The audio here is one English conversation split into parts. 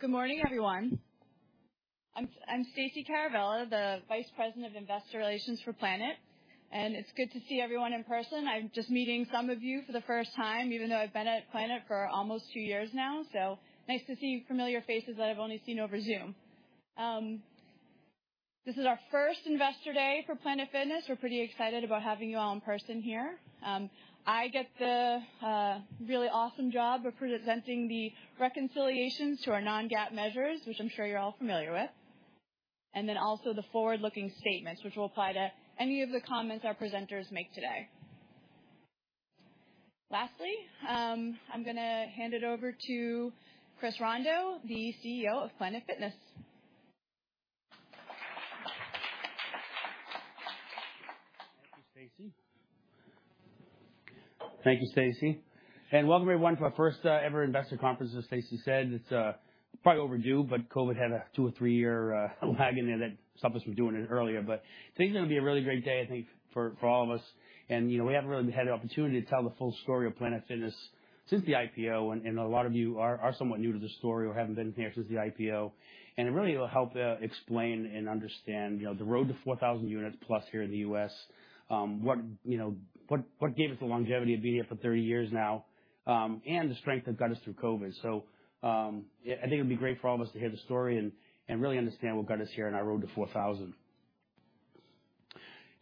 Good morning, everyone. I'm Stacey Caravella, the Vice President of Investor Relations for Planet, and it's good to see everyone in person. I'm just meeting some of you for the first time, even though I've been at Planet for almost two years now. Nice to see familiar faces that I've only seen over Zoom. This is our first investor day for Planet Fitness. We're pretty excited about having you all in person here. I get the really awesome job of presenting the reconciliations to our non-GAAP measures, which I'm sure you're all familiar with, and then also the forward-looking statements which will apply to any of the comments our presenters make today. Lastly, I'm gonna hand it over to Chris Rondeau, the CEO of Planet Fitness. Thank you, Stacey, and welcome everyone to our first ever investor conference. As Stacey said, it's probably overdue, but COVID had a 2- or 3-year lag in there that stopped us from doing it earlier. Today's gonna be a really great day, I think, for all of us. You know, we haven't really had the opportunity to tell the full story of Planet Fitness since the IPO, and a lot of you are somewhat new to the story or haven't been here since the IPO. It really will help explain and understand, you know, the road to 4,000+ units here in the U.S., what gave us the longevity of being here for 30 years now, and the strength that got us through COVID. I think it'll be great for all of us to hear the story and really understand what got us here on our road to 4,000.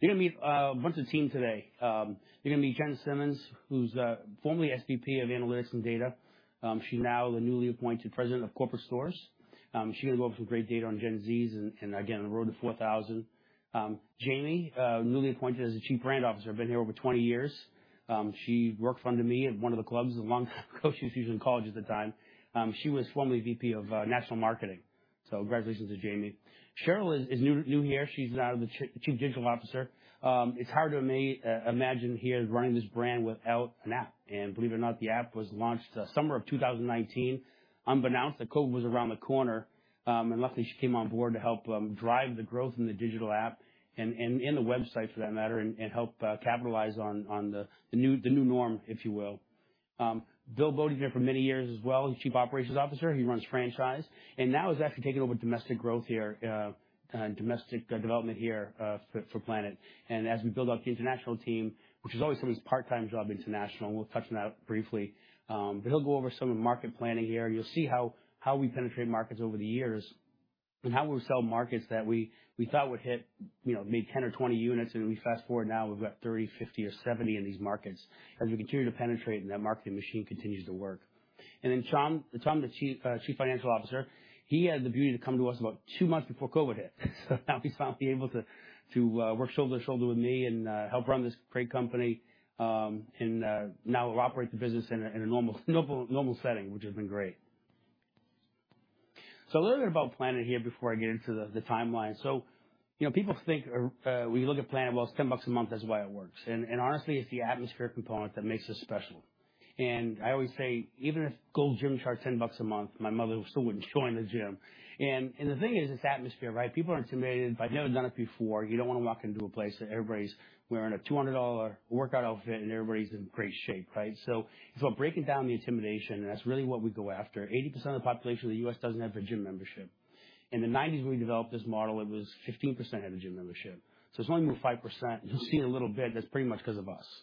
You're gonna meet much of the team today. You're gonna meet Jen Simmons, who's formerly SVP of Analytics and Data. She's now the newly appointed President of Corporate Stores. She's gonna go over some great data on Gen Z and again, the road to 4,000. Jamie Medeiros, newly appointed as the Chief Brand Officer, been here over 20 years. She worked under me at one of the clubs a long time ago. She was in college at the time. She was formerly VP of National Marketing. Congratulations to Jamie Medeiros. Sheryl Kaplan is new here. She's the Chief Digital Officer. It's hard to imagine running this brand without an app. Believe it or not, the app was launched the summer of 2019, unbeknownst that COVID was around the corner. Luckily, she came on board to help drive the growth in the digital app and the website for that matter, and help capitalize on the new norm, if you will. Bill Bode's been here for many years as well as Chief Operations Officer. He runs franchise and now has actually taken over domestic growth here, domestic development here, for Planet. As we build out the international team, which is always someone's part-time job international, we'll touch on that briefly. He'll go over some of the market planning here and you'll see how we penetrate markets over the years and how we select markets that we thought would hit, you know, maybe 10 or 20 units, and we fast-forward now we've got 30, 50, or 70 in these markets as we continue to penetrate and that marketing machine continues to work. Tom Fitzgerald. Tom Fitzgerald, the Chief Financial Officer, he had the beauty to come to us about 2 months before COVID hit. Now he's finally able to work shoulder to shoulder with me and help run this great company and now operate the business in a normal setting, which has been great. A little bit about Planet here before I get into the timeline. You know, people think when you look at Planet, well, it's $10 a month, that's why it works. Honestly, it's the atmosphere component that makes us special. I always say, even if Gold's Gym charged $10 a month, my mother still wouldn't join the gym. The thing is, it's atmosphere, right? People are intimidated by. I've never done it before. You don't wanna walk into a place that everybody's wearing a $200 workout outfit and everybody's in great shape, right? It's about breaking down the intimidation, and that's really what we go after. 80% of the population in the U.S. doesn't have a gym membership. In the 1990s when we developed this model, it was 15% had a gym membership, so it's only moved 5%. You'll see in a little bit that's pretty much 'cause of us.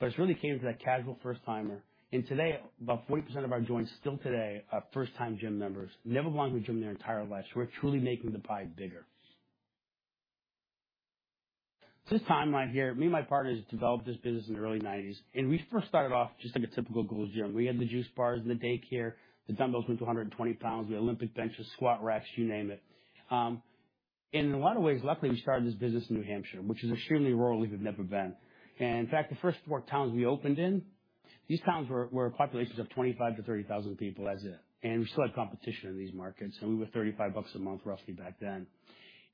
It's really catered to that casual first-timer, and today, about 40% of our joints still today are first-time gym members, never belong to a gym their entire life. We're truly making the pie bigger. This timeline here, me and my partners developed this business in the early 1990s, and we first started off just like a typical Gold's Gym. We had the juice bars and the daycare, the dumbbells went to 120 pounds, the Olympic benches, squat racks, you name it. In a lot of ways, luckily, we started this business in New Hampshire, which is extremely rural. We've never been. In fact, the first four towns we opened in, these towns were populations of 25-30,000 people, that's it. We still had competition in these markets, and we were $35 a month, roughly back then.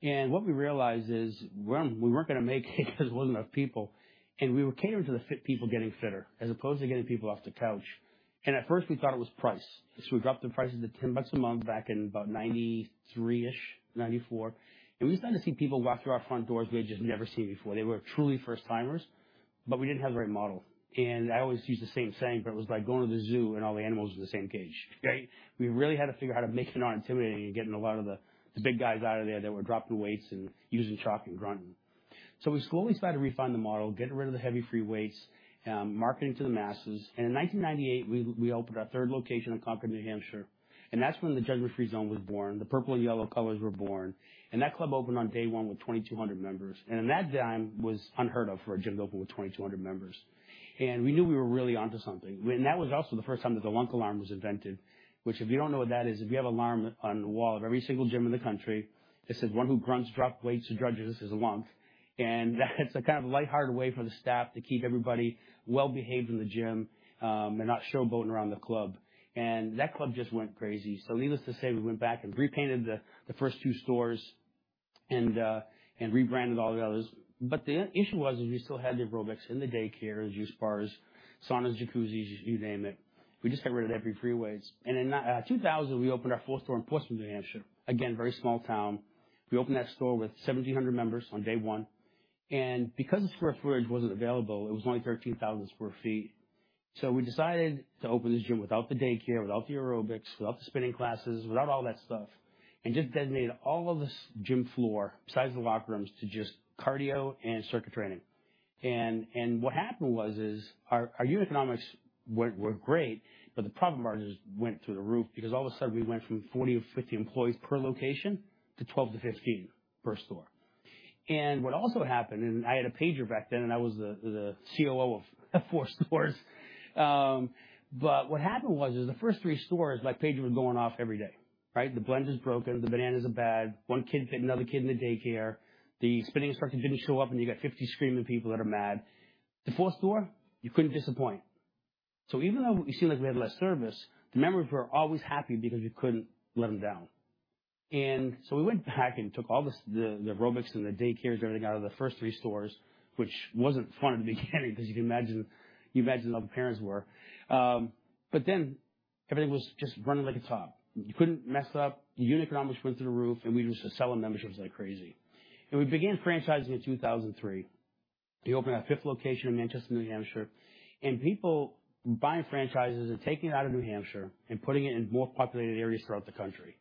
What we realized is we weren't gonna make it 'cause there wasn't enough people, and we were catering to the fit people getting fitter as opposed to getting people off the couch. At first, we thought it was price. We dropped the prices to $10 a month back in about 1993-ish, 1994. We started to see people walk through our front doors we had just never seen before. They were truly first-timers, but we didn't have the right model. I always use the same saying, but it was like going to the zoo and all the animals were in the same cage, right? We really had to figure out how to make it not intimidating and getting a lot of the big guys out of there that were dropping weights and using chalk and grunting. We slowly started to refine the model, getting rid of the heavy free weights, marketing to the masses. In 1998, we opened our third location in Concord, New Hampshire, and that's when the Judgement Free Zone was born, the purple and yellow colors were born, and that club opened on day one with 2,200 members. In that time was unheard of for a gym to open with 2,200 members. We knew we were really onto something. That was also the first time that the lunk alarm was invented, which if you don't know what that is, it's an alarm on the wall of every single gym in the country, it says, "One who grunts, drops weights, and judges us is a lunk." That's a kind of light-hearted way for the staff to keep everybody well-behaved in the gym, and not showboating around the club. That club just went crazy. Needless to say, we went back and repainted the first 2 stores and rebranded all the others. The issue was we still had the aerobics and the daycare, the juice bars, saunas, jacuzzis, you name it. We just got rid of heavy free weights. In 2000, we opened our fourth store in Portsmouth, New Hampshire. Again, very small town. We opened that store with 1,700 members on day one. Because the square footage wasn't available, it was only 13,000 sq ft. We decided to open this gym without the daycare, without the aerobics, without the spinning classes, without all that stuff, and just dedicate all of this gym floor besides the locker rooms to just cardio and circuit training. What happened was our unit economics were great, but the profit margins went through the roof because all of a sudden we went from 40-50 employees per location to 12-15 per store. What also happened, I had a pager back then, and I was the COO of four stores. What happened was the first three stores, my pager was going off every day, right? The blender's broken, the bananas are bad. One kid bit another kid in the daycare. The spinning instructor didn't show up, and you got 50 screaming people that are mad. The fourth store, you couldn't disappoint. Even though it seemed like we had less service, the members were always happy because we couldn't let them down. We went back and took all the aerobics and the daycares and everything out of the first three stores, which wasn't fun in the beginning, because you can imagine how the parents were. But then everything was just running like a top. You couldn't mess up. Unit economics went through the roof, and we were just selling memberships like crazy. We began franchising in 2003. We opened our fifth location in Manchester, New Hampshire. People buying franchises and taking it out of New Hampshire and putting it in more populated areas throughout the country.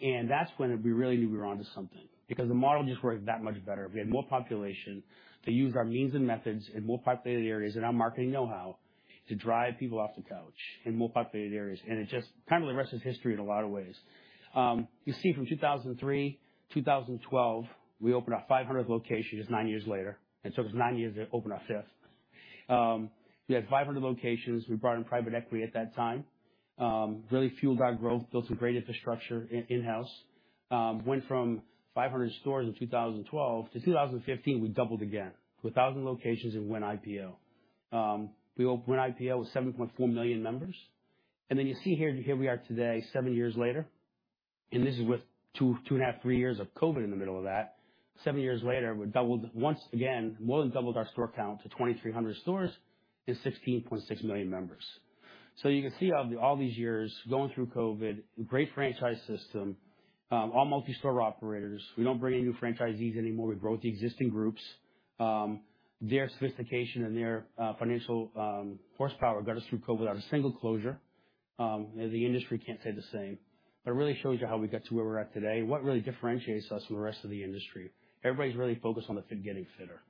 That's when we really knew we were onto something because the model just worked that much better. We had more population to use our means and methods in more populated areas and our marketing know-how to drive people off the couch in more populated areas. It just kind of the rest is history in a lot of ways. You see from 2003, 2012, we opened up 500 locations nine years later. It took us nine years to open our fifth. We had 500 locations. We brought in private equity at that time. Really fueled our growth, built some great infrastructure in house. Went from 500 stores in 2012. to 2015, we doubled again to 1,000 locations and went IPO. We went IPO with 7.4 million members. You see here we are today, 7 years later, and this is with 2.5, 3 years of COVID in the middle of that. 7 years later, we doubled once again, more than doubled our store count to 2,300 stores and 16.6 million members. You can see how through all these years going through COVID, great franchise system, all multi-store operators. We don't bring in new franchisees anymore. We grow with the existing groups. Their sophistication and their financial horsepower got us through COVID without a single closure. The industry can't say the same. It really shows you how we got to where we're at today and what really differentiates us from the rest of the industry. Everybody's really focused on the fit getting fitter.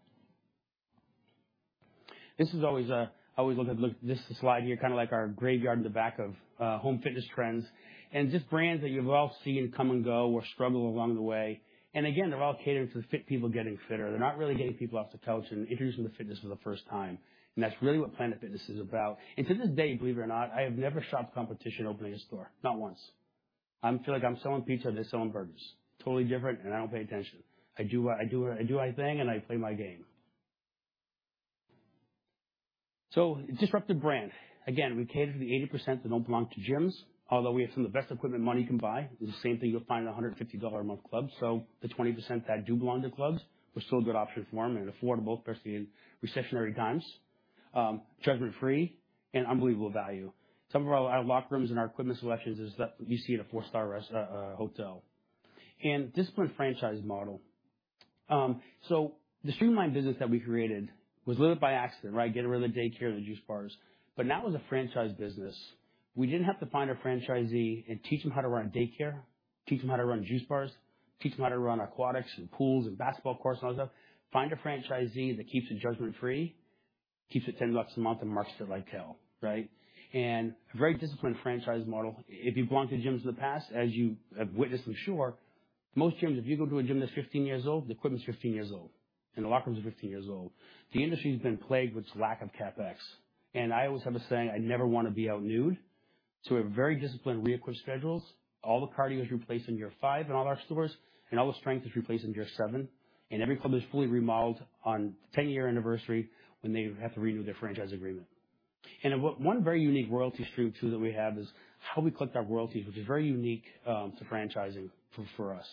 This is always how we look at this slide here, kind of like our graveyard in the back of home fitness trends and just brands that you've all seen come and go or struggle along the way. They're all catering to the fit people getting fitter. They're not really getting people off the couch and introducing them to fitness for the first time. That's really what Planet Fitness is about. To this day, believe it or not, I have never shopped competition opening a store. Not once. I feel like I'm selling pizza, they're selling burgers. Totally different, and I don't pay attention. I do what I do. I do my thing and I play my game. Disruptive brand. Again, we cater to the 80% that don't belong to gyms. Although we have some of the best equipment money can buy, it's the same thing you'll find in a $150-a-month club. The 20% that do belong to clubs, we're still a good option for them and affordable, especially in recessionary times. Judgment Free and unbelievable value. Some of our locker rooms and our equipment selections is stuff you see at a four-star hotel. Disciplined franchise model. The streamlined business that we created was literally by accident, right? Getting rid of the daycare and the juice bars. Now as a franchise business, we didn't have to find a franchisee and teach them how to run a daycare, teach them how to run juice bars, teach them how to run aquatics and pools and basketball courts and all that stuff. Find a franchisee that keeps it judgment free, keeps it $10 a month, and markets it like hell, right? A very disciplined franchise model. If you've belonged to gyms in the past, as you have witnessed, I'm sure, most gyms, if you go to a gym that's 15 years old, the equipment's 15 years old, and the locker rooms are 15 years old. The industry's been plagued with lack of CapEx. I always have a saying, "I never wanna be out-newed." We have very disciplined re-equip schedules. All the cardio is replaced in year 5 in all our stores, and all the strength is replaced in year 7, and every club is fully remodeled on the 10-year anniversary when they have to renew their franchise agreement. One very unique royalty stream too that we have is how we collect our royalties, which is very unique to franchising for us.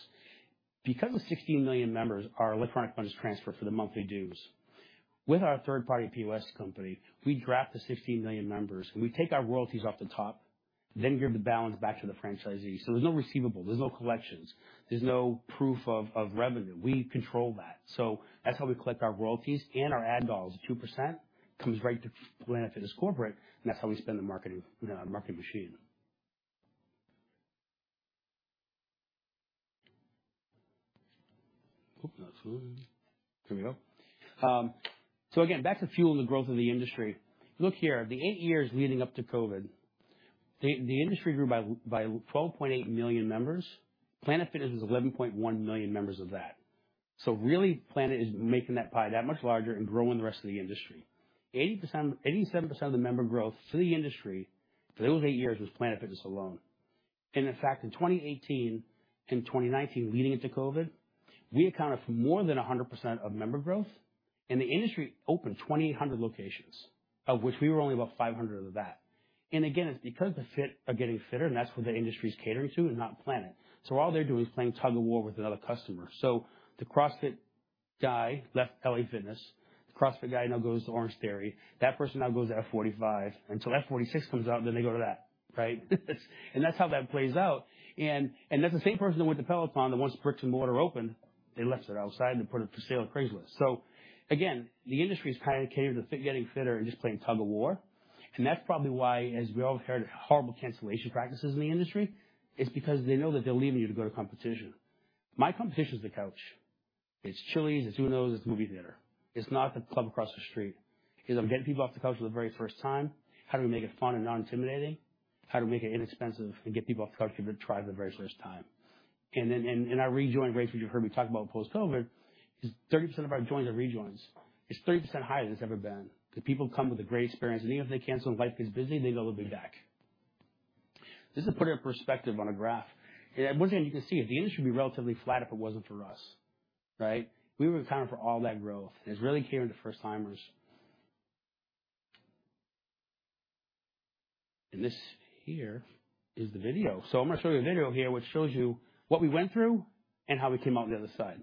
Because of the 16 million members, our electronic funds transfer for the monthly dues. With our third-party POS company, we draft the 16 million members, and we take our royalties off the top, then give the balance back to the franchisee. There's no receivables, there's no collections, there's no proof of revenue. We control that. That's how we collect our royalties and our ad dollars. 2% comes right to Planet Fitness corporate, and that's how we spend the marketing marketing machine. Hope that's it. Here we go. Back to fueling the growth of the industry. Look here, the eight years leading up to COVID, the industry grew by 12.8 million members. Planet Fitness was 11.1 million members of that. Really, Planet is making that pie that much larger and growing the rest of the industry. 87% of the member growth for the industry for those eight years was Planet Fitness alone. In fact, in 2018 and 2019, leading into COVID, we accounted for more than 100% of member growth, and the industry opened 2,800 locations, of which we were only about 500 of that. Again, it's because the fit are getting fitter, and that's what the industry's catering to and not Planet. All they do is playing tug-of-war with another customer. The CrossFit guy left LA Fitness. The CrossFit guy now goes to Orangetheory. That person now goes to F45, until F46 comes out, then they go to that, right? That's how that plays out. And that's the same person that went to Peloton that once brick and mortar opened, they left it outside to put it for sale on Craigslist. Again, the industry's kind of catered to fit-getting fitter and just playing tug-of-war. That's probably why, as we all have heard, horrible cancellation practices in the industry. It's because they know that they're leading you to go to competition. My competition is the couch. It's Chili's, it's who knows, it's movie theater. It's not the club across the street, 'cause I'm getting people off the couch for the very first time. How do we make it fun and non-intimidating? How do we make it inexpensive and get people off the couch to give it a try for the very first time? In our rejoin rates, which you heard me talk about post-COVID, 30% of our joins are rejoins. It's 30% higher than it's ever been, 'cause people come with a great experience, and even if they cancel, life gets busy, and they know they'll be back. This is to put it in perspective on a graph. Once again, you can see the industry would be relatively flat if it wasn't for us, right? We were accounting for all that growth, and it's really here in the first-timers. This here is the video. I'm gonna show you a video here which shows you what we went through and how we came out the other side.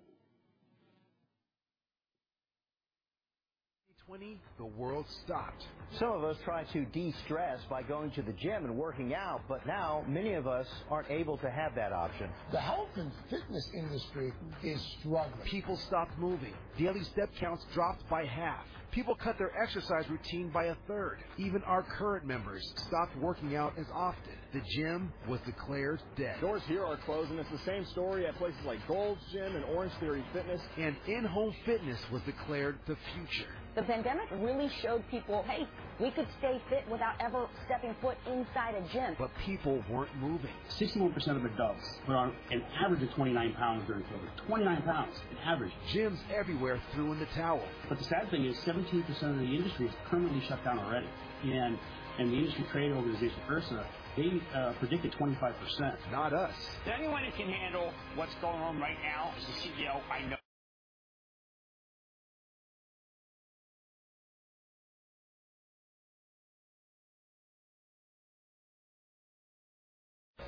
2020, the world stopped. Some of us try to de-stress by going to the gym and working out, but now many of us aren't able to have that option. The health and fitness industry is struggling. People stopped moving. Daily step counts dropped by half. People cut their exercise routine by a third. Even our current members stopped working out as often. The gym was declared dead. Doors here are closing. It's the same story at places like Gold's Gym and Orangetheory Fitness. In-home fitness was declared the future. The pandemic really showed people, hey, we could stay fit without ever stepping foot inside a gym. People weren't moving. 61% of adults put on an average of 29 pounds during COVID. 29 pounds on average. Gyms everywhere threw in the towel. The sad thing is 17% of the industry is permanently shut down already. The industry trade organization, IHRSA, they predicted 25%. Not us. The only one who can handle what's going on right now is the CEO I know.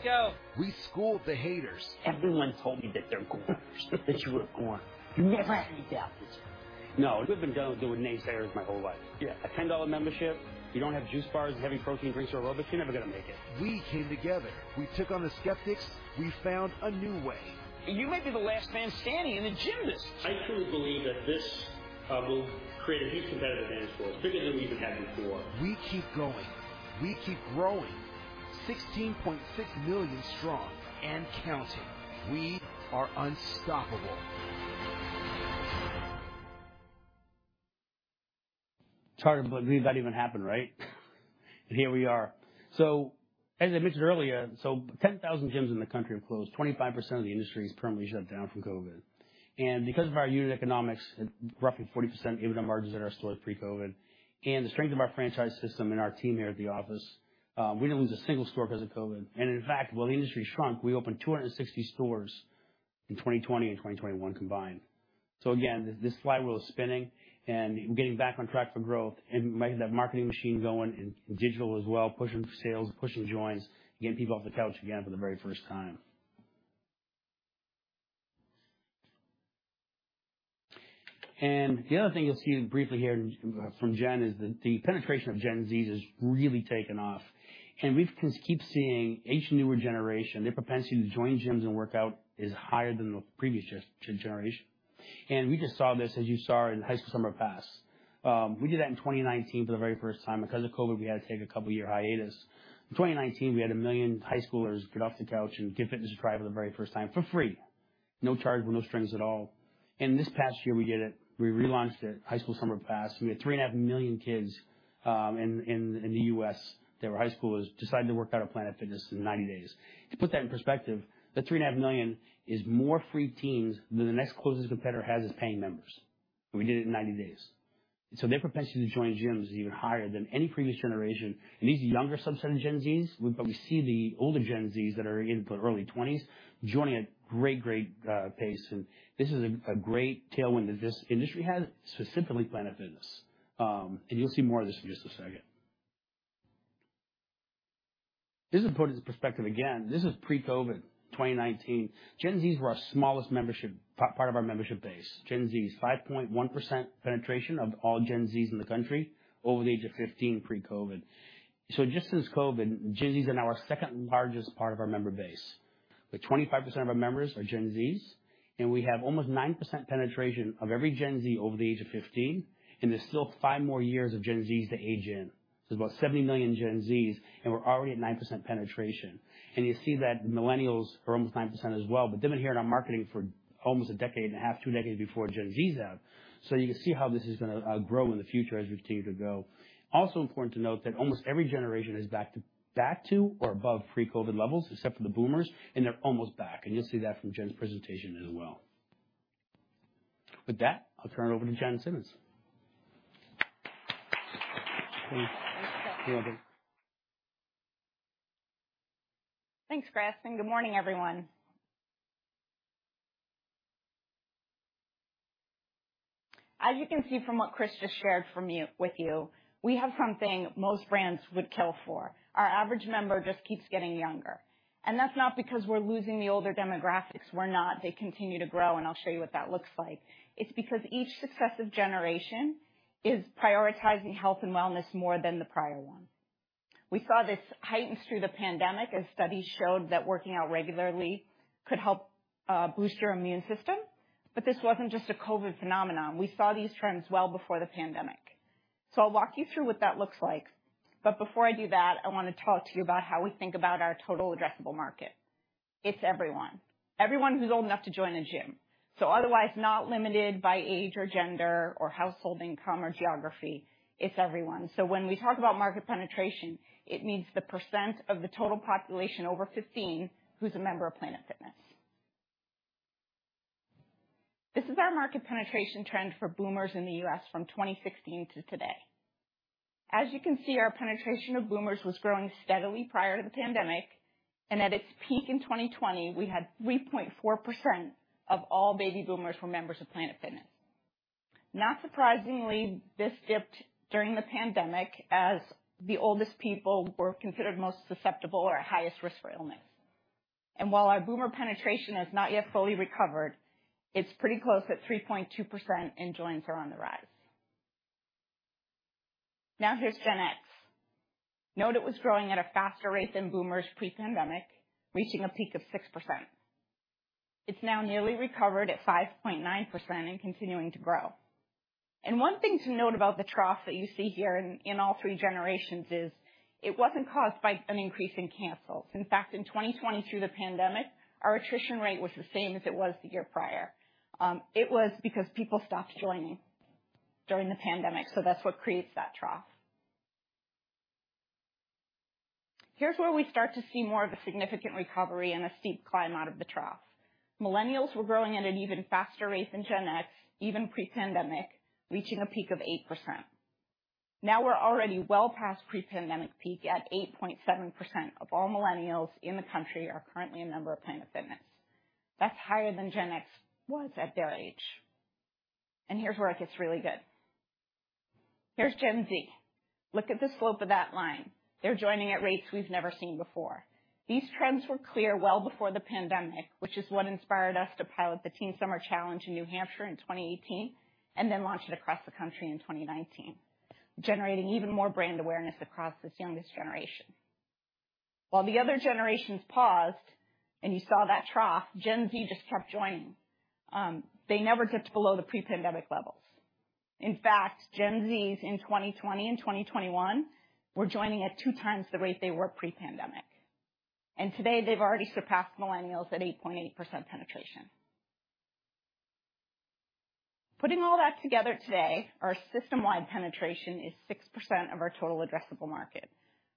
Let's go. We schooled the haters. Everyone told me that they're goners, that you were gone. You'll never see that. No, we've been dealing with naysayers my whole life. Yeah, a $10 membership. You don't have juice bars and heavy protein drinks or aerobics, you're never gonna make it. We came together. We took on the skeptics. We found a new way. You might be the last man standing in the gym. I truly believe that this will create a huge competitive advantage for us, bigger than we even had before. We keep going. We keep growing. 16.6 million strong and counting. We are unstoppable. It's hard to believe that even happened, right? Here we are. As I mentioned earlier, ten thousand gyms in the country have closed. 25% of the industry is permanently shut down from COVID. Because of our unit economics and roughly 40% EBITDA margins that are still at pre-COVID, and the strength of our franchise system and our team here at the office, we didn't lose a single store because of COVID. In fact, while the industry shrunk, we opened 260 stores in 2020 and 2021 combined. Again, this flywheel is spinning, and we're getting back on track for growth, and we made that marketing machine going and digital as well, pushing sales, pushing joins, getting people off the couch again for the very first time. The other thing you'll see briefly here from Jen is that the penetration of Gen Z has really taken off. We've keep seeing each newer generation, their propensity to join gyms and work out is higher than the previous generation. We just saw this, as you saw in High School Summer Pass. We did that in 2019 for the very first time. Because of COVID, we had to take a couple-year hiatus. In 2019, we had 1 million high schoolers get off the couch and give fitness a try for the very first time for free. No charge, with no strings at all. This past year, we did it. We relaunched it, High School Summer Pass. We had 3.5 million kids in the US that were high schoolers, decided to work out at Planet Fitness in 90 days. To put that in perspective, the 3.5 million is more free teens than the next closest competitor has as paying members. We did it in 90 days. Their propensity to join gyms is even higher than any previous generation. These younger subset of Gen Z, but we see the older Gen Z that are in the early twenties joining at great pace. This is a great tailwind that this industry has, specifically Planet Fitness. You'll see more of this in just a second. This is to put it into perspective again. This is pre-COVID, 2019. Gen Z were our smallest membership part of our membership base. Gen Z, 5.1% penetration of all Gen Z in the country over the age of 15, pre-COVID. Just since COVID, Gen Zs are now our second-largest part of our member base, with 25% of our members are Gen Zs, and we have almost nine percent penetration of every Gen Z over the age of 15, and there's still five more years of Gen Zs to age in. There's about 70 million Gen Zs, and we're already at nine percent penetration. You'll see that millennials are almost nine percent as well. They've been hearing our marketing for almost a decade and a half, two decades before Gen Zs have. You can see how this is gonna grow in the future as we continue to go. Also important to note that almost every generation is back to or above pre-COVID levels, except for the boomers, and they're almost back. You'll see that from Jen's presentation as well. With that, I'll turn it over to Jennifer Simmons. Thanks. Thanks, Chris. You're welcome. Thanks for asking. Good morning, everyone. As you can see from what Chris just shared with you, we have something most brands would kill for. Our average member just keeps getting younger. That's not because we're losing the older demographics. We're not. They continue to grow, and I'll show you what that looks like. It's because each successive generation is prioritizing health and wellness more than the prior one. We saw this heightened through the pandemic as studies showed that working out regularly could help boost your immune system. This wasn't just a COVID phenomenon. We saw these trends well before the pandemic. I'll walk you through what that looks like. Before I do that, I wanna talk to you about how we think about our total addressable market. It's everyone. Everyone who's old enough to join a gym. Otherwise not limited by age or gender or household income or geography. It's everyone. When we talk about market penetration, it means the percent of the total population over 15 who's a member of Planet Fitness. This is our market penetration trend for Boomers in the U.S. from 2016 to today. As you can see, our penetration of Boomers was growing steadily prior to the pandemic, and at its peak in 2020, we had 3.4% of all Baby Boomers were members of Planet Fitness. Not surprisingly, this dipped during the pandemic as the oldest people were considered most susceptible or at highest risk for illness. While our Boomer penetration has not yet fully recovered, it's pretty close at 3.2%, and joins are on the rise. Now here's Gen X. Note it was growing at a faster rate than Boomers pre-pandemic, reaching a peak of 6%. It's now nearly recovered at 5.9% and continuing to grow. One thing to note about the trough that you see here in all three generations is it wasn't caused by an increase in cancels. In fact, in 2020 through the pandemic, our attrition rate was the same as it was the year prior. It was because people stopped joining during the pandemic, so that's what creates that trough. Here's where we start to see more of a significant recovery and a steep climb out of the trough. Millennials were growing at an even faster rate than Gen X, even pre-pandemic, reaching a peak of 8%. Now we're already well past pre-pandemic peak, at 8.7% of all Millennials in the country are currently a member of Planet Fitness. That's higher than Gen X was at their age. Here's where it gets really good. Here's Gen Z. Look at the slope of that line. They're joining at rates we've never seen before. These trends were clear well before the pandemic, which is what inspired us to pilot the Teen Summer Challenge in New Hampshire in 2018, and then launch it across the country in 2019, generating even more brand awareness across this youngest generation. While the other generations paused and you saw that trough, Gen Z just kept joining. They never dipped below the pre-pandemic levels. In fact, Gen Z's in 2020 and 2021 were joining at 2 times the rate they were pre-pandemic. Today, they've already surpassed millennials at 8.8% penetration. Putting all that together today, our system-wide penetration is 6% of our total addressable market,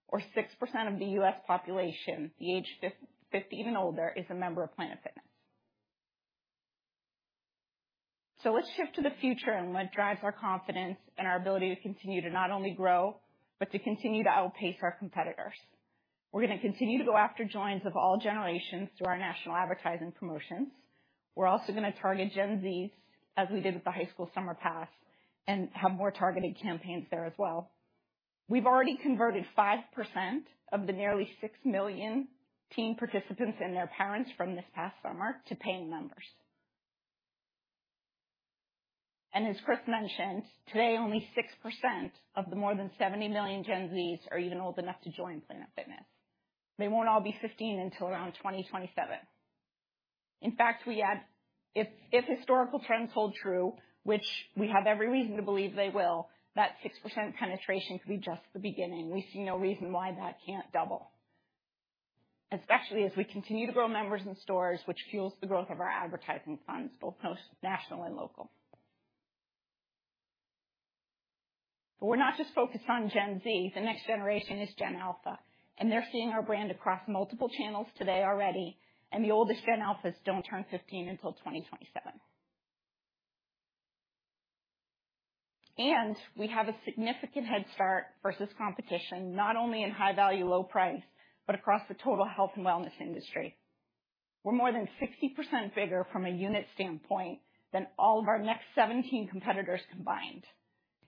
or 6% of the U.S. population, the age 15 and older, is a member of Planet Fitness. Let's shift to the future and what drives our confidence and our ability to continue to not only grow, but to continue to outpace our competitors. We're gonna continue to go after joins of all generations through our national advertising promotions. We're also gonna target Gen Zs as we did with the High School Summer Pass, and have more targeted campaigns there as well. We've already converted 5% of the nearly 6 million teen participants and their parents from this past summer to paying members. As Chris mentioned, today, only 6% of the more than 70 million Gen Zs are even old enough to join Planet Fitness. They won't all be 15 until around 2027. In fact, if historical trends hold true, which we have every reason to believe they will, that 6% penetration could be just the beginning. We see no reason why that can't double, especially as we continue to grow members in stores, which fuels the growth of our advertising funds, both national and local. We're not just focused on Gen Z. The next generation is Gen Alpha, and they're seeing our brand across multiple channels today already, and the oldest Gen Alphas don't turn 15 until 2027. We have a significant head start versus competition, not only in high value, low price, but across the total health and wellness industry. We're more than 60% bigger from a unit standpoint than all of our next 17 competitors combined.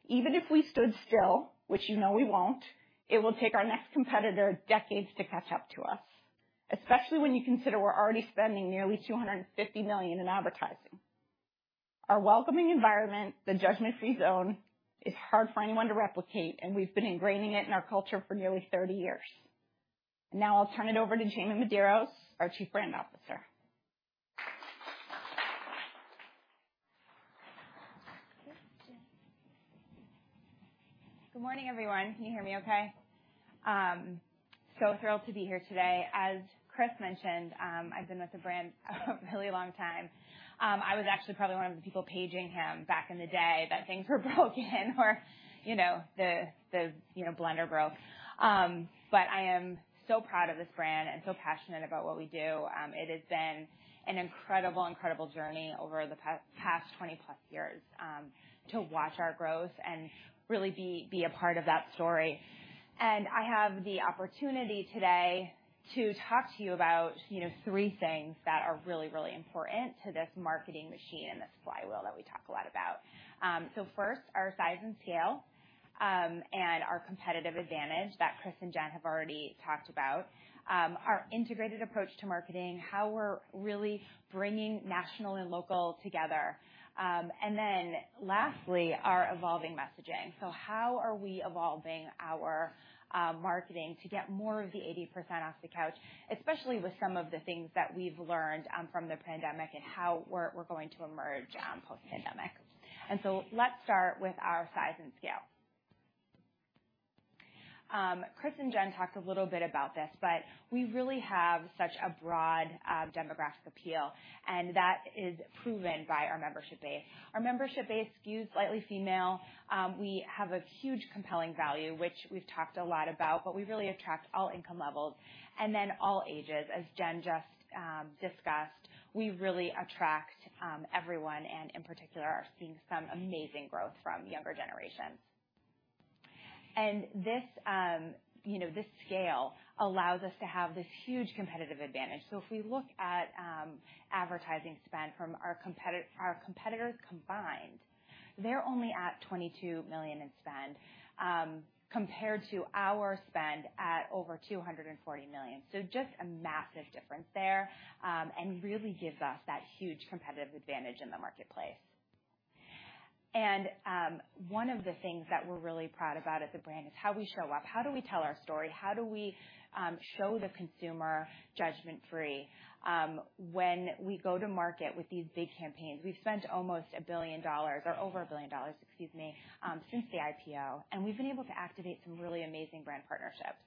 Even if we stood still, which you know we won't, it will take our next competitor decades to catch up to us, especially when you consider we're already spending nearly $250 million in advertising. Our welcoming environment, the Judgement Free Zone, is hard for anyone to replicate, and we've been ingraining it in our culture for nearly 30 years. Now, I'll turn it over to Jamie Medeiros, our Chief Brand Officer. Good morning, everyone. Can you hear me okay? So thrilled to be here today. As Chris mentioned, I've been with the brand a really long time. I was actually probably one of the people paging him back in the day that things were broken or, you know, the blender broke. But I am so proud of this brand and so passionate about what we do. It has been an incredible journey over the past 20-plus years to watch our growth and really be a part of that story. I have the opportunity today to talk to you about, you know, three things that are really important to this marketing machine and this flywheel that we talk a lot about. First, our size and scale, and our competitive advantage that Chris and Jen have already talked about. Our integrated approach to marketing, how we're really bringing national and local together. Then lastly, our evolving messaging. How are we evolving our marketing to get more of the 80% off the couch, especially with some of the things that we've learned from the pandemic and how we're going to emerge post-pandemic. Let's start with our size and scale. Chris and Jen talked a little bit about this, but we really have such a broad demographic appeal, and that is proven by our membership base. Our membership base skews slightly female. We have a huge compelling value, which we've talked a lot about, but we really attract all income levels and then all ages. As Jen just discussed, we really attract everyone and in particular are seeing some amazing growth from younger generations. This you know this scale allows us to have this huge competitive advantage. If we look at advertising spend from our competitors combined, they're only at $22 million in spend compared to our spend at over $240 million. Just a massive difference there and really gives us that huge competitive advantage in the marketplace. One of the things that we're really proud about as a brand is how we show up, how do we tell our story, how do we show the consumer judgment-free. When we go to market with these big campaigns, we've spent almost $1 billion or over $1 billion, excuse me, since the IPO, and we've been able to activate some really amazing brand partnerships.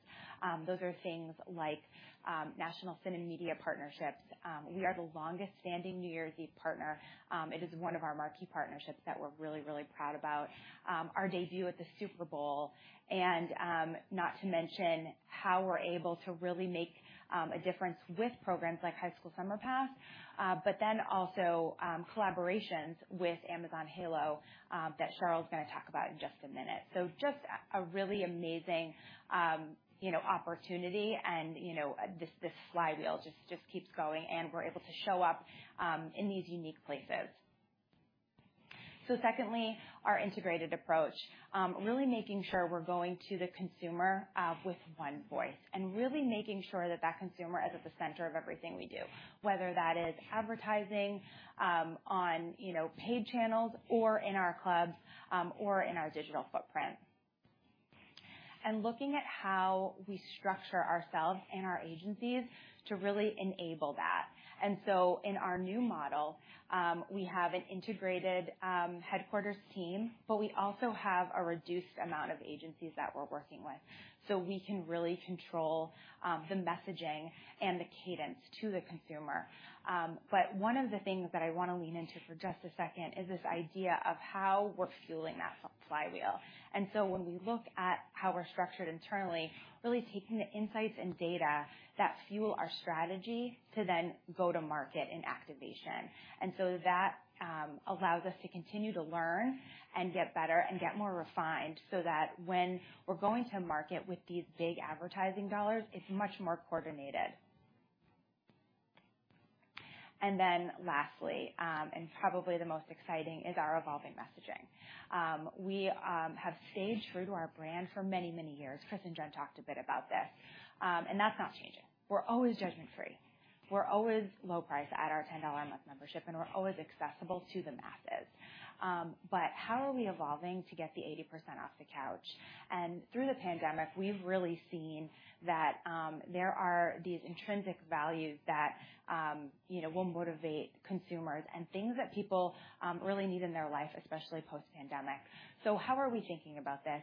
Those are things like National CineMedia partnerships. We are the longest-standing New Year's Eve partner. It is one of our marquee partnerships that we're really proud about. Our debut at the Super Bowl and not to mention how we're able to really make a difference with programs like High School Summer Pass. Collaborations with Amazon Halo that Cheryl's gonna talk about in just a minute. Just a really amazing opportunity and you know, this flywheel just keeps going and we're able to show up in these unique places. Secondly, our integrated approach. Really making sure we're going to the consumer with one voice and really making sure that that consumer is at the center of everything we do, whether that is advertising on, you know, paid channels or in our clubs or in our digital footprint. Looking at how we structure ourselves and our agencies to really enable that. In our new model, we have an integrated headquarters team, but we also have a reduced amount of agencies that we're working with, so we can really control the messaging and the cadence to the consumer. But one of the things that I wanna lean into for just a second is this idea of how we're fueling that flywheel. When we look at how we're structured internally, really taking the insights and data that fuel our strategy to then go to market in activation. That allows us to continue to learn and get better and get more refined so that when we're going to market with these big advertising dollars, it's much more coordinated. Lastly, and probably the most exciting is our evolving messaging. We have stayed true to our brand for many, many years. Chris and Jen talked a bit about this. And that's not changing. We're always judgment-free. We're always low price at our $10-a-month membership, and we're always accessible to the masses. But how are we evolving to get the 80% off the couch? Through the pandemic, we've really seen that there are these intrinsic values that you know will motivate consumers and things that people really need in their life, especially post-pandemic. How are we thinking about this?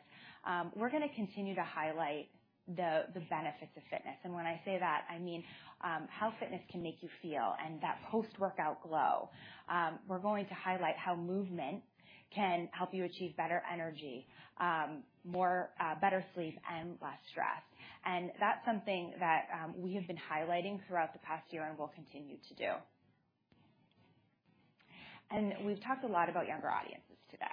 We're gonna continue to highlight the benefits of fitness. When I say that, I mean how fitness can make you feel and that post-workout glow. We're going to highlight how movement can help you achieve better energy, more better sleep, and less stress. That's something that we have been highlighting throughout the past year and will continue to do. We've talked a lot about younger audiences today.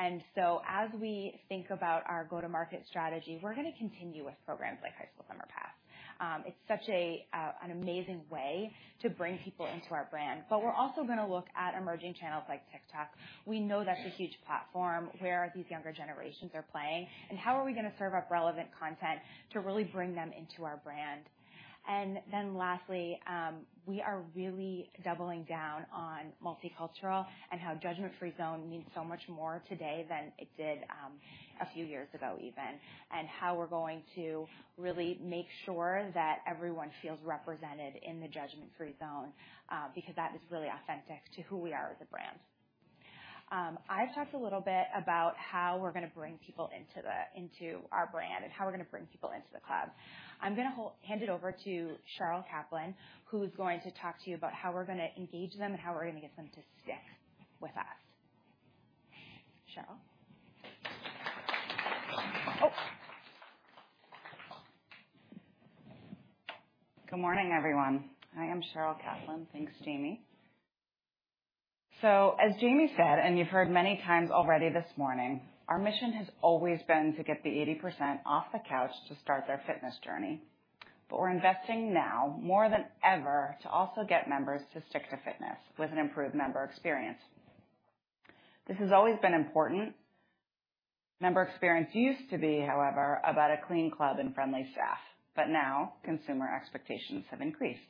As we think about our go-to-market strategy, we're gonna continue with programs like High School Summer Pass. It's such a, an amazing way to bring people into our brand, but we're also gonna look at emerging channels like TikTok. We know that's a huge platform where these younger generations are playing, and how are we gonna serve up relevant content to really bring them into our brand? Lastly, we are really doubling down on multicultural and how Judgement Free Zone means so much more today than it did, a few years ago even, and how we're going to really make sure that everyone feels represented in the Judgement Free Zone, because that is really authentic to who we are as a brand. I've talked a little bit about how we're gonna bring people into our brand and how we're gonna bring people into the club. I'm gonna hand it over to Sherrill Kaplan, who's going to talk to you about how we're gonna engage them and how we're gonna get them to stick with us. Sherrill? Good morning, everyone. I am Sherrill Kaplan. Thanks, Jamie. As Jamie said, and you've heard many times already this morning, our mission has always been to get the 80% off the couch to start their fitness journey. We're investing now more than ever to also get members to stick to fitness with an improved member experience. This has always been important. Member experience used to be, however, about a clean club and friendly staff, but now consumer expectations have increased.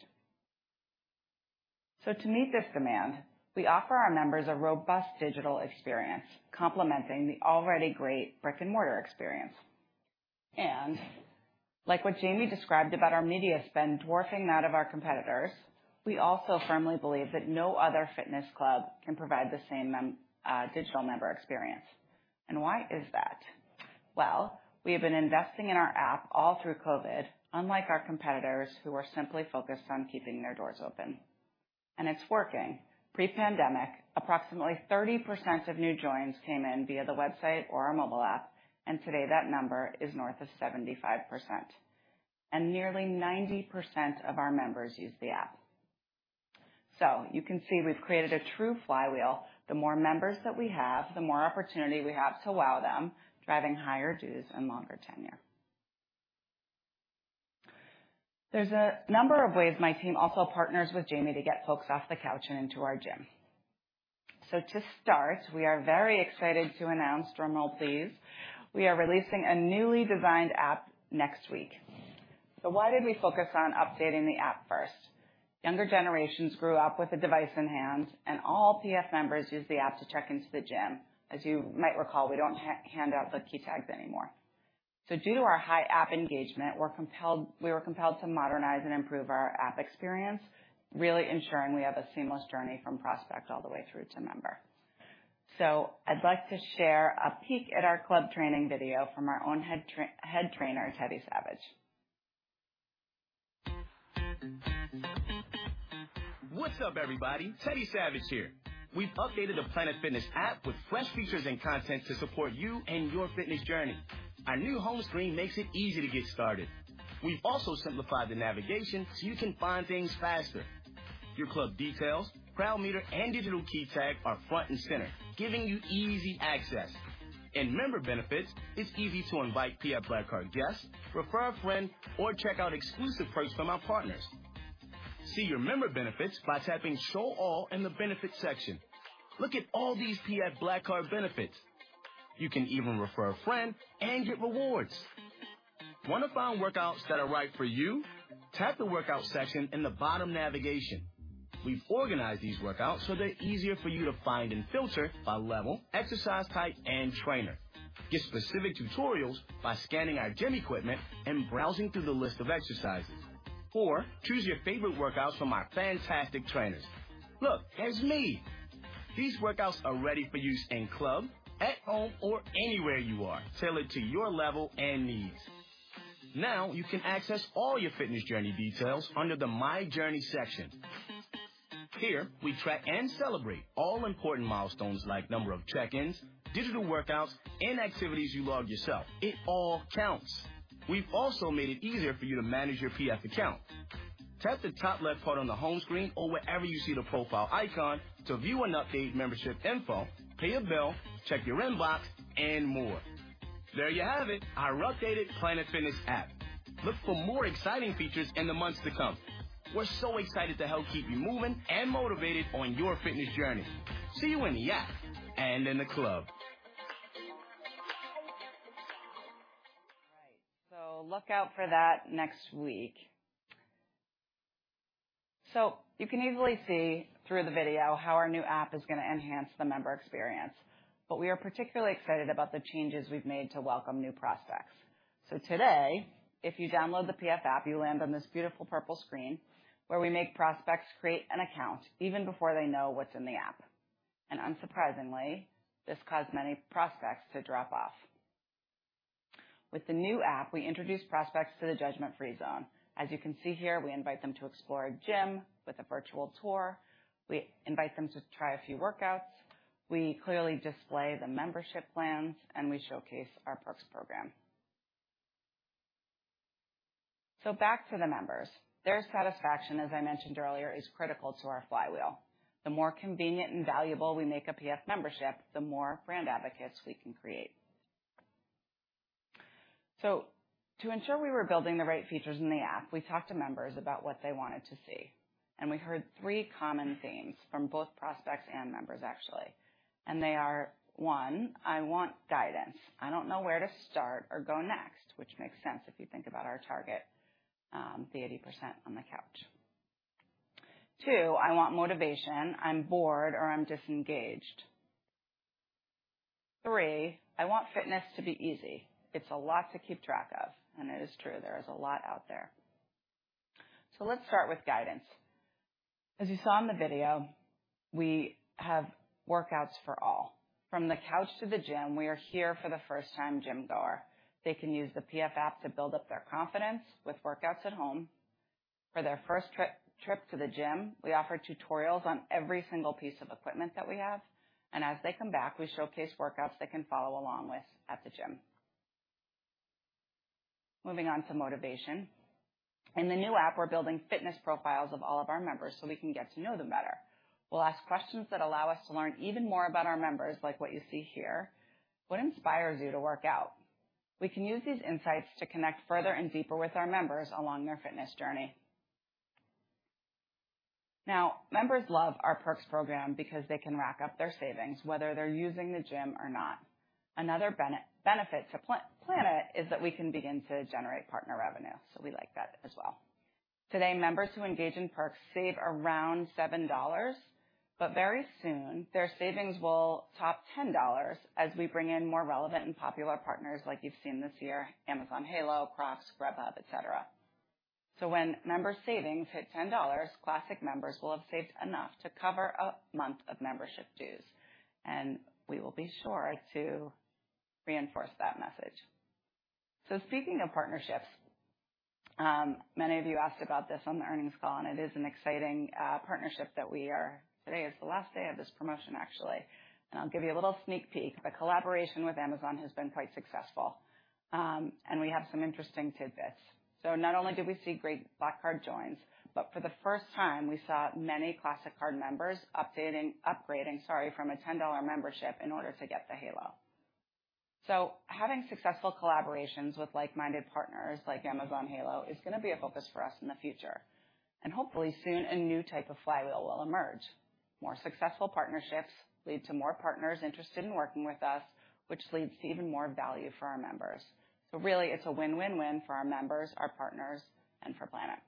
To meet this demand, we offer our members a robust digital experience complementing the already great brick-and-mortar experience. Like what Jamie described about our media spend dwarfing that of our competitors, we also firmly believe that no other fitness club can provide the same digital member experience. Why is that? Well, we have been investing in our app all through COVID, unlike our competitors who are simply focused on keeping their doors open. It's working. Pre-pandemic, approximately 30% of new joins came in via the website or our mobile app, and today that number is north of 75%. Nearly 90% of our members use the app. You can see we've created a true flywheel. The more members that we have, the more opportunity we have to wow them, driving higher dues and longer tenure. There's a number of ways my team also partners with Jamie to get folks off the couch and into our gym. To start, we are very excited to announce, drumroll please, we are releasing a newly designed app next week. Why did we focus on updating the app first? Younger generations grew up with a device in hand, and all PF members use the app to check into the gym. As you might recall, we don't hand out the key tags anymore. Due to our high app engagement, we were compelled to modernize and improve our app experience, really ensuring we have a seamless journey from prospect all the way through to member. I'd like to share a peek at our club training video from our own head trainer, Teddy Savage. What's up, everybody? Teddy Savage here. We've updated the Planet Fitness app with fresh features and content to support you and your fitness journey. Our new home screen makes it easy to get started. We've also simplified the navigation so you can find things faster. Your club details, Crowd Meter, and digital key tag are front and center, giving you easy access. In member benefits, it's easy to invite PF Black Card guests, refer a friend, or check out exclusive perks from our partners. See your member benefits by tapping Show All in the Benefits section. Look at all these PF Black Card benefits. You can even refer a friend and get rewards. Want to find workouts that are right for you? Tap the Workout section in the bottom navigation. We've organized these workouts so they're easier for you to find and filter by level, exercise type, and trainer. Get specific tutorials by scanning our gym equipment and browsing through the list of exercises. Choose your favorite workouts from our fantastic trainers. Look, there's me. These workouts are ready for use in club, at home, or anywhere you are, tailored to your level and needs. Now you can access all your fitness journey details under the My Journey section. Here we track and celebrate all important milestones like number of check-ins, digital workouts, and activities you log yourself. It all counts. We've also made it easier for you to manage your PF account. Tap the top left part on the home screen or wherever you see the profile icon to view and update membership info, pay a bill, check your inbox, and more. There you have it, our updated Planet Fitness app. Look for more exciting features in the months to come. We're so excited to help keep you moving and motivated on your fitness journey. See you in the app and in the club. All right. Look out for that next week. You can easily see through the video how our new app is gonna enhance the member experience. We are particularly excited about the changes we've made to welcome new prospects. Today, if you download the PF app, you land on this beautiful purple screen where we make prospects create an account even before they know what's in the app. Unsurprisingly, this caused many prospects to drop off. With the new app, we introduce prospects to the Judgment-Free Zone. As you can see here, we invite them to explore a gym with a virtual tour. We invite them to try a few workouts. We clearly display the membership plans, and we showcase our perks program. Back to the members. Their satisfaction, as I mentioned earlier, is critical to our flywheel. The more convenient and valuable we make a PF membership, the more brand advocates we can create. To ensure we were building the right features in the app, we talked to members about what they wanted to see. We heard three common themes from both prospects and members actually. They are, one, I want guidance. I don't know where to start or go next, which makes sense if you think about our target, the 80% on the couch. Two, I want motivation. I'm bored, or I'm disengaged. Three, I want fitness to be easy. It's a lot to keep track of, and it is true, there is a lot out there. Let's start with guidance. As you saw in the video, we have workouts for all. From the couch to the gym, we are here for the first-time gym goer. They can use the PF app to build up their confidence with workouts at home. For their first trip to the gym, we offer tutorials on every single piece of equipment that we have. As they come back, we showcase workouts they can follow along with at the gym. Moving on to motivation. In the new app, we're building fitness profiles of all of our members, so we can get to know them better. We'll ask questions that allow us to learn even more about our members, like what you see here. What inspires you to work out? We can use these insights to connect further and deeper with our members along their fitness journey. Now, members love our perks program because they can rack up their savings whether they're using the gym or not. Another benefit to Planet is that we can begin to generate partner revenue, so we like that as well. Today, members who engage in perks save around $7, but very soon their savings will top $10 as we bring in more relevant and popular partners like you've seen this year, Amazon Halo, Crocs, Grubhub, et cetera. When member savings hit $10, Classic members will have saved enough to cover a month of membership dues, and we will be sure to reinforce that message. Speaking of partnerships, many of you asked about this on the earnings call, and it is an exciting partnership. Today is the last day of this promotion, actually. I'll give you a little sneak peek. The collaboration with Amazon has been quite successful, and we have some interesting tidbits. Not only did we see great Black Card joins, but for the first time, we saw many Classic Card members updating, upgrading, sorry, from a $10 membership in order to get the Halo. Having successful collaborations with like-minded partners like Amazon Halo is gonna be a focus for us in the future. Hopefully soon, a new type of flywheel will emerge. More successful partnerships lead to more partners interested in working with us, which leads to even more value for our members. Really it's a win-win-win for our members, our partners, and for Planet.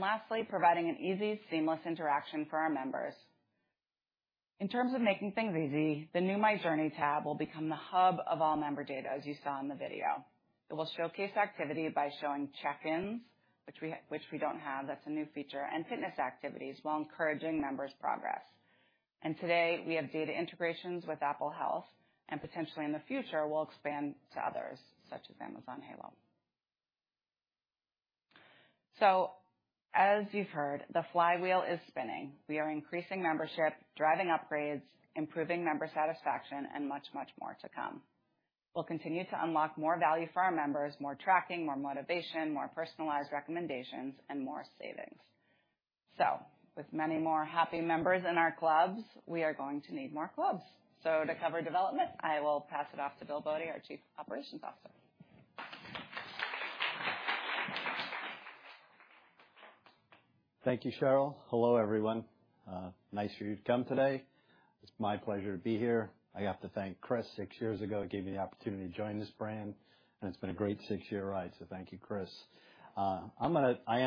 Lastly, providing an easy, seamless interaction for our members. In terms of making things easy, the new My Journey tab will become the hub of all member data, as you saw in the video. It will showcase activity by showing check-ins, which we don't have, that's a new feature, and fitness activities while encouraging members' progress. Today, we have data integrations with Apple Health, and potentially in the future, we'll expand to others, such as Amazon Halo. As you've heard, the flywheel is spinning. We are increasing membership, driving upgrades, improving member satisfaction, and much, much more to come. We'll continue to unlock more value for our members, more tracking, more motivation, more personalized recommendations, and more savings. With many more happy members in our clubs, we are going to need more clubs. To cover development, I will pass it off to Bill Bode, our Chief Operations Officer. Thank you, Cheryl. Hello, everyone. Nice of you to come today. It's my pleasure to be here. I have to thank Chris. Six years ago, he gave me the opportunity to join this brand, and it's been a great six-year ride. Thank you, Chris. I am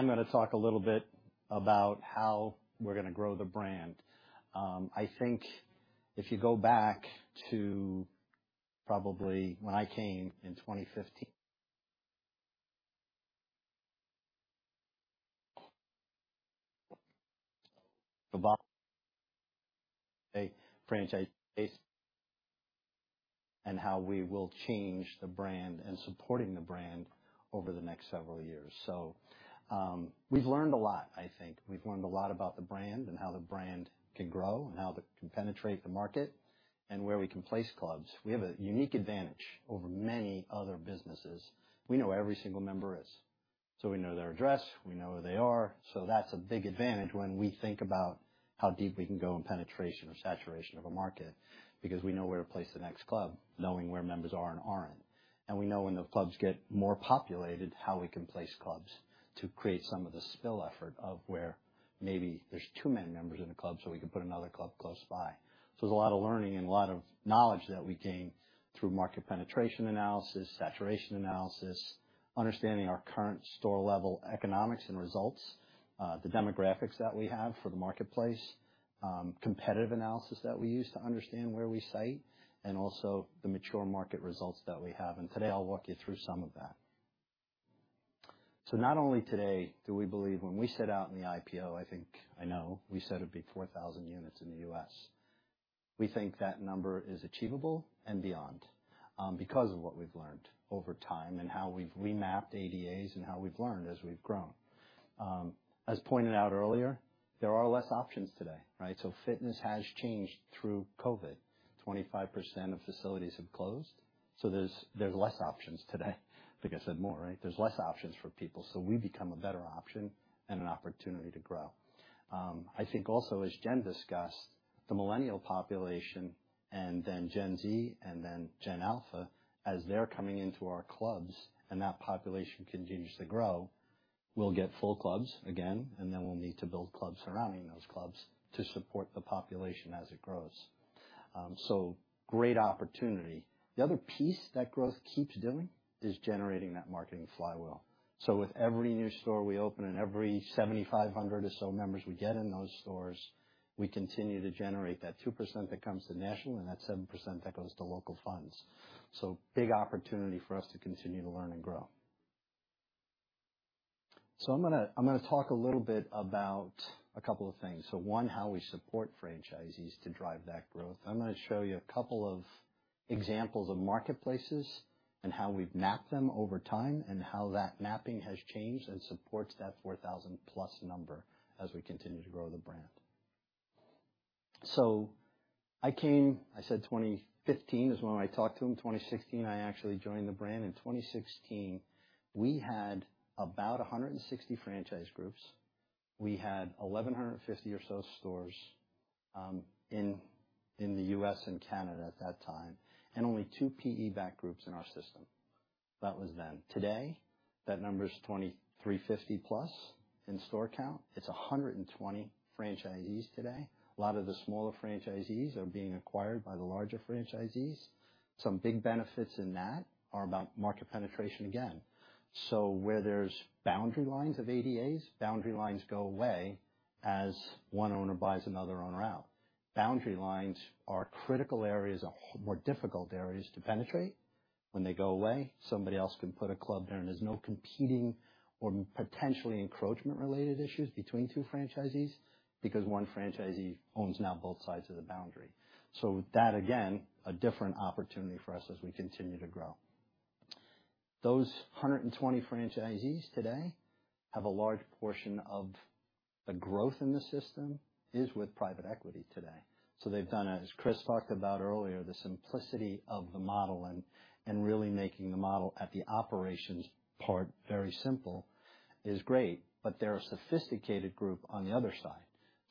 gonna talk a little bit about how we're gonna grow the brand. I think if you go back to probably when I came in 2015, about a franchise and how we will change the brand and supporting the brand over the next several years. We've learned a lot about the brand and how the brand can grow and how that can penetrate the market and where we can place clubs. We have a unique advantage over many other businesses. We know where every single member is, so we know their address, we know where they are. That's a big advantage when we think about how deep we can go in penetration or saturation of a market, because we know where to place the next club, knowing where members are and aren't. We know when the clubs get more populated, how we can place clubs to create some of the spillover effect of where maybe there's too many members in a club, so we can put another club close by. There's a lot of learning and a lot of knowledge that we gain through market penetration analysis, saturation analysis, understanding our current store-level economics and results, the demographics that we have for the marketplace, competitive analysis that we use to understand where we site, and also the mature market results that we have. Today, I'll walk you through some of that. Not only today do we believe when we set out in the IPO, I think I know we said it'd be 4,000 units in the US. We think that number is achievable and beyond, because of what we've learned over time and how we've remapped ADAs and how we've learned as we've grown. As pointed out earlier, there are less options today, right? Fitness has changed through COVID. 25% of facilities have closed, so there's less options today. I think I said more, right? There's less options for people, so we become a better option and an opportunity to grow. I think also, as Jen discussed, the millennial population and then Gen Z and then Gen Alpha, as they're coming into our clubs and that population continues to grow, we'll get full clubs again, and then we'll need to build clubs surrounding those clubs to support the population as it grows. Great opportunity. The other piece that growth keeps doing is generating that marketing flywheel. With every new store we open and every 7,500 or so members we get in those stores, we continue to generate that 2% that comes to national and that 7% that goes to local funds. Big opportunity for us to continue to learn and grow. I'm gonna talk a little bit about a couple of things. One, how we support franchisees to drive that growth. I'm gonna show you a couple of examples of marketplaces and how we've mapped them over time and how that mapping has changed and supports that 4,000+ number as we continue to grow the brand. I said 2015 is when I talked to them. 2016, I actually joined the brand. In 2016, we had about 160 franchise groups. We had 1,150 or so stores in the US and Canada at that time, and only two PE-backed groups in our system. That was then. Today, that number is 2,350+ in store count, it's 120 franchisees today. A lot of the smaller franchisees are being acquired by the larger franchisees. Some big benefits in that are about market penetration again. Where there's boundary lines of ADAs, boundary lines go away as one owner buys another owner out. Boundary lines are critical areas, more difficult areas to penetrate. When they go away, somebody else can put a club there, and there's no competing or potentially encroachment-related issues between two franchisees because one franchisee owns now both sides of the boundary. With that, again, a different opportunity for us as we continue to grow. Those 120 franchisees today have a large portion of the growth in the system is with private equity today. They've done, as Chris talked about earlier, the simplicity of the model and really making the model at the operations part very simple is great, but they're a sophisticated group on the other side.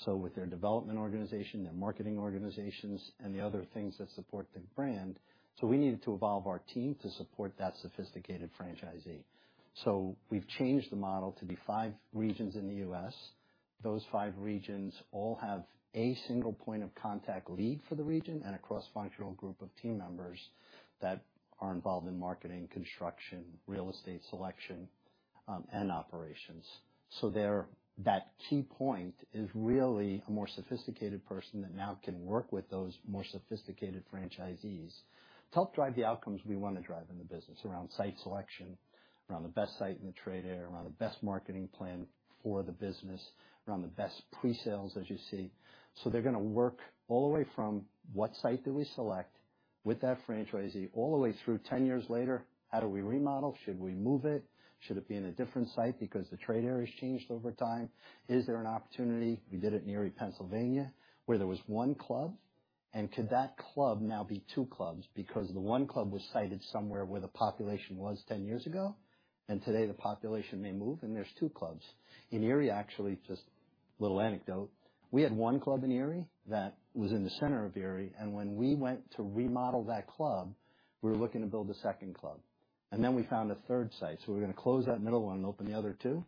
With their development organization, their marketing organizations, and the other things that support the brand. We needed to evolve our team to support that sophisticated franchisee. We've changed the model to be five regions in the US. Those five regions all have a single point of contact lead for the region and a cross-functional group of team members that are involved in marketing, construction, real estate selection, and operations. That key point is really a more sophisticated person that now can work with those more sophisticated franchisees to help drive the outcomes we wanna drive in the business around site selection, around the best site in the trade area, around the best marketing plan for the business, around the best presales, as you see. They're gonna work all the way from what site do we select with that franchisee all the way through 10 years later, how do we remodel? Should we move it? Should it be in a different site because the trade area has changed over time? Is there an opportunity? We did it in Erie, Pennsylvania, where there was 1 club, and could that club now be 2 clubs? Because the 1 club was sited somewhere where the population was 10 years ago, and today the population may move, and there's 2 clubs. In Erie, actually, just a little anecdote, we had 1 club in Erie that was in the center of Erie, and when we went to remodel that club, we were looking to build a second club. Then we found a third site, so we're gonna close that middle one and open the other two.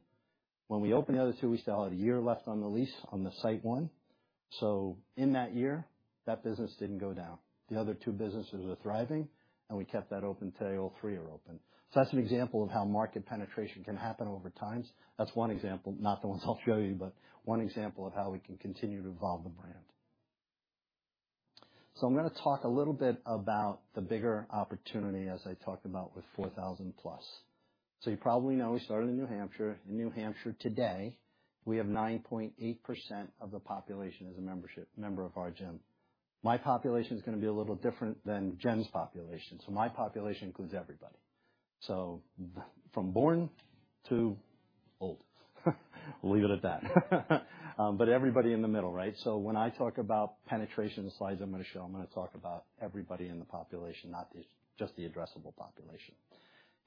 When we opened the other two, we still had a year left on the lease on the site one. In that year, that business didn't go down. The other two businesses were thriving, and we kept that open till all three are open. That's an example of how market penetration can happen over time. That's one example, not the ones I'll show you, but one example of how we can continue to evolve the brand. I'm gonna talk a little bit about the bigger opportunity, as I talked about with 4,000+. You probably know we started in New Hampshire. In New Hampshire today, we have 9.8% of the population as a membership, member of our gym. My population is gonna be a little different than Jen's population, so my population includes everybody. From born to old. We'll leave it at that. But everybody in the middle, right? When I talk about penetration slides I'm gonna show, I'm gonna talk about everybody in the population, not just the addressable population.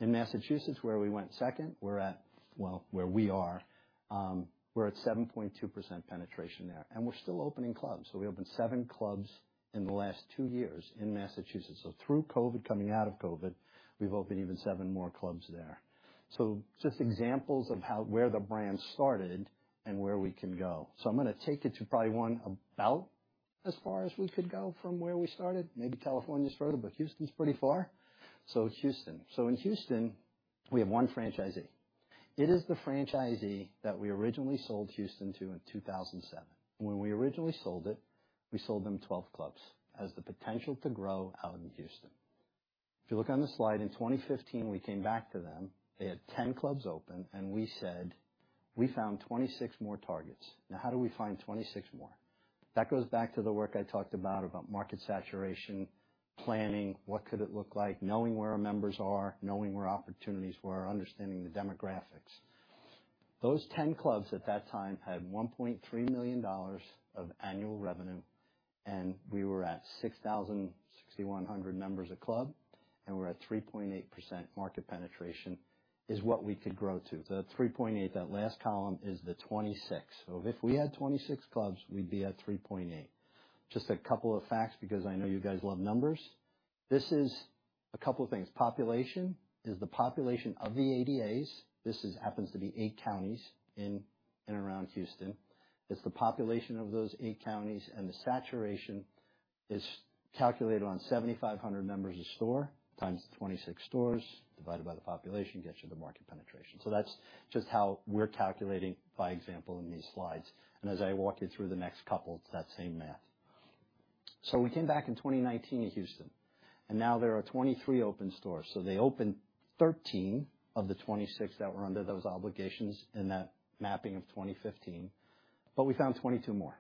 In Massachusetts, where we went second, we're at 7.2% penetration there, and we're still opening clubs. We opened 7 clubs in the last 2 years in Massachusetts. Through COVID, coming out of COVID, we've opened even 7 more clubs there. Just examples of how, where the brand started and where we can go. I'm gonna take it to probably one about as far as we could go from where we started, maybe California's further, but Houston's pretty far. It's Houston. In Houston, we have one franchisee. It is the franchisee that we originally sold Houston to in 2007. When we originally sold it, we sold them 12 clubs. It has the potential to grow out in Houston. If you look on the slide, in 2015, we came back to them. They had 10 clubs open, and we said, "We found 26 more targets." Now how do we find 26 more? That goes back to the work I talked about market saturation, planning, what could it look like, knowing where our members are, knowing where opportunities were, understanding the demographics. Those 10 clubs at that time had $1.3 million of annual revenue, and we were at 6,000 to 6,100 members a club, and we're at 3.8% market penetration is what we could grow to. The 3.8, that last column is the 26. So if we had 26 clubs, we'd be at 3.8. Just a couple of facts, because I know you guys love numbers. This is a couple things. Population is the population of the ADAs. This is, happens to be eight counties in and around Houston. It's the population of those eight counties, and the saturation is calculated on 7,500 members a store times 26 stores divided by the population gets you the market penetration. That's just how we're calculating by example in these slides. As I walk you through the next couple, it's that same math. We came back in 2019 in Houston, and now there are 23 open stores. They opened 13 of the 26 that were under those obligations in that mapping of 2015, but we found 22 more.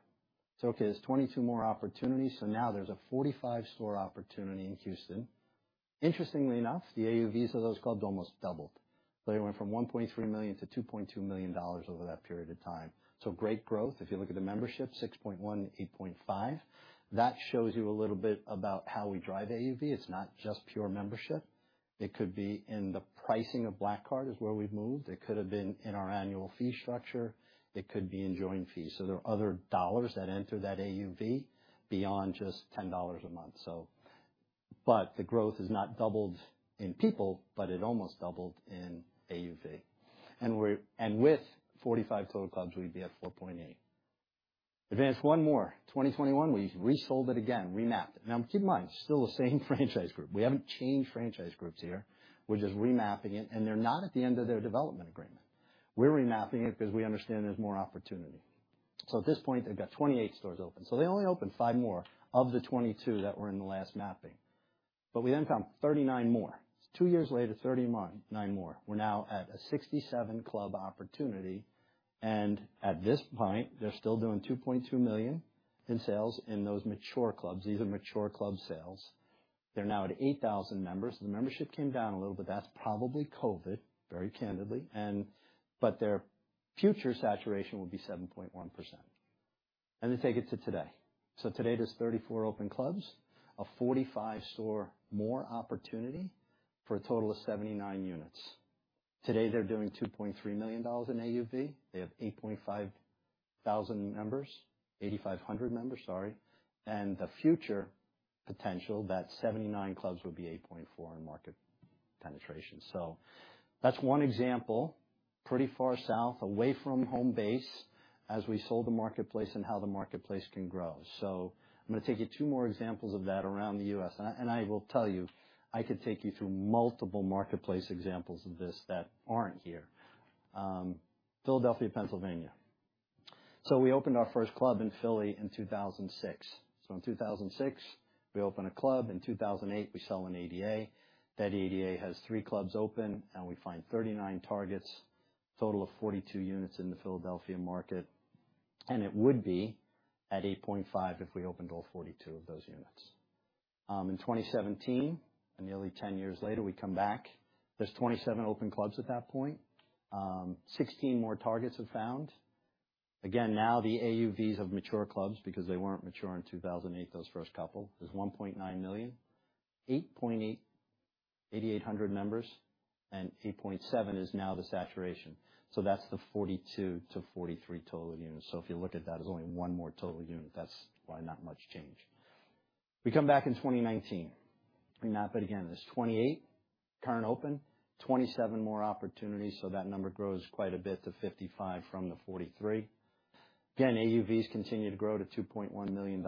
Okay, there's 22 more opportunities, so now there's a 45-store opportunity in Houston. Interestingly enough, the AUVs of those clubs almost doubled. They went from $1.3 million to $2.2 million over that period of time. Great growth. If you look at the membership, 6.1 to 8.5. That shows you a little bit about how we drive AUV. It's not just pure membership. It could be in the pricing of Black Card is where we've moved. It could have been in our annual fee structure. It could be in join fees. There are other dollars that enter that AUV beyond just $10 a month. But the growth has not doubled in people, but it almost doubled in AUV. And with 45 total clubs, we'd be at 4.8. Advance one more. 2021, we resold it again, remapped it. Now keep in mind, still the same franchise group. We haven't changed franchise groups here. We're just remapping it. They're not at the end of their development agreement. We're remapping it because we understand there's more opportunity. At this point, they've got 28 stores open. They only opened five more of the 22 that were in the last mapping. We then found 39 more. Two years later, 39 more. We're now at a 67 club opportunity, and at this point, they're still doing $2.2 million in sales in those mature clubs. These are mature club sales. They're now at 8,000 members. The membership came down a little bit. That's probably COVID, very candidly. Their future saturation would be 7.1%. Then take it to today. Today there's 34 open clubs, a 45 store more opportunity for a total of 79 units. Today, they're doing $2.3 million in AUV. They have 8,500 members, 8,500 members, sorry. The future potential, that 79 clubs would be 8.4 in market penetration. That's one example, pretty far south, away from home base, as we sold the marketplace and how the marketplace can grow. I'm gonna take you 2 more examples of that around the US. I will tell you, I could take you through multiple marketplace examples of this that aren't here. Philadelphia, Pennsylvania. We opened our first club in Philly in 2006. In 2006, we open a club. In 2008, we sell an ADA. That ADA has 3 clubs open, and we find 39 targets, total of 42 units in the Philadelphia market. It would be at 8.5 if we opened all 42 of those units. In 2017, nearly 10 years later, we come back. There's 27 open clubs at that point. Sixteen more targets are found. Again, now the AUVs of mature clubs, because they weren't mature in 2008, those first couple, is $1.9 million. 8.8,800 members, and 8.7 is now the saturation. That's the 42-43 total units. If you look at that, there's only one more total unit. That's why not much change. We come back in 2019. We map it again. There's 28 current open, 27 more opportunities, so that number grows quite a bit to 55 from the 43. Again, AUVs continue to grow to $2.1 million.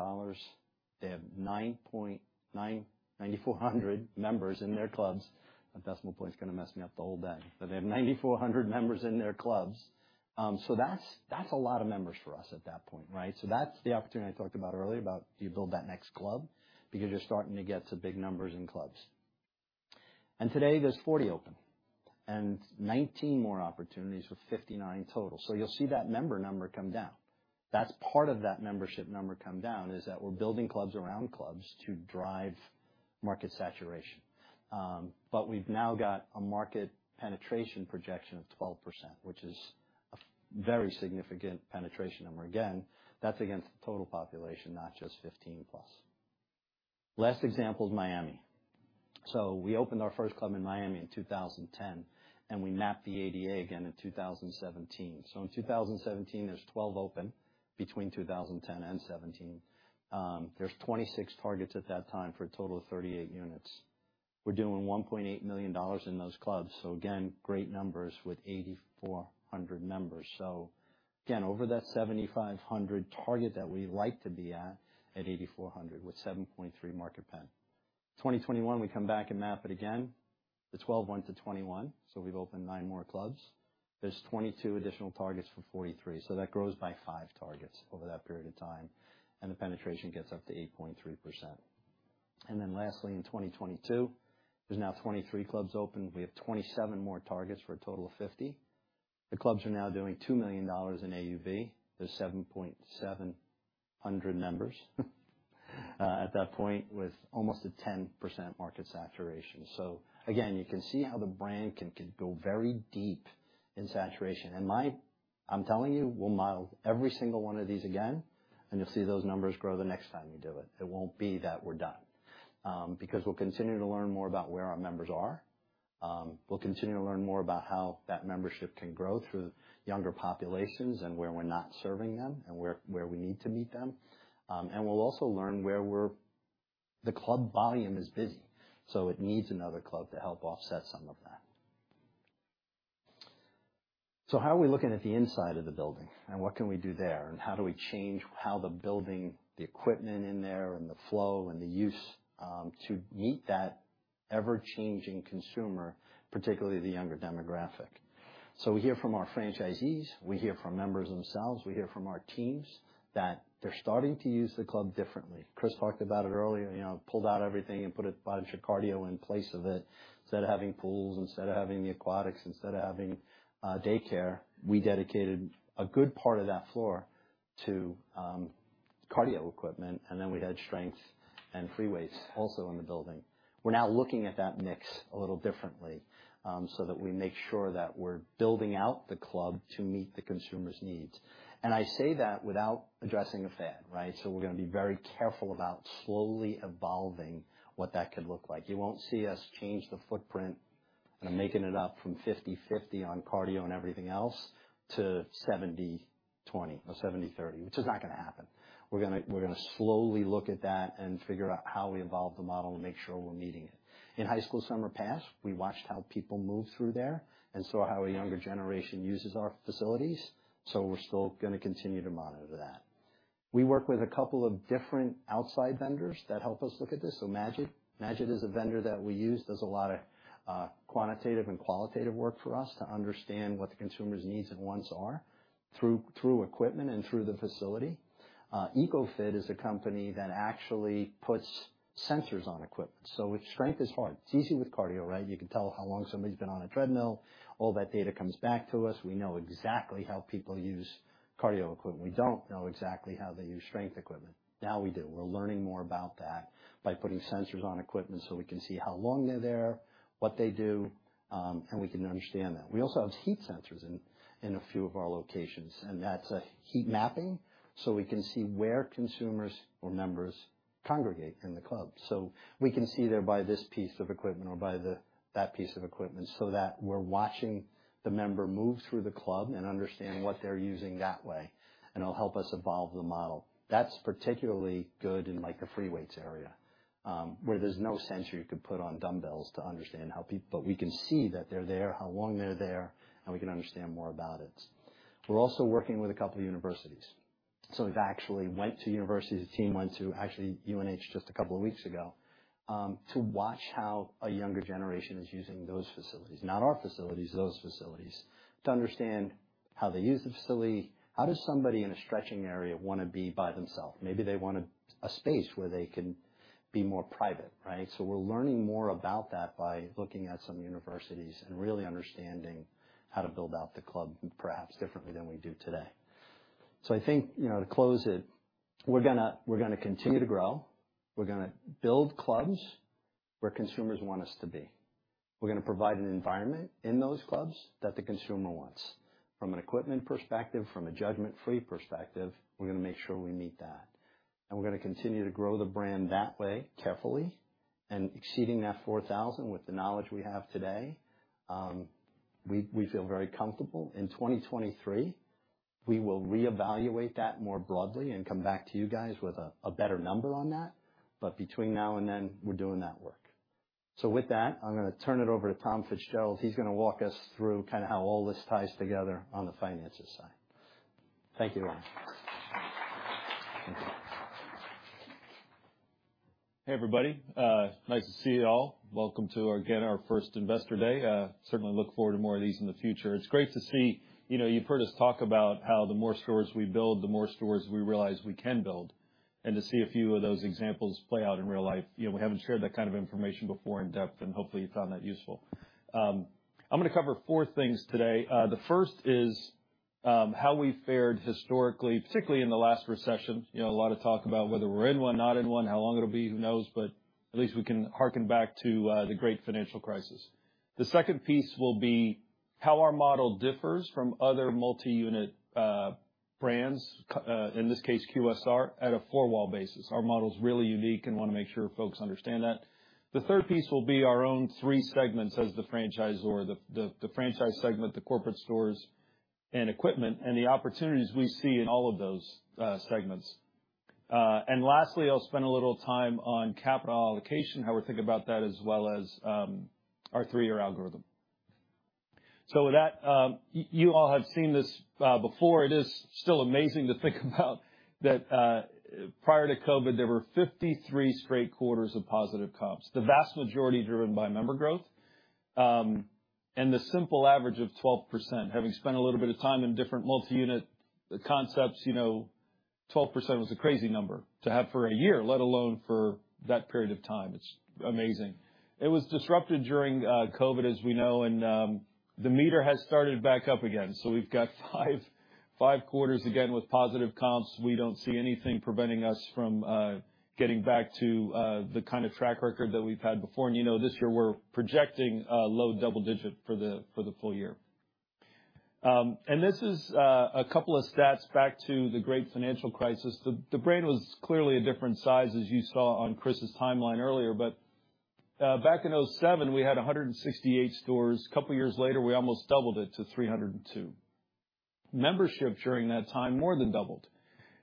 They have 9,400 members in their clubs. That decimal point's gonna mess me up the whole day. They have 9,400 members in their clubs. That's a lot of members for us at that point, right? That's the opportunity I talked about earlier about, do you build that next club because you're starting to get to big numbers in clubs. Today there's 40 open and 19 more opportunities for 59 total. You'll see that member number come down. That's part of that membership number come down, is that we're building clubs around clubs to drive market saturation. We've now got a market penetration projection of 12%, which is a very significant penetration number. Again, that's against the total population, not just 15+. Last example is Miami. We opened our first club in Miami in 2010, and we mapped the DMA again in 2017. In 2017, there's 12 open between 2010 and 2017. There's 26 targets at that time for a total of 38 units. We're doing $1.8 million in those clubs, again, great numbers with 8,400 members. Again, over that 7,500 target that we like to be at 8,400 with 7.3% market penetration. In 2021, we come back and map it again. The 12 went to 21, so we've opened 9 more clubs. There's 22 additional targets for 43, so that grows by 5 targets over that period of time, and the penetration gets up to 8.3%. Lastly, in 2022, there's now 23 clubs open. We have 27 more targets for a total of 50. The clubs are now doing $2 million in AUV. There's 770 members at that point, with almost a 10% market saturation. Again, you can see how the brand can go very deep in saturation. I'm telling you, we'll model every single one of these again, and you'll see those numbers grow the next time we do it. It won't be that we're done, because we'll continue to learn more about where our members are. We'll continue to learn more about how that membership can grow through younger populations and where we're not serving them and where we need to meet them. We'll also learn where we're... The club volume is busy, so it needs another club to help offset some of that. How are we looking at the inside of the building? What can we do there? How do we change how the building, the equipment in there, and the flow and the use to meet that ever-changing consumer, particularly the younger demographic? We hear from our franchisees, we hear from members themselves, we hear from our teams that they're starting to use the club differently. Chris talked about it earlier, you know, pulled out everything and put a bunch of cardio in place of it. Instead of having pools, instead of having the aquatics, instead of having daycare, we dedicated a good part of that floor to cardio equipment, and then we had strength and free weights also in the building. We're now looking at that mix a little differently, so that we make sure that we're building out the club to meet the consumer's needs. I say that without addressing the fad, right? We're gonna be very careful about slowly evolving what that could look like. You won't see us change the footprint. I'm making it up from 50/50 on cardio and everything else to 70/20 or 70/30, which is not gonna happen. We're gonna slowly look at that and figure out how we evolve the model and make sure we're meeting it. In High School Summer Pass, we watched how people moved through there and saw how a younger generation uses our facilities, so we're still gonna continue to monitor that. We work with a couple of different outside vendors that help us look at this. Magid. Magid is a vendor that we use, does a lot of quantitative and qualitative work for us to understand what the consumer's needs and wants are through equipment and through the facility. Ecofit is a company that actually puts sensors on equipment. So with strength, it's hard. It's easy with cardio, right? You can tell how long somebody's been on a treadmill. All that data comes back to us. We know exactly how people use cardio equipment. We don't know exactly how they use strength equipment. Now we do. We're learning more about that by putting sensors on equipment so we can see how long they're there, what they do, and we can understand that. We also have heat sensors in a few of our locations, and that's heat mapping, so we can see where consumers or members congregate in the club. We can see they're by this piece of equipment or by that piece of equipment so that we're watching the member move through the club and understand what they're using that way, and it'll help us evolve the model. That's particularly good in, like, the free weights area, where there's no sensor you could put on dumbbells to understand, but we can see that they're there, how long they're there, and we can understand more about it. We're also working with a couple of universities. We've actually went to universities. The team went to actually UNH just a couple of weeks ago, to watch how a younger generation is using those facilities, not our facilities, those facilities, to understand how they use the facility. How does somebody in a stretching area wanna be by themself? Maybe they want a space where they can be more private, right? We're learning more about that by looking at some universities and really understanding how to build out the club perhaps differently than we do today. I think, you know, to close it, we're gonna continue to grow. We're gonna build clubs where consumers want us to be. We're gonna provide an environment in those clubs that the consumer wants. From an equipment perspective, from a judgment-free perspective, we're gonna make sure we meet that. We're gonna continue to grow the brand that way carefully and exceeding that 4,000 with the knowledge we have today, we feel very comfortable. In 2023, we will reevaluate that more broadly and come back to you guys with a better number on that. Between now and then, we're doing that work. With that, I'm gonna turn it over to Tom Fitzgerald. He's gonna walk us through kinda how all this ties together on the financial side. Thank you, everyone. Hey, everybody. Nice to see you all. Welcome to, again, our first Investor Day. Certainly look forward to more of these in the future. It's great to see. You know, you've heard us talk about how the more stores we build, the more stores we realize we can build, and to see a few of those examples play out in real life, you know, we haven't shared that kind of information before in depth, and hopefully, you found that useful. I'm gonna cover four things today. The first is, how we fared historically, particularly in the last recession. You know, a lot of talk about whether we're in one, not in one, how long it'll be, who knows, but at least we can harken back to, the Great Financial Crisis. The second piece will be how our model differs from other multi-unit brands, in this case, QSR, at a four-wall basis. Our model's really unique and wanna make sure folks understand that. The third piece will be our own three segments as the franchisor, the franchise segment, the corporate stores and equipment, and the opportunities we see in all of those, segments. Lastly, I'll spend a little time on capital allocation, how we think about that as well as our three-year algorithm. With that, you all have seen this before. It is still amazing to think about that, prior to COVID, there were 53 straight quarters of positive comps, the vast majority driven by member growth, and the simple average of 12%. Having spent a little bit of time in different multi-unit concepts, you know, 12% was a crazy number to have for a year, let alone for that period of time. It's amazing. It was disrupted during COVID, as we know, and the meter has started back up again, so we've got five quarters again with positive comps. We don't see anything preventing us from getting back to the kind of track record that we've had before. You know, this year we're projecting low double-digit% for the full year. This is a couple of stats back to the great financial crisis. The brand was clearly a different size, as you saw on Chris's timeline earlier. Back in 2007, we had 168 stores. Couple years later, we almost doubled it to 302. Membership during that time more than doubled.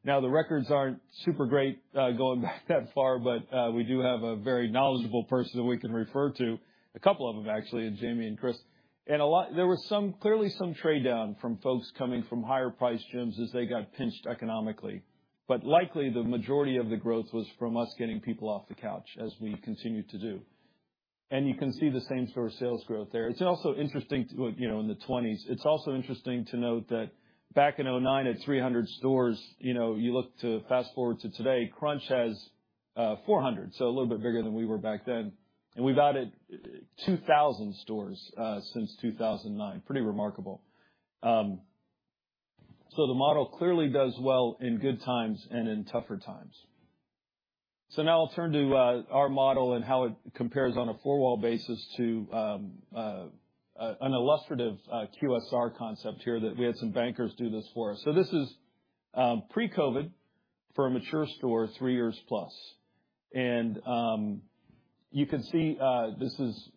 Now, the records aren't super great going back that far, but we do have a very knowledgeable person that we can refer to, a couple of them actually, Jamie and Chris. There was clearly some trade down from folks coming from higher priced gyms as they got pinched economically. Likely, the majority of the growth was from us getting people off the couch, as we continue to do. You can see the same store sales growth there. It's also interesting, you know, in the twenties. It's also interesting to note that back in 2009, at 300 stores, you know, you look to fast-forward to today, Crunch has 400, so a little bit bigger than we were back then. We've added 2,000 stores since 2009. Pretty remarkable. The model clearly does well in good times and in tougher times. Now I'll turn to our model and how it compares on a four-wall basis to an illustrative QSR concept here that we had some bankers do this for us. This is pre-COVID for a mature store, 3 years plus. You can see this is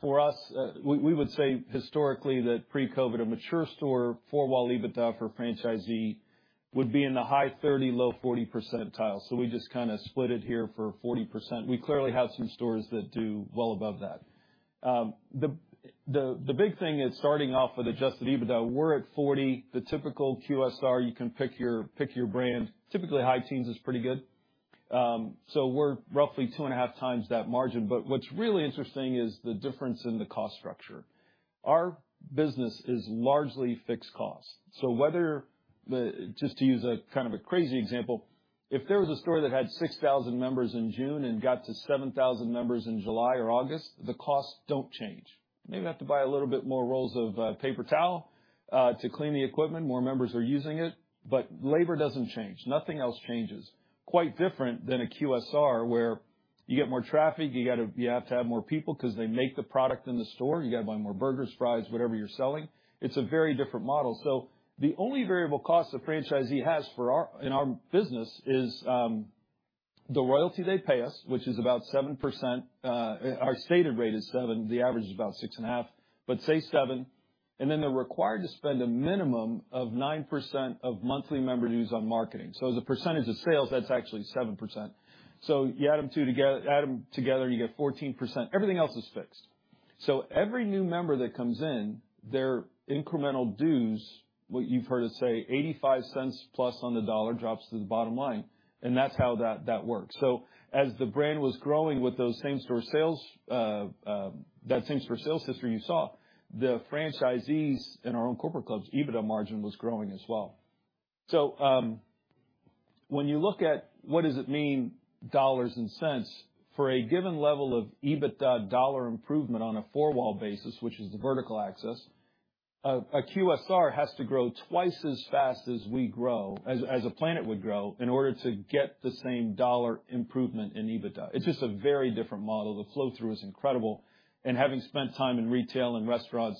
for us. We would say historically that pre-COVID, a mature store four-wall EBITDA for franchisee would be in the high 30, low 40 percentile. We just kind of split it here for 40%. We clearly have some stores that do well above that. The big thing is starting off with adjusted EBITDA, we're at 40. The typical QSR, you can pick your brand. Typically, high teens is pretty good. We're roughly 2.5 times that margin. What's really interesting is the difference in the cost structure. Our business is largely fixed cost. Just to use a kind of a crazy example, if there was a store that had 6,000 members in June and got to 7,000 members in July or August, the costs don't change. Maybe you have to buy a little bit more rolls of paper towel to clean the equipment, more members are using it, but labor doesn't change. Nothing else changes. Quite different than a QSR, where you get more traffic, you have to have more people 'cause they make the product in the store. You gotta buy more burgers, fries, whatever you're selling. It's a very different model. The only variable cost a franchisee has in our business is the royalty they pay us, which is about 7%. Our stated rate is 7. The average is about 6.5, but say 7. They're required to spend a minimum of 9% of monthly member dues on marketing. As a percentage of sales, that's actually 7%. You add them together, you get 14%. Everything else is fixed. Every new member that comes in, their incremental dues, what you've heard us say, $0.85 plus on the dollar drops to the bottom line, and that's how that works. As the brand was growing with those same-store sales, that same-store sales history you saw, the franchisees in our own corporate clubs' EBITDA margin was growing as well. When you look at what does it mean, dollars and cents, for a given level of EBITDA dollar improvement on a four-wall basis, which is the vertical axis, a QSR has to grow twice as fast as we grow, a Planet would grow, in order to get the same dollar improvement in EBITDA. It's just a very different model. The flow-through is incredible. Having spent time in retail and restaurants,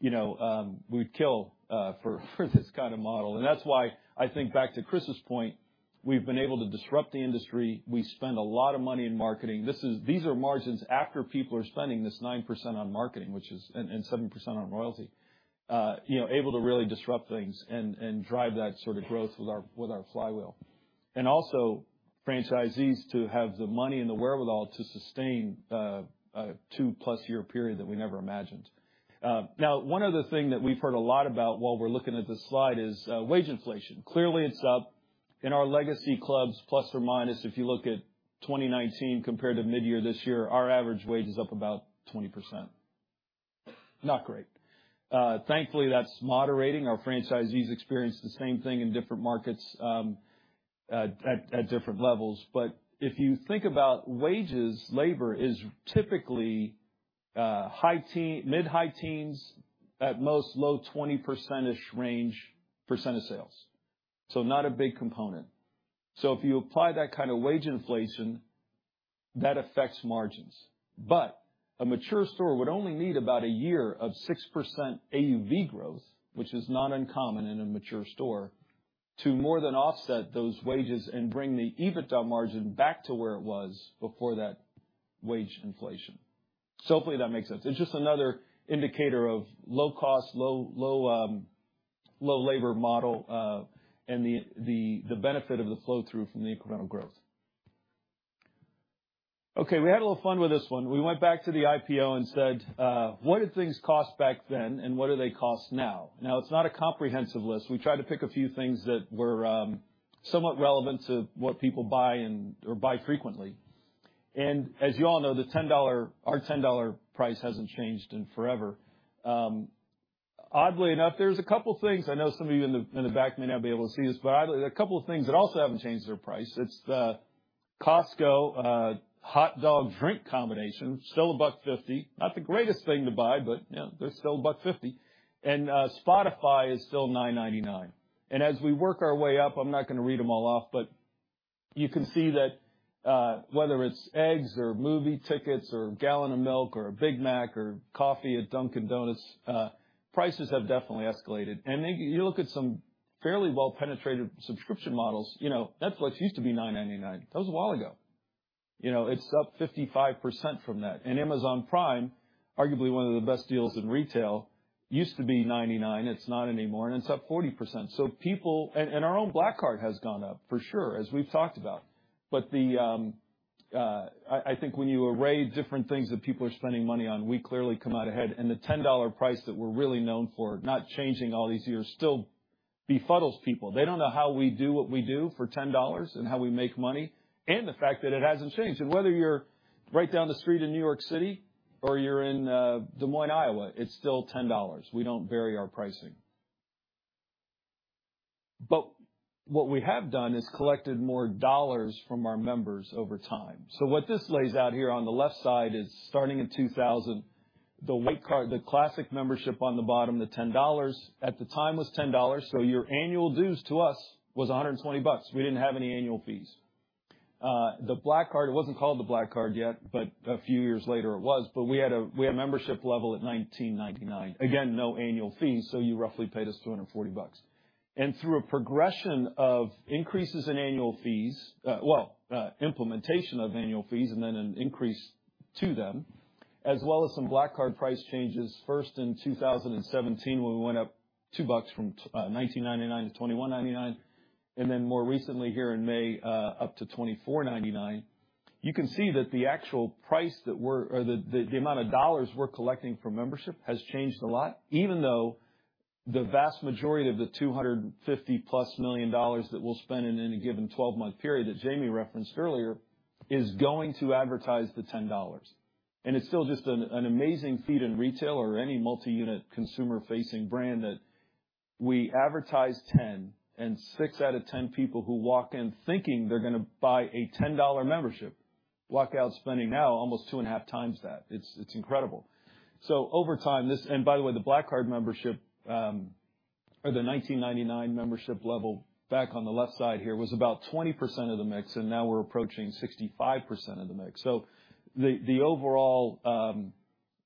you know, we'd kill for this kind of model. That's why I think back to Chris's point, we've been able to disrupt the industry. We spend a lot of money in marketing. These are margins after people are spending this 9% on marketing, and 7% on royalty. Able to really disrupt things and drive that sort of growth with our flywheel. Also franchisees to have the money and the wherewithal to sustain a 2+ year period that we never imagined. Now one other thing that we've heard a lot about while we're looking at this slide is wage inflation. Clearly, it's up. In our legacy clubs, ±, if you look at 2019 compared to midyear this year, our average wage is up about 20%. Not great. Thankfully, that's moderating. Our franchisees experienced the same thing in different markets at different levels. If you think about wages, labor is typically high teens, mid-high teens, at most low twenties percent-ish range % of sales. Not a big component. If you apply that kind of wage inflation, that affects margins. A mature store would only need about a year of 6% AUV growth, which is not uncommon in a mature store, to more than offset those wages and bring the EBITDA margin back to where it was before that wage inflation. Hopefully that makes sense. It is just another indicator of low cost, low labor model, and the benefit of the flow-through from the incremental growth. Okay, we had a little fun with this one. We went back to the IPO and said, what did things cost back then, and what do they cost now. Now, it is not a comprehensive list. We tried to pick a few things that were somewhat relevant to what people buy and, or buy frequently. As you all know, the $10, our $10 price hasn't changed in forever. Oddly enough, there's a couple things. I know some of you in the back may not be able to see this, but oddly, a couple of things that also haven't changed their price. It's Costco hot dog drink combination, still $1.50. Not the greatest thing to buy, but you know, they're still $1.50. Spotify is still $9.99. As we work our way up, I'm not gonna read them all off, but you can see that, whether it's eggs or movie tickets or a gallon of milk or a Big Mac or coffee at Dunkin' Donuts, prices have definitely escalated. Then you look at some fairly well-penetrated subscription models, you know, Netflix used to be $9.99. That was a while ago. You know, it's up 55% from that. Amazon Prime, arguably one of the best deals in retail, used to be $99. It's not anymore, and it's up 40%. So people and our own Black Card has gone up, for sure, as we've talked about. The, I think when you array different things that people are spending money on, we clearly come out ahead. The $10 price that we're really known for not changing all these years still befuddles people. They don't know how we do what we do for $10 and how we make money and the fact that it hasn't changed. Whether you're right down the street in New York City or you're in Des Moines, Iowa, it's still $10. We don't vary our pricing. But what we have done is collected more dollars from our members over time. What this lays out here on the left side is starting in 2000, the white card, the Classic membership on the bottom, the $10 at the time was $10, so your annual dues to us was $120. We didn't have any annual fees. The Black Card, it wasn't called the Black Card yet, but a few years later, it was, but we had a membership level at $19.99. Again, no annual fees, so you roughly paid us $240. Through a progression of increases in annual fees, implementation of annual fees and then an increase to them, as well as some Black Card price changes first in 2017 when we went up $2 from $19.99 to $21.99, and then more recently here in May, up to $24.99. You can see that the actual price that we're or the amount of dollars we're collecting from membership has changed a lot, even though the vast majority of the $250+ million that we'll spend in any given twelve-month period that Jamie referenced earlier is going to advertise the $10. It's still just an amazing feat in retail or any multi-unit consumer-facing brand that we advertise 10, and 6 out of 10 people who walk in thinking they're gonna buy a $10 membership walk out spending now almost 2.5 times that. It's incredible. Over time. By the way, the Black Card membership, or the $19.99 membership level back on the left side here was about 20% of the mix, and now we're approaching 65% of the mix. The overall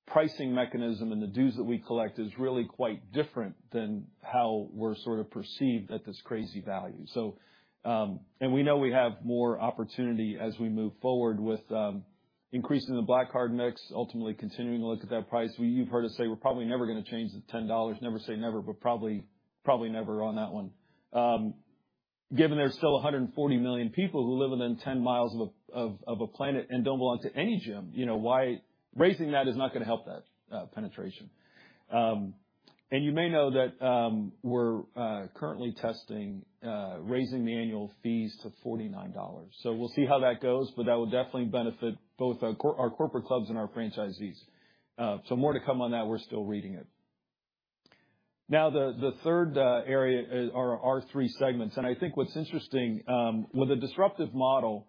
pricing mechanism and the dues that we collect is really quite different than how we're sort of perceived at this crazy value. We know we have more opportunity as we move forward with increasing the Black Card mix, ultimately continuing to look at that price. You've heard us say we're probably never gonna change the $10. Never say never, but probably never on that one. Given there's still 140 million people who live within 10 miles of a Planet and don't belong to any gym, you know, why? Raising that is not gonna help that penetration. And you may know that, we're currently testing raising the annual fees to $49. So we'll see how that goes, but that will definitely benefit both our corporate clubs and our franchisees. So more to come on that. We're still running it. Now the third area are our three segments. I think what's interesting, with a disruptive model,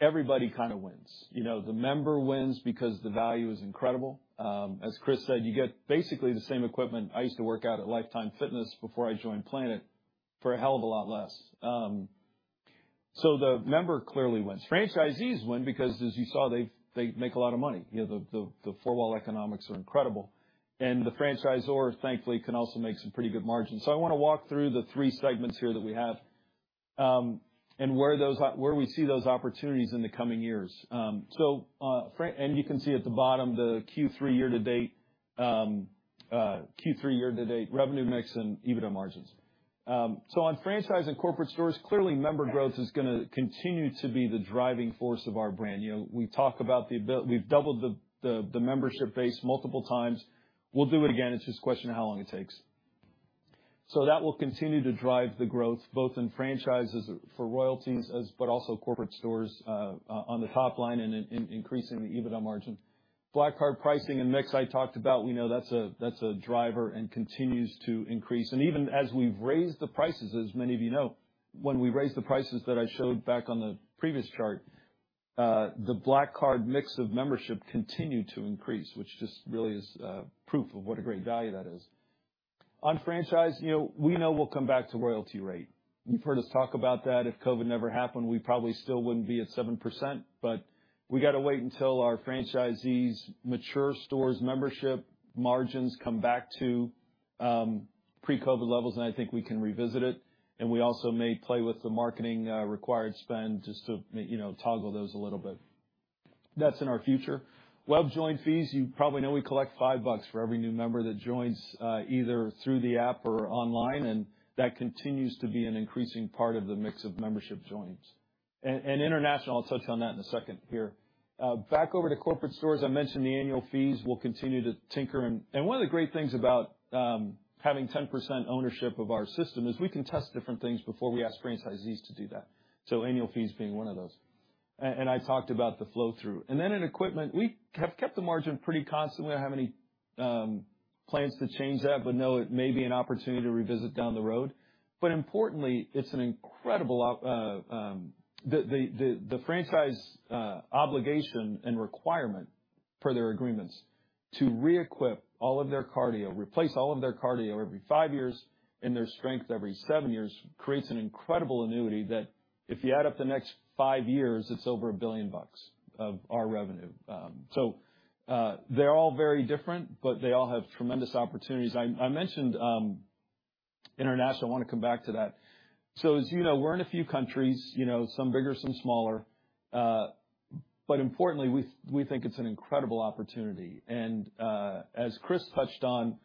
everybody kinda wins. You know, the member wins because the value is incredible. As Chris said, you get basically the same equipment. I used to work out at Life Time Fitness before I joined Planet for a hell of a lot less. The member clearly wins. Franchisees win because, as you saw, they make a lot of money. You know, the four-wall economics are incredible. The franchisor, thankfully, can also make some pretty good margins. I wanna walk through the three segments here that we have, and where we see those opportunities in the coming years. You can see at the bottom the Q3 year-to-date revenue mix and EBITDA margins. On franchise and corporate stores, clearly member growth is gonna continue to be the driving force of our brand. You know, we talk about we've doubled the membership base multiple times. We'll do it again. It's just a question of how long it takes. That will continue to drive the growth, both in franchises for royalties as but also corporate stores on the top line and increasing the EBITDA margin. Black Card pricing and mix I talked about. We know that's a driver and continues to increase. Even as we've raised the prices, as many of you know, when we raised the prices that I showed back on the previous chart, the Black Card mix of membership continued to increase, which just really is proof of what a great value that is. On franchise, you know, we know we'll come back to royalty rate. You've heard us talk about that. If COVID never happened, we probably still wouldn't be at 7%, but we gotta wait until our franchisees mature stores membership margins come back to pre-COVID levels, and I think we can revisit it. We also may play with the marketing required spend just to you know, toggle those a little bit. That's in our future. Web join fees, you probably know we collect $5 for every new member that joins either through the app or online, and that continues to be an increasing part of the mix of membership joins. International, I'll touch on that in a second here. Back over to corporate stores, I mentioned the annual fees we'll continue to tinker in. One of the great things about having 10% ownership of our system is we can test different things before we ask franchisees to do that, so annual fees being one of those. I talked about the flow-through. Then in equipment, we have kept the margin pretty constant. We don't have any plans to change that, but you know it may be an opportunity to revisit down the road. Importantly, it's an incredible opportunity. The franchise obligation and requirement for their agreements to re-equip all of their cardio, replace all of their cardio every 5 years, and their strength every 7 years, creates an incredible annuity that if you add up the next 5 years, it's over $1 billion of our revenue. They're all very different, but they all have tremendous opportunities. I mentioned international. I wanna come back to that. As you know, we're in a few countries, you know, some bigger, some smaller. Importantly, we think it's an incredible opportunity. As Chris touched on,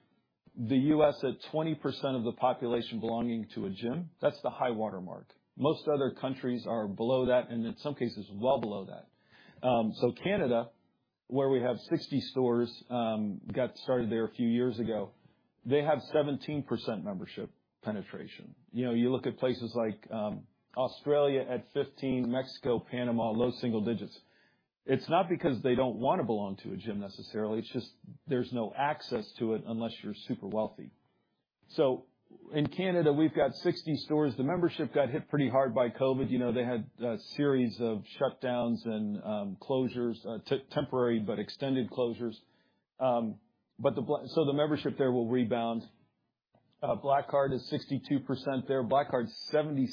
the U.S. at 20% of the population belonging to a gym, that's the high watermark. Most other countries are below that, and in some cases, well below that. Canada, where we have 60 stores, got started there a few years ago, they have 17% membership penetration. You know, you look at places like Australia at 15%, Mexico, Panama, low single digits. It's not because they don't wanna belong to a gym necessarily, it's just there's no access to it unless you're super wealthy. In Canada, we've got 60 stores. The membership got hit pretty hard by COVID. You know, they had a series of shutdowns and closures, temporary but extended closures. The membership there will rebound. Black Card is 62% there. Black Card's 76%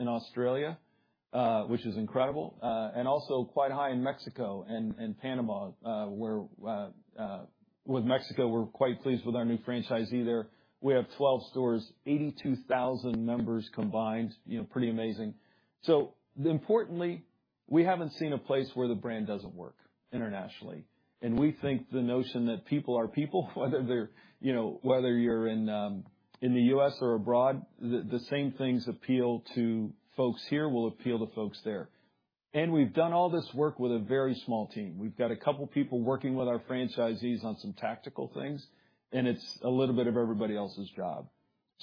in Australia, which is incredible, and also quite high in Mexico and Panama, where, with Mexico, we're quite pleased with our new franchisee there. We have 12 stores, 82,000 members combined, you know, pretty amazing. Importantly, we haven't seen a place where the brand doesn't work internationally, and we think the notion that people are people, whether they're, you know, whether you're in the US or abroad, the same things appeal to folks here will appeal to folks there. We've done all this work with a very small team. We've got a couple people working with our franchisees on some tactical things, and it's a little bit of everybody else's job.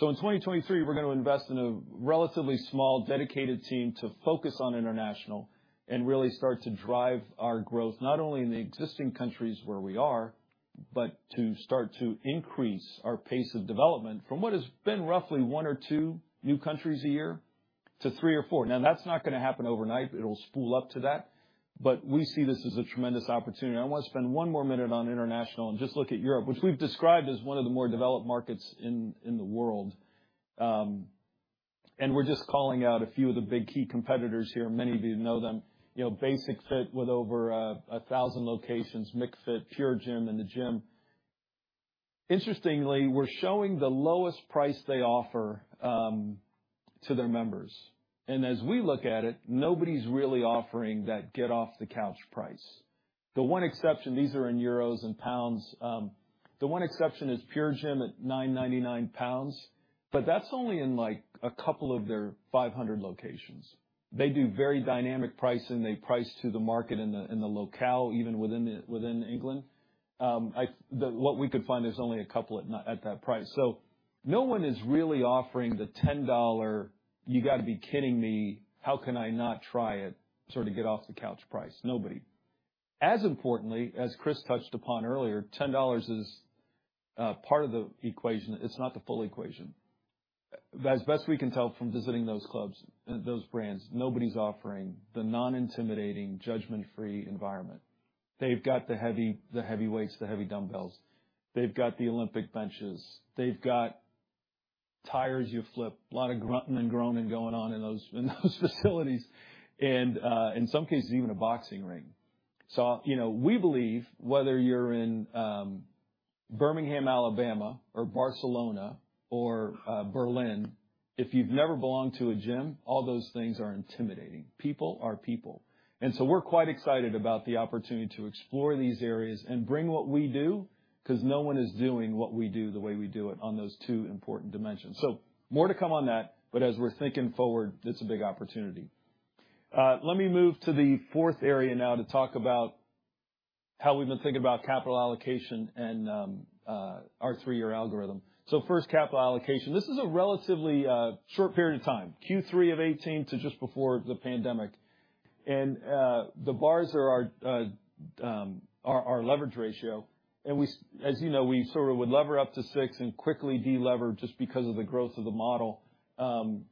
In 2023, we're gonna invest in a relatively small, dedicated team to focus on international and really start to drive our growth, not only in the existing countries where we are, but to start to increase our pace of development from what has been roughly 1 or 2 new countries a year to 3 or 4. Now that's not gonna happen overnight, but it'll spool up to that. We see this as a tremendous opportunity. I wanna spend 1 more minute on international and just look at Europe, which we've described as one of the more developed markets in the world. We're just calling out a few of the big key competitors here. Many of you know them. You know, Basic-Fit with over 1,000 locations, McFIT, PureGym, and The Gym Group. Interestingly, we're showing the lowest price they offer to their members. As we look at it, nobody's really offering that get-off-the-couch price. The one exception, these are in euros and pounds, is PureGym at 9.99 pounds, but that's only in, like, a couple of their 500 locations. They do very dynamic pricing. They price to the market in the locale, even within England. What we could find is only a couple at that price. No one is really offering the $10, you-gotta-be-kidding-me, how-can-I-not-try-it sort of get-off-the-couch price. Nobody. As importantly, as Chris touched upon earlier, $10 is part of the equation. It's not the full equation. As best we can tell from visiting those clubs and those brands, nobody's offering the non-intimidating judgment-free environment. They've got the heavy, the heavyweights, the heavy dumbbells. They've got the Olympic benches. They've got tires you flip, lot of grunting and groaning going on in those facilities, and in some cases, even a boxing ring. You know, we believe whether you're in Birmingham, Alabama or Barcelona or Berlin, if you've never belonged to a gym, all those things are intimidating. People are people. We're quite excited about the opportunity to explore these areas and bring what we do because no one is doing what we do the way we do it on those two important dimensions. More to come on that, but as we're thinking forward, it's a big opportunity. Let me move to the fourth area now to talk about how we've been thinking about capital allocation and our three-year algorithm. First, capital allocation. This is a relatively short period of time, Q3 of 2018 to just before the pandemic. The bars are our leverage ratio, and as you know, we sort of would lever up to six and quickly delever just because of the growth of the model, and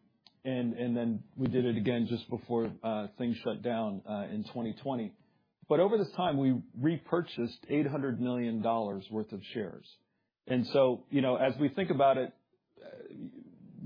then we did it again just before things shut down in 2020. Over this time, we repurchased $800 million worth of shares. You know, as we think about it,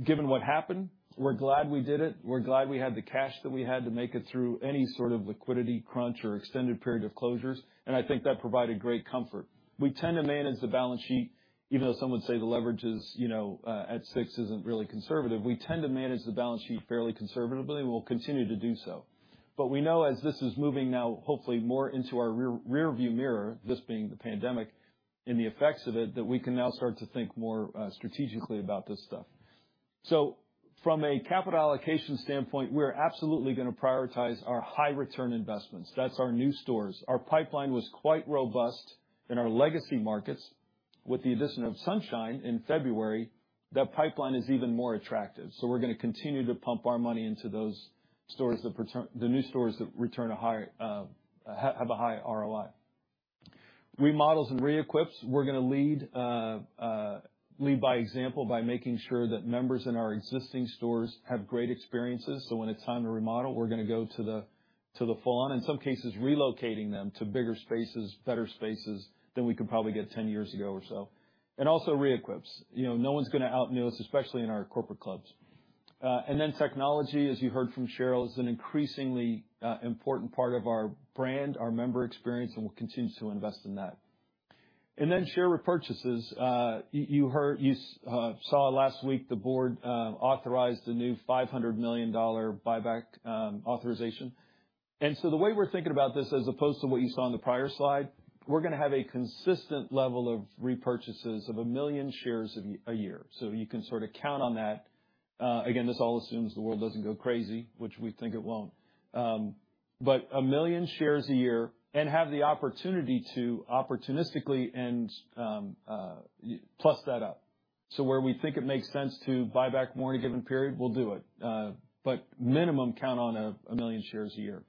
given what happened, we're glad we did it. We're glad we had the cash that we had to make it through any sort of liquidity crunch or extended period of closures, and I think that provided great comfort. We tend to manage the balance sheet, even though some would say the leverage is, you know, at 6 isn't really conservative. We tend to manage the balance sheet fairly conservatively. We'll continue to do so. But we know as this is moving now, hopefully more into our rear view mirror, this being the pandemic and the effects of it, that we can now start to think more strategically about this stuff. From a capital allocation standpoint, we're absolutely gonna prioritize our high-return investments. That's our new stores. Our pipeline was quite robust in our legacy markets. With the addition of Sunshine Fitness in February, that pipeline is even more attractive, so we're gonna continue to pump our money into those new stores that return a high ROI. Remodels and reequips, we're gonna lead by example by making sure that members in our existing stores have great experiences. When it's time to remodel, we're gonna go to the full-on, in some cases, relocating them to bigger spaces, better spaces than we could probably get 10 years ago or so. Also reequips. You know, no one's gonna out-new us, especially in our corporate clubs. Then technology, as you heard from Cheryl, is an increasingly important part of our brand, our member experience, and we'll continue to invest in that. Share repurchases, you saw last week the board authorized a new $500 million buyback authorization. The way we're thinking about this, as opposed to what you saw in the prior slide, we're gonna have a consistent level of repurchases of 1 million shares a year. You can sort of count on that. Again, this all assumes the world doesn't go crazy, which we think it won't. But 1 million shares a year and have the opportunity to opportunistically plus that up. Where we think it makes sense to buy back more in a given period, we'll do it. But minimum, count on 1 million shares a year.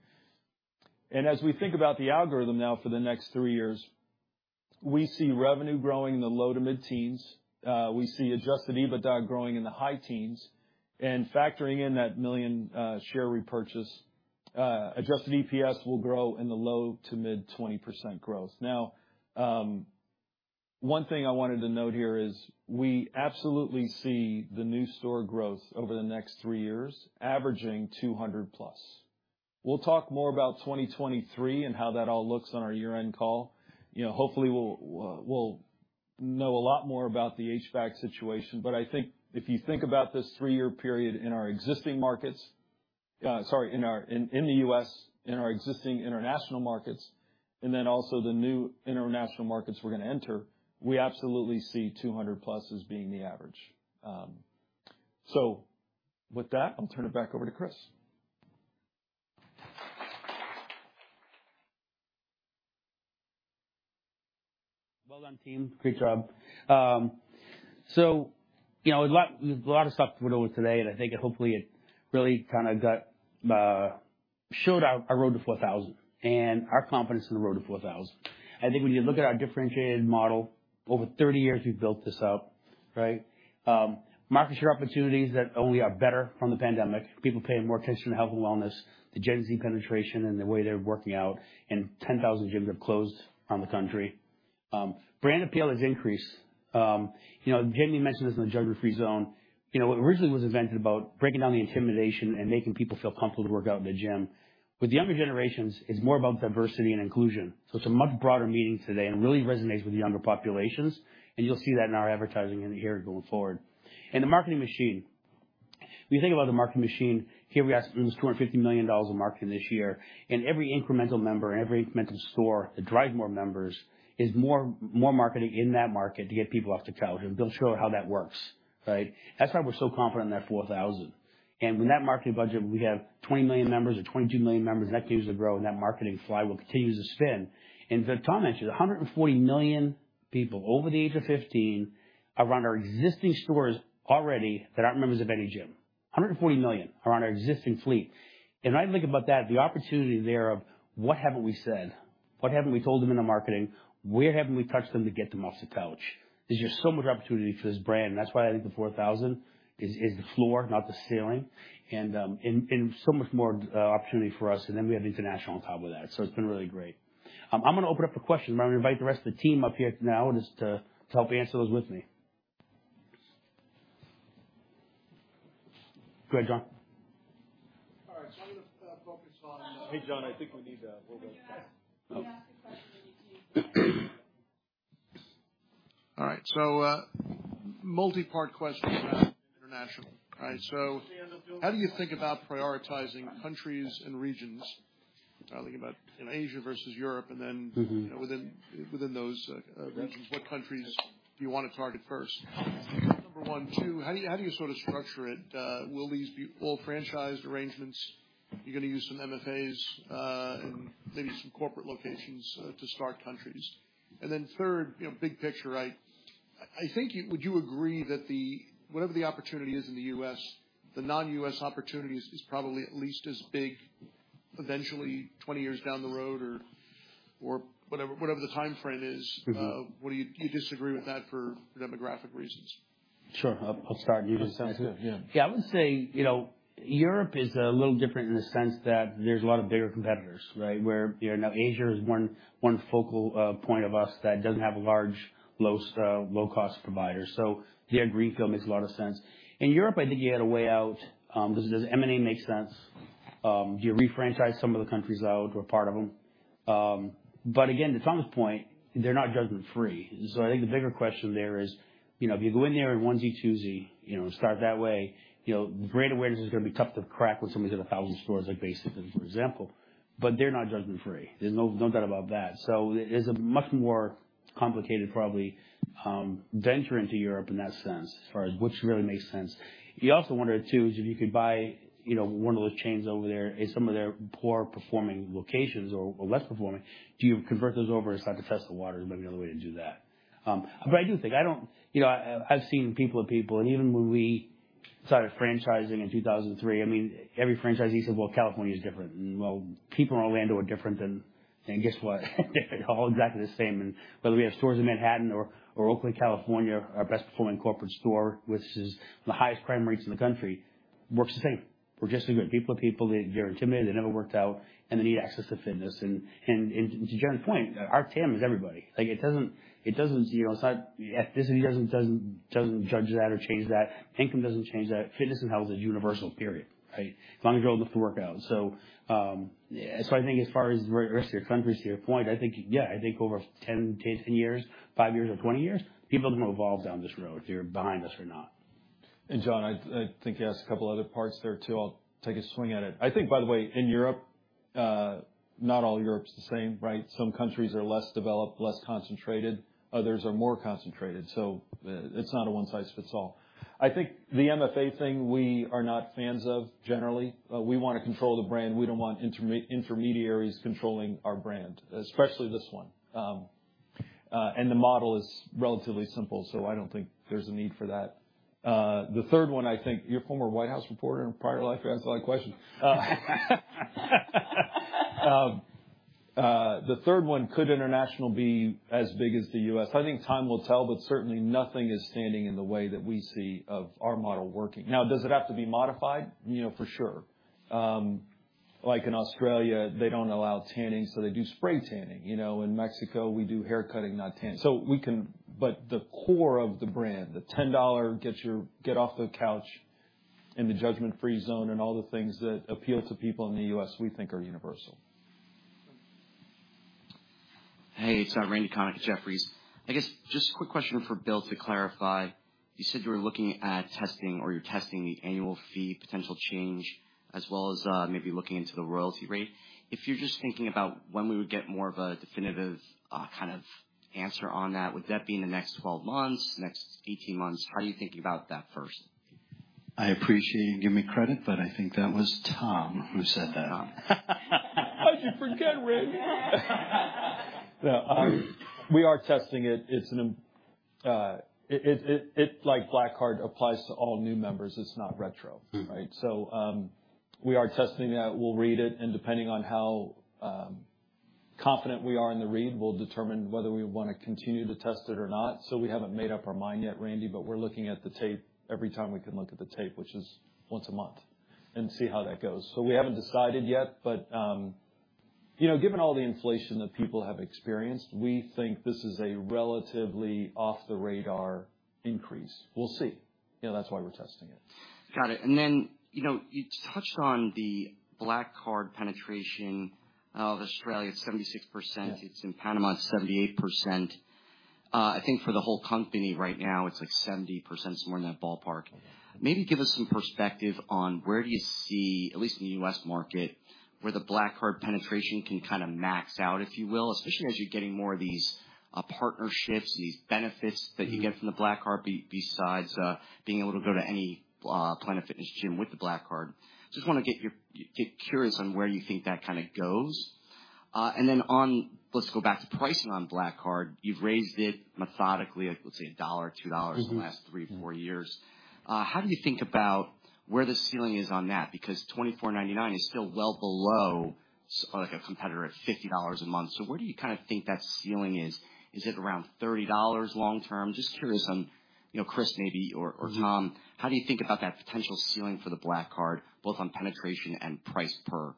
As we think about the algorithm now for the next three years, we see revenue growing in the low- to mid-teens%. We see adjusted EBITDA growing in the high teens%. Factoring in that $1 million share repurchase, adjusted EPS will grow in the low- to mid-20% growth. Now, one thing I wanted to note here is we absolutely see the new store growth over the next three years averaging 200+. We'll talk more about 2023 and how that all looks on our year-end call. You know, hopefully, we'll know a lot more about the HVAC situation. I think if you think about this three-year period in our existing markets... Sorry, in the US, in our existing international markets, and then also the new international markets we're gonna enter, we absolutely see 200+ as being the average. So with that, I'll turn it back over to Chris. Well done, team. Great job. You know, a lot of stuff to go over today, and I think it really kinda showed our road to 4,000 and our confidence in the road to 4,000. I think when you look at our differentiated model, over 30 years, we've built this up, right? Market share opportunities that only are better from the pandemic. People paying more attention to health and wellness, the Gen Z penetration and the way they're working out, and 10,000 gyms have closed around the country. Brand appeal has increased. You know, Jamie mentioned this in the Judgement Free Zone. You know, what originally was invented about breaking down the intimidation and making people feel comfortable to work out in the gym. With the younger generations, it's more about diversity and inclusion, so it's a much broader meaning today and really resonates with the younger populations, and you'll see that in our advertising in the years going forward. The marketing machine. When you think about the marketing machine, here we are spending $250 million on marketing this year, and every incremental member and every incremental store that drive more members is more marketing in that market to get people off the couch. They'll show how that works, right? That's why we're so confident in that 4,000. With that marketing budget, when we have 20 million members or 22 million members, and that continues to grow, and that marketing flywheel continues to spin. Tom mentioned, 140 million people over the age of 15 around our existing stores already that aren't members of any gym. 140 million are on our existing fleet. When I think about that, the opportunity there of what haven't we said, what haven't we told them in our marketing, where haven't we touched them to get them off the couch? There's just so much opportunity for this brand, and that's why I think the 4,000 is the floor, not the ceiling. So much more opportunity for us, and then we have the international on top of that. It's been really great. I'm gonna open up for questions. I'm gonna invite the rest of the team up here now just to help answer those with me. Go ahead, John. All right. I'm gonna focus on. Hey, John, I think we need a little bit of. Can you ask the question? All right. Multi-part question about international. All right. How do you think about prioritizing countries and regions? Thinking about, you know, Asia versus Europe, and then. Mm-hmm You know, within those regions, what countries do you want to target first? Number one. Two, how do you sort of structure it? Will these be all franchised arrangements? You're going to use some MFAs and maybe some corporate locations to start countries. Third, you know, big picture, I think you would you agree that whatever the opportunity is in the U.S., the non-U.S. opportunity is probably at least as big eventually 20 years down the road or whatever the timeframe is. Mm-hmm. Do you disagree with that for demographic reasons? Sure. I'll start. You can sense it. Yeah. Yeah. I would say, you know, Europe is a little different in the sense that there's a lot of bigger competitors, right? Where, you know, now Asia is one focal point of us that doesn't have a large low-cost providers. So yeah, greenfield makes a lot of sense. In Europe, I think you had a way out, because does M&A make sense? Do you refranchise some of the countries out or part of them? But again, to Tom's point, they're not judgment free. So I think the bigger question there is, you know, if you go in there and onesie, twosie, you know, start that way, you know, brand awareness is gonna be tough to crack when somebody's at a thousand stores like Basic-Fit, for example. But they're not judgment free. There's no doubt about that. It is a much more complicated, probably, venture into Europe in that sense, as far as which really makes sense. You also wonder, too, if you could buy, you know, one of those chains over there and some of their poor-performing locations or less performing, do you convert those over and start to test the waters? There might be another way to do that. But I do think, you know, I've seen people tell people, and even when we started franchising in 2003, I mean, every franchisee said, "Well, California is different." Well, people in Orlando are different than. Guess what? They're all exactly the same. Whether we have stores in Manhattan or Oakland, California, our best-performing corporate store, which has the highest crime rate in the country, works the same. We're just a gym for people. They get intimidated, it never worked out, and they need access to fitness. To John's point, our TAM is everybody. Like, it doesn't, you know, it's not. Ethnicity doesn't judge that or change that. Income doesn't change that. Fitness and health is universal, period, right? As long as you're old enough to work out. I think as far as the rest of your countries to your point, yeah, over 10 years, 5 years or 20 years, people are gonna evolve down this road, if you're behind us or not. John, I think you asked a couple other parts there, too. I'll take a swing at it. I think, by the way, in Europe, not all Europe's the same, right? Some countries are less developed, less concentrated, others are more concentrated. It's not a one-size-fits-all. I think the MFA thing, we are not fans of generally. We wanna control the brand. We don't want intermediaries controlling our brand, especially this one. The model is relatively simple, so I don't think there's a need for that. The third one, I think you're a former White House reporter in a prior life. You ask a lot of questions. The third one, could international be as big as the US? I think time will tell, but certainly nothing is standing in the way that we see of our model working. Now, does it have to be modified? You know, for sure. Like in Australia. They don't allow tanning, so they do spray tanning. You know, in Mexico, we do haircutting, not tanning. The core of the brand, the $10 get your, get off the couch in the Judgment Free Zone, and all the things that appeal to people in the US, we think are universal. Hey, it's Randy Konik at Jefferies. I guess just a quick question for Bill to clarify. You said you were looking at testing or you're testing the annual fee potential change as well as maybe looking into the royalty rate. If you're just thinking about when we would get more of a definitive kind of answer on that, would that be in the next 12 months, next 18 months? How are you thinking about that first? I appreciate you giving me credit, but I think that was Tom who said that. How'd you forget, Randy? No, we are testing it. It's like Black Card applies to all new members. It's not retro, right? We are testing that. We'll read it, and depending on how confident we are in the read, we'll determine whether we wanna continue to test it or not. We haven't made up our mind yet, Randy, but we're looking at the tape every time we can look at the tape, which is once a month, and see how that goes. We haven't decided yet, but you know, given all the inflation that people have experienced, we think this is a relatively off the radar increase. We'll see. You know, that's why we're testing it. Got it. You know, you touched on the Black Card penetration of Australia. It's 76%. Yeah. It's in Panama, it's 78%. I think for the whole company right now, it's like 70%. It's more in that ballpark. Maybe give us some perspective on where do you see, at least in the US market, where the Black Card penetration can kind of max out, if you will, especially as you're getting more of these partnerships, these benefits that you get from the Black Card besides being able to go to any Planet Fitness gym with the Black Card. Just wanna get curious on where you think that kinda goes. Let's go back to pricing on Black Card. You've raised it methodically, let's say $1, $2 in the last 3, 4 years. How do you think about where the ceiling is on that? Because $24.99 is still well below like a competitor at $50 a month. Where do you kinda think that ceiling is? Is it around $30 long term? Just curious on, you know, Chris, maybe or Tom, how do you think about that potential ceiling for the Black Card, both on penetration and price per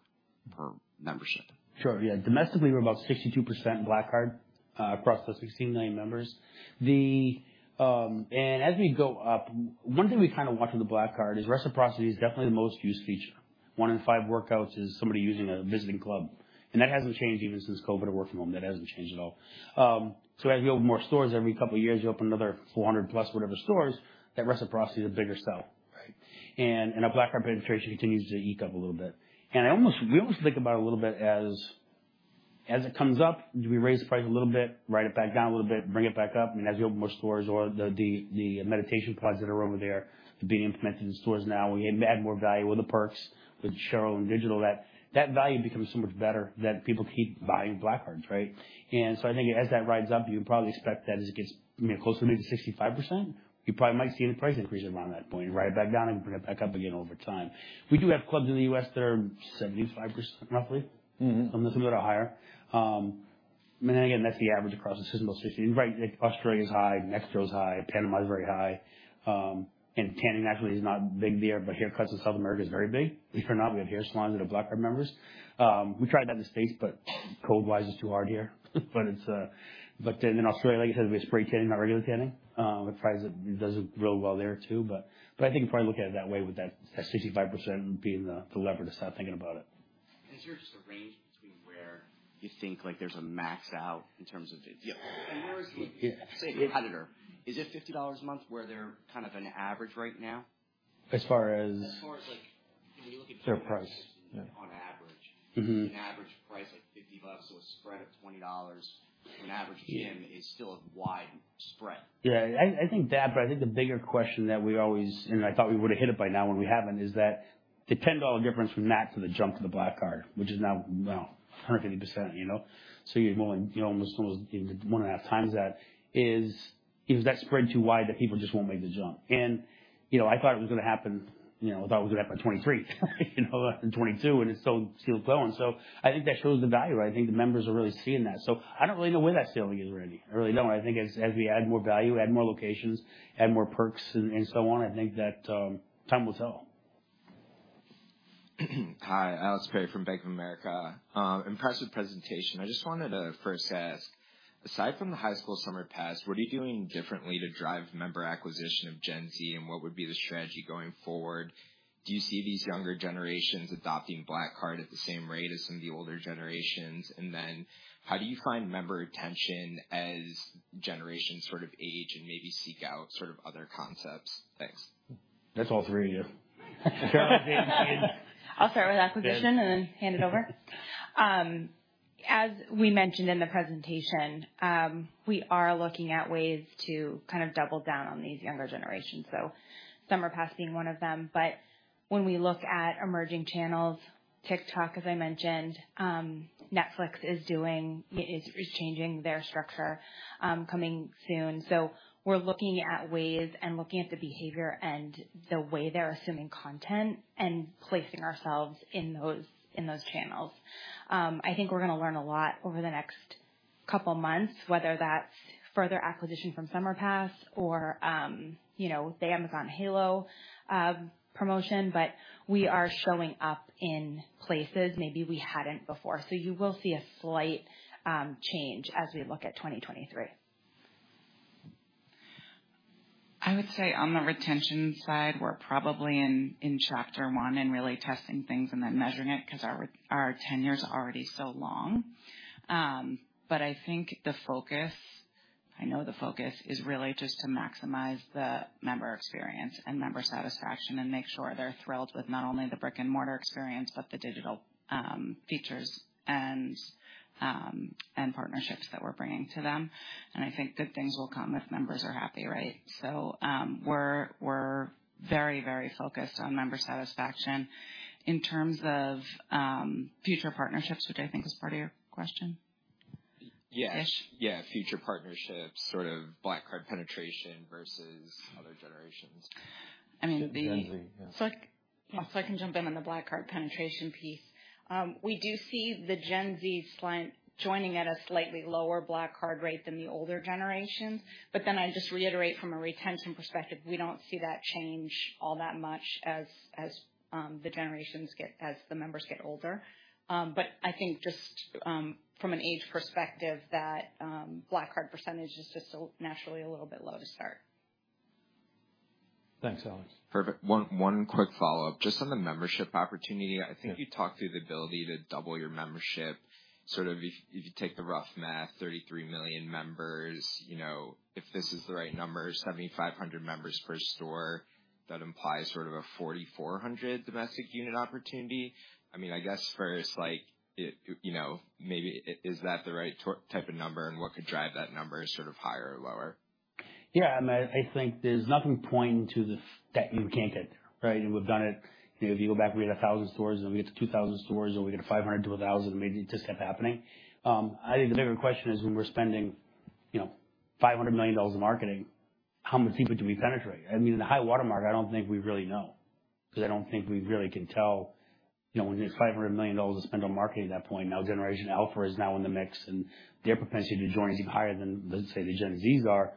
membership? Sure. Yeah. Domestically, we're about 62% Black Card across those 16 million members. As we go up, one thing we kind of watch with the Black Card is reciprocity is definitely the most used feature. 1 in 5 workouts is somebody using a visiting club, and that hasn't changed even since COVID or work from home. That hasn't changed at all. As we open more stores every couple years, you open another 400+ whatever stores, that reciprocity is a bigger sell, right? And our Black Card penetration continues to inch up a little bit. We almost think about it a little bit as it comes up, do we raise the price a little bit, write it back down a little bit, bring it back up, and as we open more stores or the meditation pods that are over there being implemented in stores now, we add more value with the perks, with Cheryl and digital, that value becomes so much better that people keep buying Black Cards, right? I think as that rises up, you can probably expect that as it gets, you know, closer maybe to 65%, you probably might see the price increase around that point and write it back down and bring it back up again over time. We do have clubs in the U.S. that are 75%, roughly. Mm-hmm. Some that are a little higher. Then again, that's the average across the system, about 60. Right, like Australia is high, Mexico is high, Panama is very high. Tanning actually is not big there, but haircuts in South America is very big. If you're not, we have hair salons that are Black Card members. We tried that in the States, but code-wise it's too hard here. In Australia, like I said, we have spray tanning, not regular tanning. I'm surprised it does real well there too. I think if I look at it that way, with that 65% being the lever to start thinking about it. Is there just a range between where you think like there's a max out in terms of the? Yeah. Where is the, say, competitor? Is it $50 a month where they're kind of an average right now? As far as- As far as like, when you look at. Their price. On average. Mm-hmm. An average price like $50. A spread of $20 from average gym is still a wide spread. Yeah, I think that, but I think the bigger question I thought we would've hit it by now and we haven't is that the $10 difference from that to the jump to the Black Card, which is now, well, 150%, you know. You're more than, you know, almost 1.5 times that. Is that spread too wide that people just won't make the jump? You know, I thought it was gonna happen, you know, I thought it was gonna happen 2023, you know, and 2022, and it's still going. I think that shows the value. I think the members are really seeing that. I don't really know where that ceiling is, Randy. I really don't. I think as we add more value, add more locations, add more perks and so on, I think that time will tell. Hi, Alex Perry from Bank of America. Impressive presentation. I just wanted to first ask, aside from the High School Summer Pass, what are you doing differently to drive member acquisition of Gen Z, and what would be the strategy going forward? Do you see these younger generations adopting Black Card at the same rate as some of the older generations? How do you find member retention as generations sort of age and maybe seek out sort of other concepts? Thanks. That's all three of you. Go ahead, Katie. I'll start with acquisition and then hand it over. As we mentioned in the presentation, we are looking at ways to kind of double down on these younger generations, so summer pass being one of them. When we look at emerging channels, TikTok, as I mentioned, Netflix is changing their structure, coming soon. We're looking at ways and looking at the behavior and the way they're consuming content and placing ourselves in those channels. I think we're gonna learn a lot over the next A couple months, whether that's further acquisition from Summer Pass or, you know, the Amazon Halo promotion, but we are showing up in places maybe we hadn't before. You will see a slight change as we look at 2023. I would say on the retention side, we're probably in chapter one and really testing things and then measuring it because our tenure is already so long. I think the focus is really just to maximize the member experience and member satisfaction and make sure they're thrilled with not only the brick-and-mortar experience, but the digital features and partnerships that we're bringing to them. I think good things will come if members are happy, right? We're very focused on member satisfaction. In terms of future partnerships, which I think is part of your question. Yes. Ish? Yeah, future partnerships, sort of Black Card penetration versus other generations. I mean. Gen Z, yeah. I can jump in on the Black Card penetration piece. We do see the Gen Z slant joining at a slightly lower Black Card rate than the older generations. I just reiterate from a retention perspective, we don't see that change all that much as the members get older. I think from an age perspective Black Card percentage is just naturally a little bit low to start. Thanks, Alex. Perfect. One quick follow-up. Just on the membership opportunity. Yeah. I think you talked through the ability to double your membership, sort of if you take the rough math, 33 million members, you know, if this is the right number, 7,500 members per store, that implies sort of a 4,400 domestic unit opportunity. I mean, I guess as far as like, you know, maybe is that the right type of number and what could drive that number sort of higher or lower? Yeah. I mean, I think there's nothing pointing to the fact that you can't get there, right? We've done it. You know, if you go back, we had 1,000 stores, and then we get to 2,000 stores, and we get 500 to 1,000, and maybe it just kept happening. I think the bigger question is when we're spending, you know, $500 million in marketing, how much deeper do we penetrate? I mean, in the high water mark, I don't think we really know because I don't think we really can tell, you know, when there's $500 million to spend on marketing at that point. Now Generation Alpha is now in the mix, and their propensity to join is even higher than, let's say, the Gen Z's are,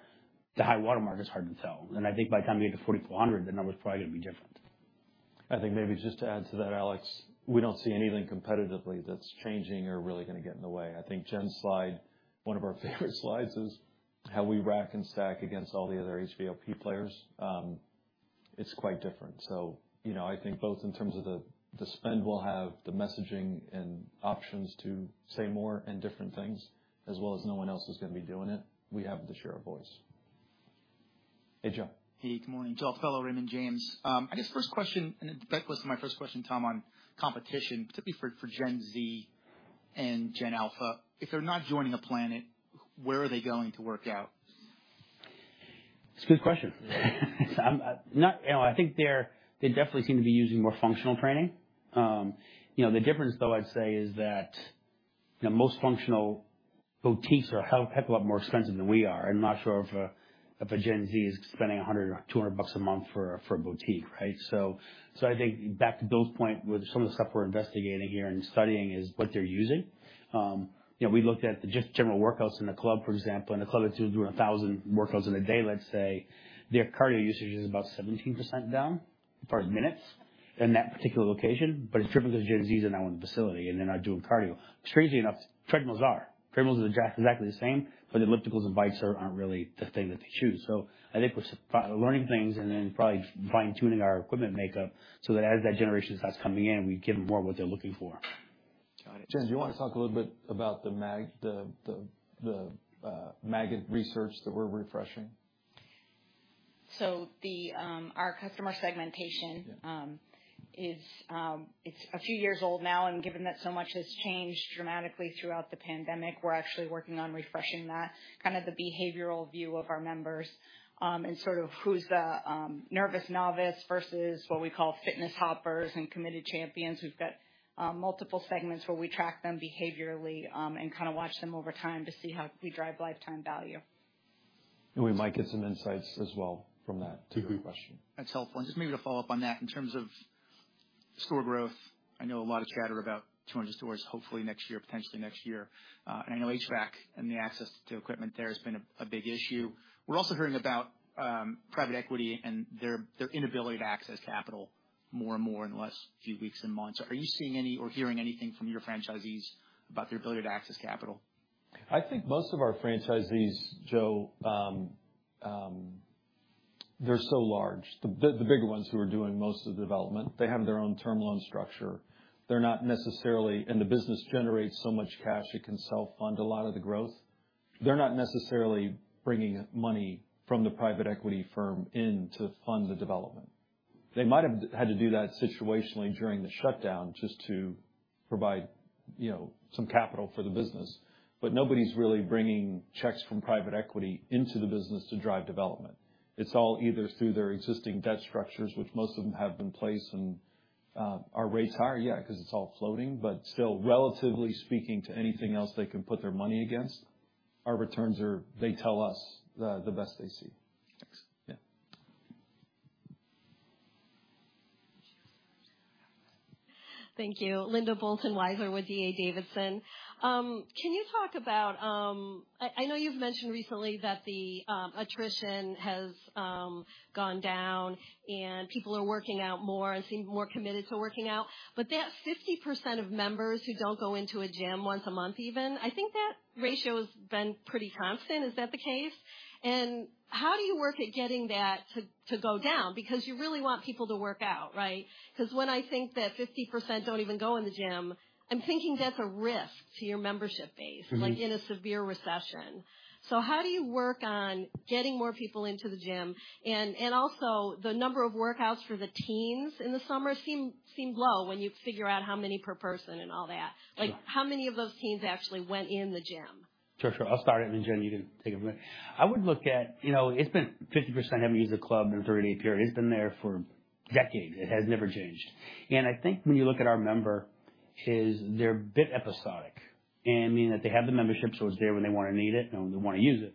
the high water mark is hard to tell. I think by the time we get to 4,400, the number is probably gonna be different. I think maybe just to add to that, Alex, we don't see anything competitively that's changing or really gonna get in the way. I think Jen's slide, one of our favorite slides, is how we rack and stack against all the other HVLP players. It's quite different. You know, I think both in terms of the spend, we'll have the messaging and options to say more and different things as well as no one else is gonna be doing it. We have the share of voice. Hey, Joe. Hey, good morning. Joe Altobello, Raymond James. I guess first question, it links back to my first question, Tom, on competition, typically for Gen Z and Gen Alpha. If they're not joining a Planet, where are they going to work out? It's a good question. You know, I think they definitely seem to be using more functional training. You know, the difference, though, I'd say is that, you know, most functional boutiques are a hell of a lot more expensive than we are. I'm not sure if a Gen Z is spending $100 or $200 a month for a boutique, right? I think back to Bill's point with some of the stuff we're investigating here and studying is what they're using. You know, we looked at just general workouts in the club, for example. In a club that's doing 1,000 workouts in a day, let's say, their cardio usage is about 17% down for minutes in that particular location. It's driven 'cause Gen Z is not in the facility and they're not doing cardio. Which, crazy enough, treadmills are exactly the same, but the ellipticals and bikes aren't really the thing that they choose. I think we're learning things and then probably fine-tuning our equipment makeup so that as that generation starts coming in, we give them more of what they're looking for. Got it. Jen, do you wanna talk a little bit about the MAG research that we're refreshing? Our customer segmentation- Yeah. It's a few years old now, and given that so much has changed dramatically throughout the pandemic, we're actually working on refreshing that, kind of the behavioral view of our members, and sort of who's the nervous novice versus what we call fitness hoppers and committed champions. We've got multiple segments where we track them behaviorally, and kind of watch them over time to see how we drive lifetime value. We might get some insights as well from that. It's a good question. That's helpful. Just maybe to follow up on that, in terms of store growth, I know a lot of chatter about 200 stores, hopefully next year, potentially next year. I know HVAC and the access to equipment there has been a big issue. We're also hearing about private equity and their inability to access capital more and more in the last few weeks and months. Are you seeing any or hearing anything from your franchisees about their ability to access capital? I think most of our franchisees, Joe, they're so large. The bigger ones who are doing most of the development, they have their own term loan structure. They're not necessarily the business generates so much cash, it can self-fund a lot of the growth. They're not necessarily bringing money from the private equity firm in to fund the development. They might have had to do that situationally during the shutdown just to provide, you know, some capital for the business. Nobody's really bringing checks from private equity into the business to drive development. It's all either through their existing debt structures, which most of them have in place. Are rates higher? Yeah, 'cause it's all floating. Still, relatively speaking to anything else they can put their money against, our returns are, they tell us, the best they see. Thank you. Linda Bolton-Weiser with D.A. Davidson. Can you talk about, I know you've mentioned recently that the attrition has gone down and people are working out more and seem more committed to working out. That 50% of members who don't go into a gym once a month even, I think that ratio has been pretty constant. Is that the case? How do you work at getting that to go down? Because you really want people to work out, right? Because when I think that 50% don't even go in the gym, I'm thinking that's a risk to your membership base. Mm-hmm. Like in a severe recession. How do you work on getting more people into the gym? And also, the number of workouts for the teens in the summer seem low when you figure out how many per person and all that. Yeah. Like, how many of those teens actually went in the gym? Sure. Sure. I'll start, and then Jenn, you can take it from there. I would look at, you know, it's been 50% haven't used the club in a thirty-day period. It's been there for decades. It has never changed. I think when you look at our member is they're a bit episodic in that they have the membership, so it's there when they want to need it and when they wanna use it.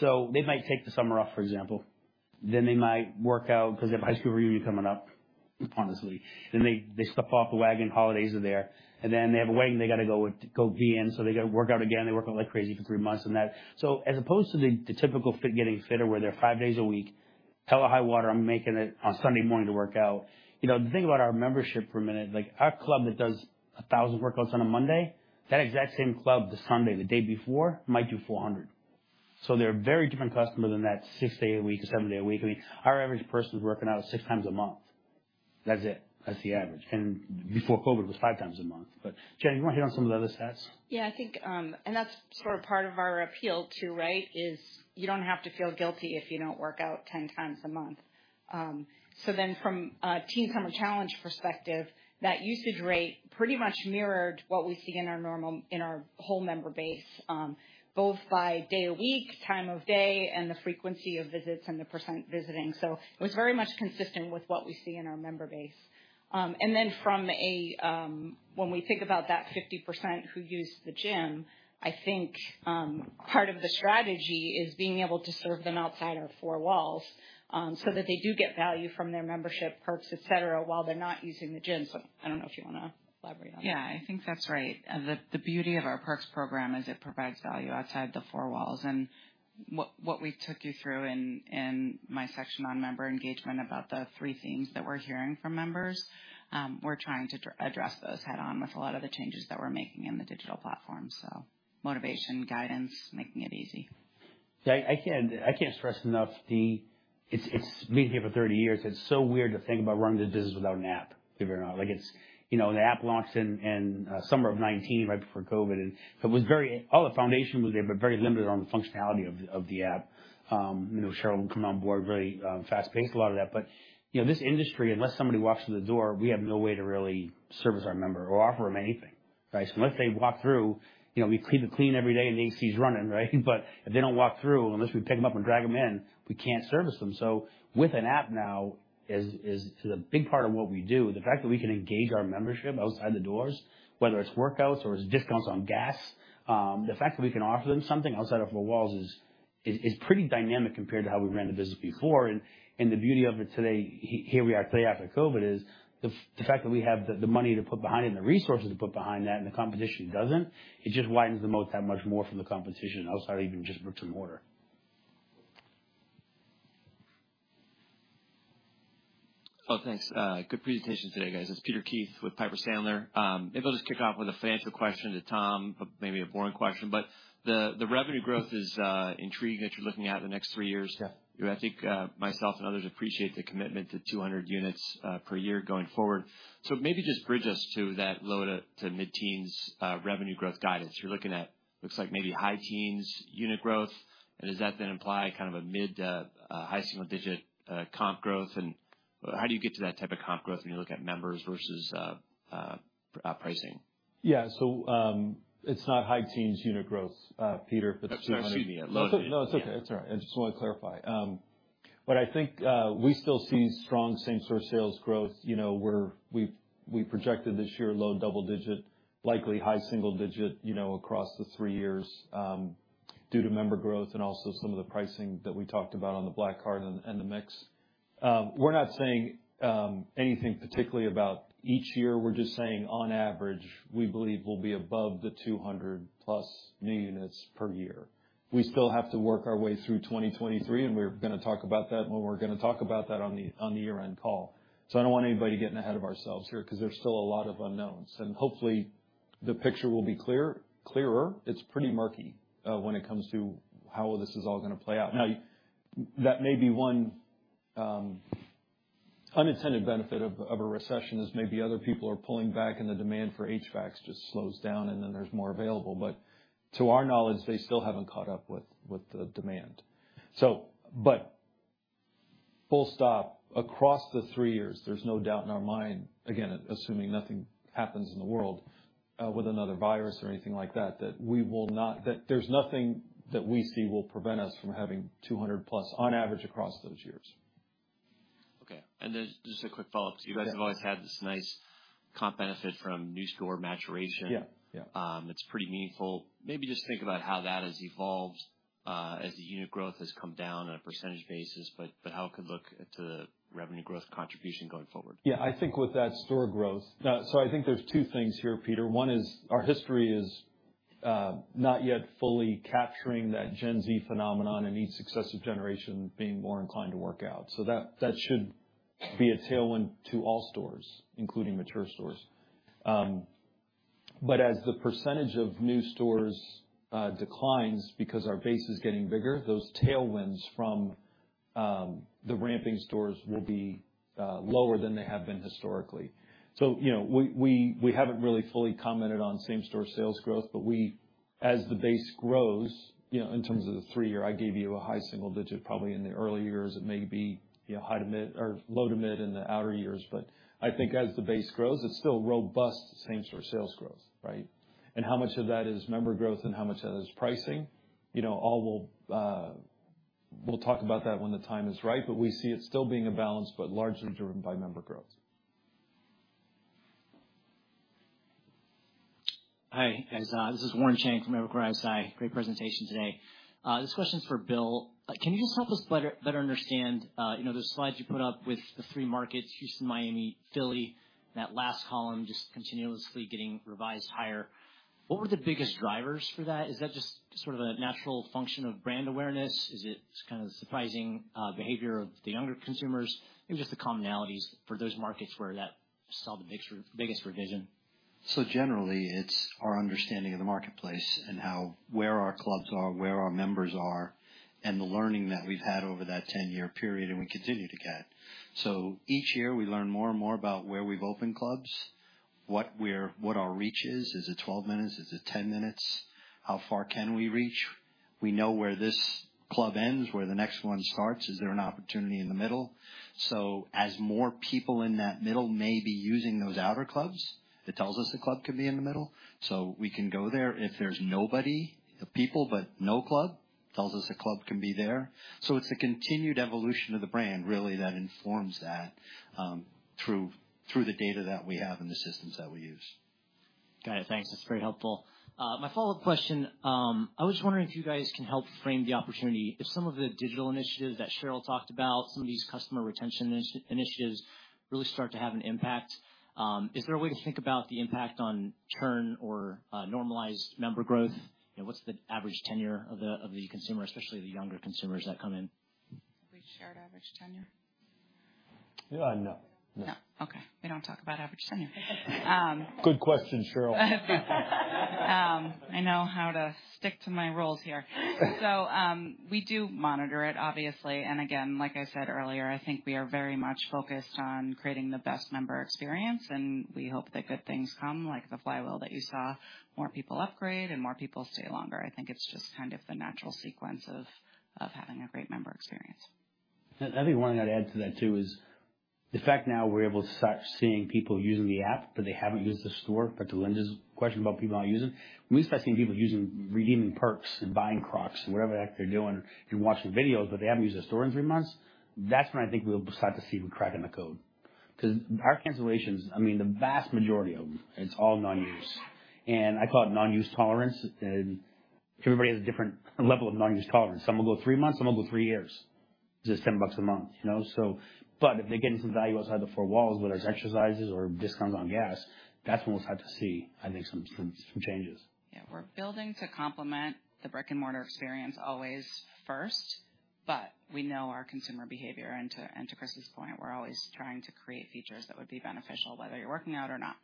They might take the summer off, for example. They might work out 'cause they have a high school reunion coming up, honestly. They slip off the wagon, holidays are there. They have a wedding they gotta go be in, so they gotta work out again. They work out like crazy for three months and that. As opposed to the typical Fit Getting Fitter, where they're 5 days a week, hell or high water, I'm making it on Sunday morning to work out. You know, the thing about our membership for a minute, like our club that does 1,000 workouts on a Monday, that exact same club, the Sunday, the day before, might do 400. They're a very different customer than that 6 day a week to 7 day a week. Our average person's working out 6 times a month. That's it. That's the average. And before COVID, it was 5 times a month. Jen, you wanna hit on some of the other stats? Yeah, I think, and that's sort of part of our appeal, too, right? It's you don't have to feel guilty if you don't work out 10 times a month. From a Teen Summer Challenge perspective, that usage rate pretty much mirrored what we see in our whole member base, both by day of week, time of day, and the frequency of visits and the percent visiting. It was very much consistent with what we see in our member base. From a, when we think about that 50% who use the gym, I think part of the strategy is being able to serve them outside our four walls, so that they do get value from their membership perks, et cetera, while they're not using the gym. I don't know if you wanna elaborate on that. Yeah, I think that's right. The beauty of our perks program is it provides value outside the four walls. What we took you through in my section on member engagement about the three themes that we're hearing from members, we're trying to address those head-on with a lot of the changes that we're making in the digital platform. So motivation, guidance, making it easy. It's been here for 30 years. It's so weird to think about running the business without an app, believe it or not. You know, the app launched in summer of 2019, right before COVID, and it was very. All the foundation was there, but very limited on the functionality of the app. You know, Cheryl came on board, very fast-paced, a lot of that. This industry, unless somebody walks through the door, we have no way to really service our member or offer them anything, right? Unless they walk through, you know, we keep it clean every day, and the AC's running, right? If they don't walk through, unless we pick them up and drag them in, we can't service them. With an app now is a big part of what we do. The fact that we can engage our membership outside the doors, whether it's workouts or it's discounts on gas, the fact that we can offer them something outside of our walls is pretty dynamic compared to how we ran the business before. The beauty of it today, here we are today after COVID, is the fact that we have the money to put behind it and the resources to put behind that and the competition doesn't, it just widens the moat that much more from the competition outside of even just bricks and mortar. Oh, thanks. Good presentation today, guys. It's Peter Keith with Piper Sandler. Maybe I'll just kick off with a financial question to Tom, but maybe a boring question. The revenue growth is intriguing that you're looking at in the next three years. Yeah. I think myself and others appreciate the commitment to 200 units per year going forward. Maybe just bridge us to that low- to mid-teens revenue growth guidance. You're looking at, looks like maybe high-teens unit growth. Does that then imply kind of a mid- to high single-digit comp growth? How do you get to that type of comp growth when you look at members versus pricing? Yeah. It's not high teens unit growth, Peter, but- Excuse me. Yeah. No, it's okay. It's all right. I just wanna clarify. I think we still see strong same store sales growth. You know, we projected this year low double-digit, likely high single-digit, you know, across the three years, due to member growth and also some of the pricing that we talked about on the Black Card and the mix. We're not saying anything particularly about each year. We're just saying on average, we believe we'll be above the 200+ new units per year. We still have to work our way through 2023, and we're gonna talk about that when we're gonna talk about that on the year-end call. I don't want anybody getting ahead of ourselves here because there's still a lot of unknowns. Hopefully the picture will be clear, clearer. It's pretty murky when it comes to how this is all gonna play out. Now, that may be one unintended benefit of a recession, is maybe other people are pulling back and the demand for HVACs just slows down, and then there's more available. To our knowledge, they still haven't caught up with the demand. Full stop, across the 3 years, there's no doubt in our mind, again, assuming nothing happens in the world with another virus or anything like that there's nothing that we see will prevent us from having 200+ on average across those years. Okay. Just a quick follow-up. Yeah. You guys have always had this nice comp benefit from new store maturation. Yeah. Yeah. It's pretty meaningful. Maybe just think about how that has evolved. As the unit growth has come down on a percentage basis, but how it could look to revenue growth contribution going forward. Yeah, I think with that store growth. I think there's two things here, Peter. One is our history is not yet fully capturing that Gen Z phenomenon and each successive generation being more inclined to work out. That should be a tailwind to all stores, including mature stores. As the percentage of new stores declines because our base is getting bigger, those tailwinds from the ramping stores will be lower than they have been historically. You know, we haven't really fully commented on same-store sales growth, but as the base grows, you know, in terms of the three-year, I gave you a high single-digit %, probably in the early years, it may be, you know, high- to mid- or low- to mid- in the outer years. I think as the base grows, it's still robust same-store sales growth, right? How much of that is member growth and how much of that is pricing? You know, we'll talk about that when the time is right, but we see it still being a balance, but largely driven by member growth. Hi, guys. This is Warren Cheng from Evercore ISI. Great presentation today. This question is for Bill. Can you just help us better understand, you know, the slides you put up with the three markets, Houston, Miami, Philly, that last column just continuously getting revised higher. What were the biggest drivers for that? Is that just sort of a natural function of brand awareness? Is it kind of surprising behavior of the younger consumers? Maybe just the commonalities for those markets where that saw the biggest revision. Generally, it's our understanding of the marketplace and where our clubs are, where our members are, and the learning that we've had over that 10-year period and we continue to get. Each year, we learn more and more about where we've opened clubs, what our reach is. Is it 12 minutes? Is it 10 minutes? How far can we reach? We know where this club ends, where the next one starts. Is there an opportunity in the middle? As more people in that middle may be using those outer clubs, it tells us the club can be in the middle, so we can go there. If there's people but no club, tells us the club can be there. It's a continued evolution of the brand really that informs that, through the data that we have and the systems that we use. Got it. Thanks. That's very helpful. My follow-up question, I was wondering if you guys can help frame the opportunity. If some of the digital initiatives that Cheryl talked about, some of these customer retention initiatives really start to have an impact, is there a way to think about the impact on churn or normalized member growth? You know, what's the average tenure of the consumer, especially the younger consumers that come in? Have we shared average tenure? No. No. No. Okay. We don't talk about average tenure. Good question, Cheryl. I know how to stick to my roles here. We do monitor it, obviously. Again, like I said earlier, I think we are very much focused on creating the best member experience, and we hope that good things come, like the flywheel that you saw, more people upgrade and more people stay longer. I think it's just kind of the natural sequence of having a great member experience. I think one thing I'd add to that, too, is the fact now we're able to start seeing people using the app, but they haven't used the store. Back to Linda's question about people not using, when we start seeing people redeeming perks and buying Crocs and whatever the heck they're doing and watching videos, but they haven't used the store in 3 months, that's when I think we'll start to see we're cracking the code. Because our cancellations, I mean, the vast majority of them, it's all non-use. I call it non-use tolerance. Everybody has a different level of non-use tolerance. Some will go 3 months, some will go 3 years. It's just $10 a month, you know? If they're getting some value outside the four walls, whether it's exercises or discounts on gas, that's when we'll start to see, I think, some changes. Yeah, we're building to complement the brick-and-mortar experience always first, but we know our consumer behavior. To Chris's point, we're always trying to create features that would be beneficial, whether you're working out or not.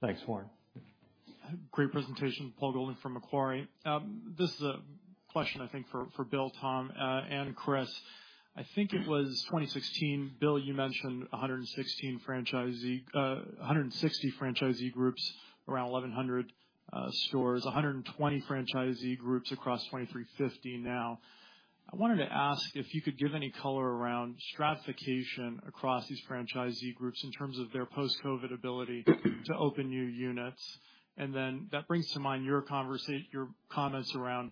Thanks, Warren. Great presentation. Paul Golding from Macquarie. This is a question, I think, for Bill, Tom, and Chris. I think it was 2016, Bill, you mentioned 160 franchisee groups, around 1,100 stores. 120 franchisee groups across 2,350 now. I wanted to ask if you could give any color around stratification across these franchisee groups in terms of their post-COVID ability to open new units. That brings to mind your comments around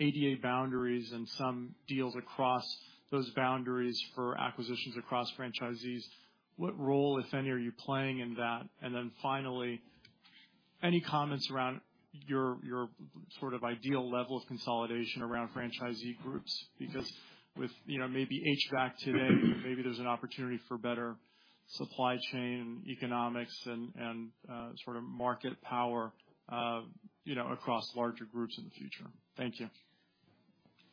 ADA boundaries and some deals across those boundaries for acquisitions across franchisees. What role, if any, are you playing in that? Finally, any comments around your ideal level of consolidation around franchisee groups? Because with, you know, maybe HVAC today, maybe there's an opportunity for better supply chain economics and sort of market power, you know, across larger groups in the future. Thank you.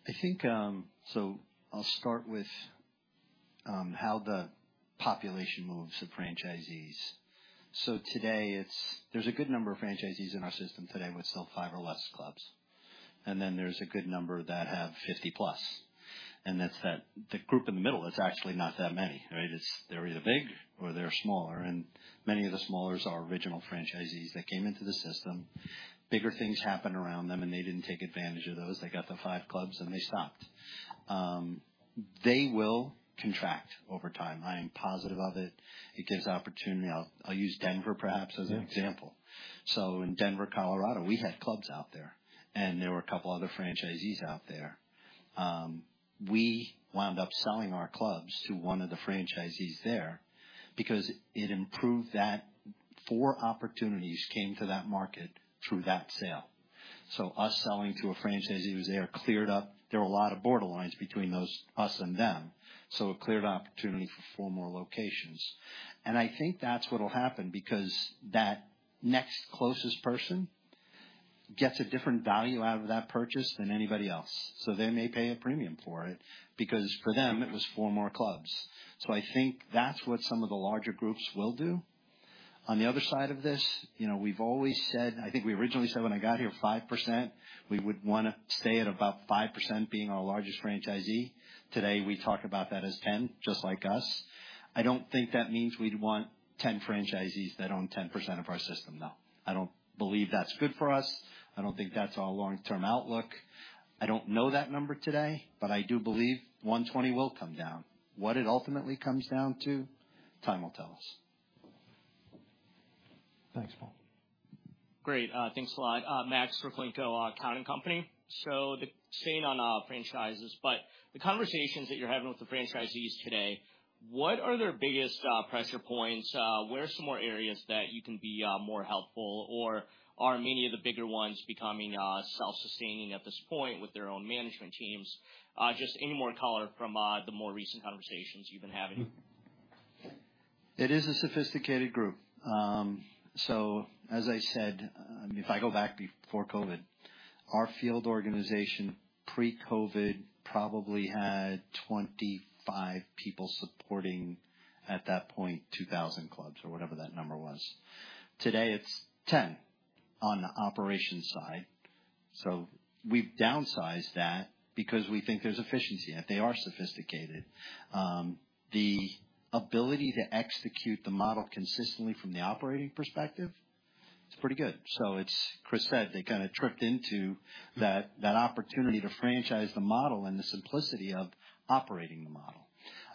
I think, so I'll start with, how the population moves the franchisees. Today there's a good number of franchisees in our system today with still five or less clubs. Then there's a good number that have 50 plus. That's that the group in the middle is actually not that many, right? It's, they're either big or they're smaller. Many of the smallers are original franchisees that came into the system. Bigger things happened around them, and they didn't take advantage of those. They got the five clubs, and they stopped. They will contract over time. I am positive of it. It gives opportunity. I'll use Denver, perhaps, as an example. In Denver, Colorado, we had clubs out there, and there were a couple other franchisees out there. We wound up selling our clubs to one of the franchisees there because it improved that. Four opportunities came to that market through that sale. Us selling to a franchisee who's there cleared up. There were a lot of borderlines between those, us and them. It cleared opportunity for four more locations. I think that's what'll happen, because that next closest person gets a different value out of that purchase than anybody else. They may pay a premium for it, because for them, it was four more clubs. I think that's what some of the larger groups will do. On the other side of this, you know, we've always said, I think we originally said when I got here, 5%, we would wanna stay at about 5% being our largest franchisee. Today, we talk about that as 10, just like us. I don't think that means we'd want 10 franchisees that own 10% of our system, no. I don't believe that's good for us. I don't think that's our long-term outlook. I don't know that number today, but I do believe 120 will come down. What it ultimately comes down to, time will tell us. Thanks, Paul. Great. Thanks a lot. Max Rakhlenko, Cowen. The same on franchises, but the conversations that you're having with the franchisees today, what are their biggest pressure points? Where are some more areas that you can be more helpful? Or are many of the bigger ones becoming self-sustaining at this point with their own management teams? Just any more color from the more recent conversations you've been having. It is a sophisticated group. As I said, if I go back before COVID, our field organization pre-COVID probably had 25 people supporting, at that point, 2,000 clubs or whatever that number was. Today, it's 10 on the operations side. We've downsized that because we think there's efficiency. They are sophisticated. The ability to execute the model consistently from the operating perspective, it's pretty good. As Chris said, they kinda tripped into that opportunity to franchise the model and the simplicity of operating the model.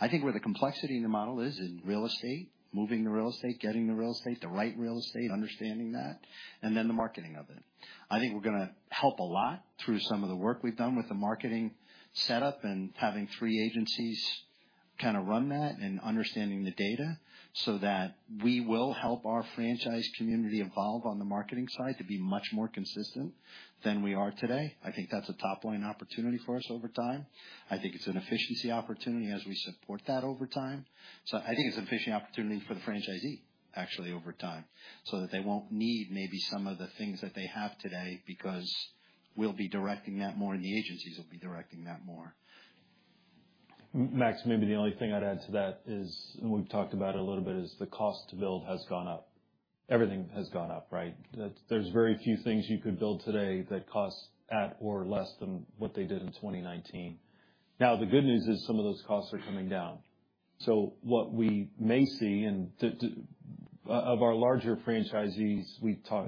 I think where the complexity in the model is in real estate, moving the real estate, getting the real estate, the right real estate, understanding that, and then the marketing of it. I think we're gonna help a lot through some of the work we've done with the marketing setup and having three agencies kinda run that and understanding the data so that we will help our franchise community evolve on the marketing side to be much more consistent than we are today. I think that's a top-line opportunity for us over time. I think it's an efficiency opportunity as we support that over time. I think it's an efficiency opportunity for the franchisee, actually, over time, so that they won't need maybe some of the things that they have today because we'll be directing that more, and the agencies will be directing that more. Max, maybe the only thing I'd add to that is, and we've talked about it a little bit, is the cost to build has gone up. Everything has gone up, right? There's very few things you could build today that cost at or less than what they did in 2019. Now, the good news is some of those costs are coming down. What we may see and that of our larger franchisees,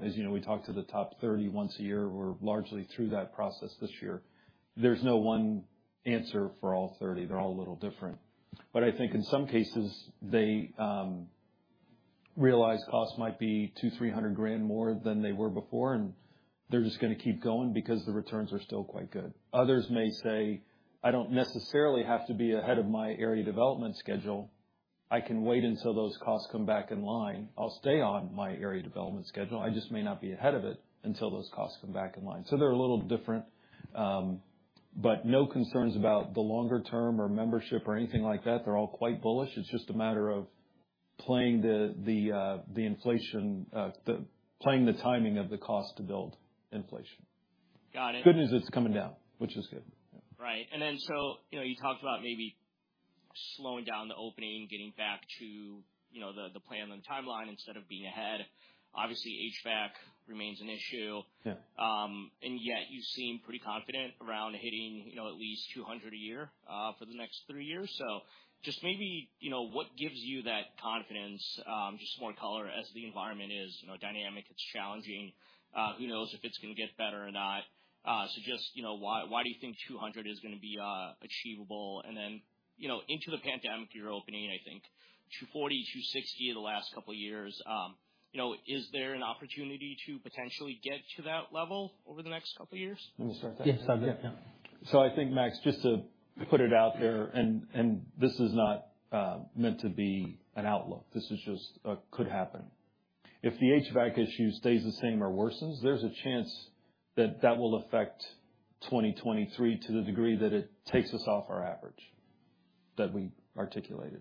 as you know, we talk to the top 30 once a year. We're largely through that process this year. There's no one answer for all 30. They're all a little different. I think in some cases they realize costs might be $200,000-$300,000 more than they were before, and they're just gonna keep going because the returns are still quite good. Others may say, "I don't necessarily have to be ahead of my area development schedule. I can wait until those costs come back in line. I'll stay on my area development schedule. I just may not be ahead of it until those costs come back in line." They're a little different, but no concerns about the longer term or membership or anything like that. They're all quite bullish. It's just a matter of playing the timing of the cost to build inflation. Got it. Good news, it's coming down, which is good. Right. You know, you talked about maybe slowing down the opening, getting back to, you know, the plan and the timeline instead of being ahead. Obviously, HVAC remains an issue. Yeah. Yet you seem pretty confident around hitting, you know, at least 200 a year for the next three years. Just maybe, you know, what gives you that confidence? Just more color as the environment is, you know, dynamic, it's challenging. Who knows if it's gonna get better or not. Just, you know, why do you think 200 is gonna be achievable? Then, you know, into the pandemic, you're opening, I think, 240, 260 the last couple of years. You know, is there an opportunity to potentially get to that level over the next couple of years? Let me start that. Yeah. Start that, yeah. I think, Max, just to put it out there, and this is not meant to be an outlook. This is just a could happen. If the HVAC issue stays the same or worsens, there's a chance that will affect 2023 to the degree that it takes us off our average that we articulated.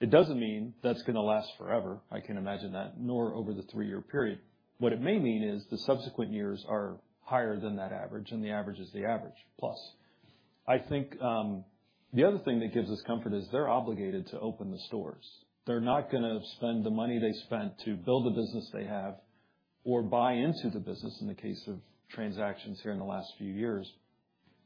It doesn't mean that's gonna last forever. I can imagine that, nor over the three-year period. What it may mean is the subsequent years are higher than that average, and the average is the average plus. I think, the other thing that gives us comfort is they're obligated to open the stores. They're not gonna spend the money they spent to build the business they have or buy into the business in the case of transactions here in the last few years.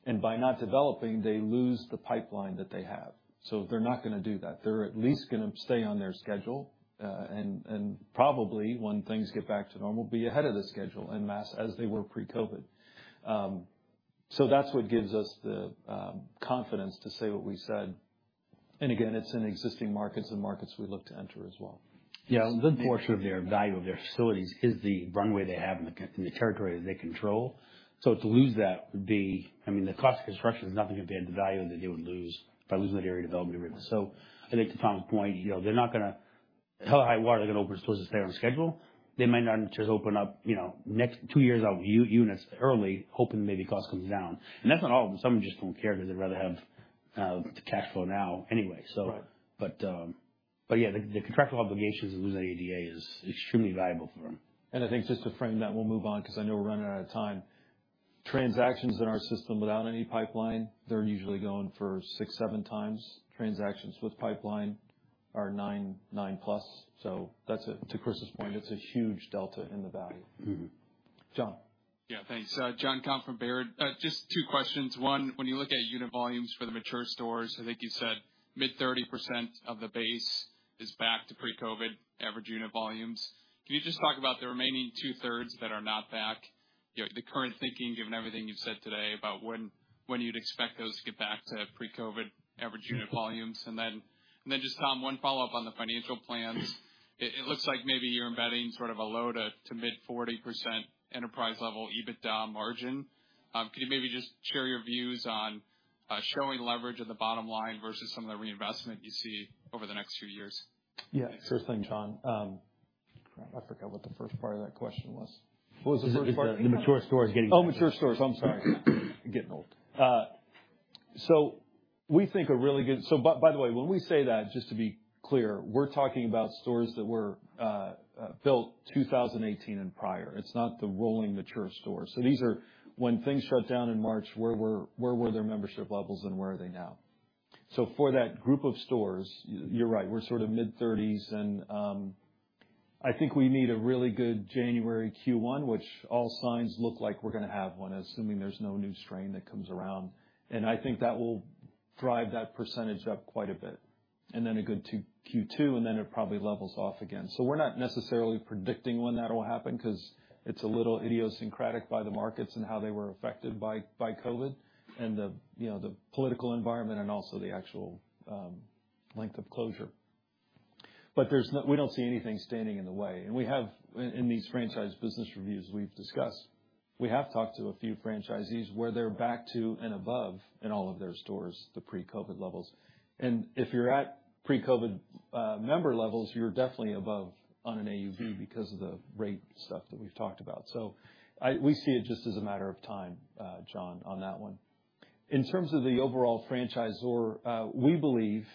By not developing, they lose the pipeline that they have. So they're not gonna do that. They're at least gonna stay on their schedule, and probably when things get back to normal, be ahead of the schedule en masse as they were pre-COVID. So that's what gives us the confidence to say what we said. Again, it's in existing markets and markets we look to enter as well. Yeah. A good portion of their value of their facilities is the runway they have in the territory that they control. To lose that would be, I mean, the cost of construction is nothing compared to the value that they would lose by losing that area development agreement. I think to Tom's point, you know, they're not gonna- Hell or high water, they're gonna open those places there on schedule. They might not just open up, you know, next two years of units early, hoping maybe cost comes down. That's not all of them. Some just don't care because they'd rather have the cash flow now anyway. Right. Yeah, the contractual obligations of losing ADA is extremely valuable for them. I think just to frame that, we'll move on because I know we're running out of time. Transactions in our system without any pipeline, they're usually going for 6-7x. Transactions with pipeline are 9-9+x. That's to Chris's point, it's a huge delta in the value. Mm-hmm. John. Yeah, thanks. Jonathan Komp from Baird. Just two questions. One, when you look at unit volumes for the mature stores, I think you said mid-30% of the base is back to pre-COVID average unit volumes. Can you just talk about the remaining two-thirds that are not back? You know, the current thinking, given everything you've said today about when you'd expect those to get back to pre-COVID average unit volumes. And then just, Tom, one follow-up on the financial plans. It looks like maybe you're embedding sort of a low- to mid-40% enterprise-level EBITDA margin. Could you maybe just share your views on showing leverage at the bottom line versus some of the reinvestment you see over the next few years? Yeah. First thing, John, crap, I forgot what the first part of that question was. What was the first part? The mature stores getting back. Mature stores. I'm sorry. Getting old. By the way, when we say that, just to be clear, we're talking about stores that were built 2018 and prior. It's not the rolling mature stores. These are when things shut down in March, where were their membership levels and where are they now? For that group of stores, you're right, we're sort of mid-30s%. I think we need a really good January Q1, which all signs look like we're gonna have one, assuming there's no new strain that comes around. I think that will drive that percentage up quite a bit. Then a good Q2, and then it probably levels off again. We're not necessarily predicting when that'll happen because it's a little idiosyncratic by the markets and how they were affected by COVID and the political environment and also the actual length of closure. But we don't see anything standing in the way. We have, in these franchise business reviews we've discussed, we have talked to a few franchisees where they're back to and above in all of their stores, the pre-COVID levels. If you're at pre-COVID member levels, you're definitely above on an AUV because of the rate stuff that we've talked about. We see it just as a matter of time, John, on that one. In terms of the overall franchisor, we believe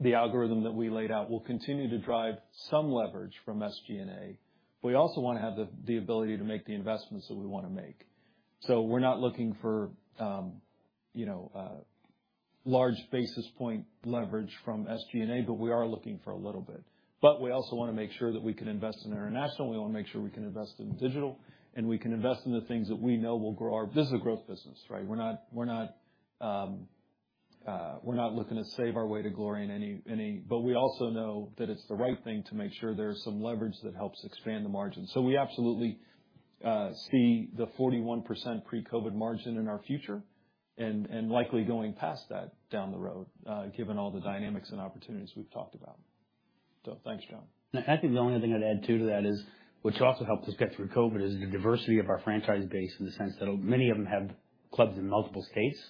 the algorithm that we laid out will continue to drive some leverage from SG&A. We also want to have the ability to make the investments that we want to make. We're not looking for large basis point leverage from SG&A, but we are looking for a little bit. We also want to make sure that we can invest in international, we want to make sure we can invest in digital, and we can invest in the things that we know will grow our business growth business, right? We're not looking to save our way to glory in any. We also know that it's the right thing to make sure there's some leverage that helps expand the margin. We absolutely see the 41% pre-COVID margin in our future and likely going past that down the road, given all the dynamics and opportunities we've talked about. Thanks, John. I think the only thing I'd add too to that is, which also helped us get through COVID, is the diversity of our franchise base in the sense that many of them have clubs in multiple states.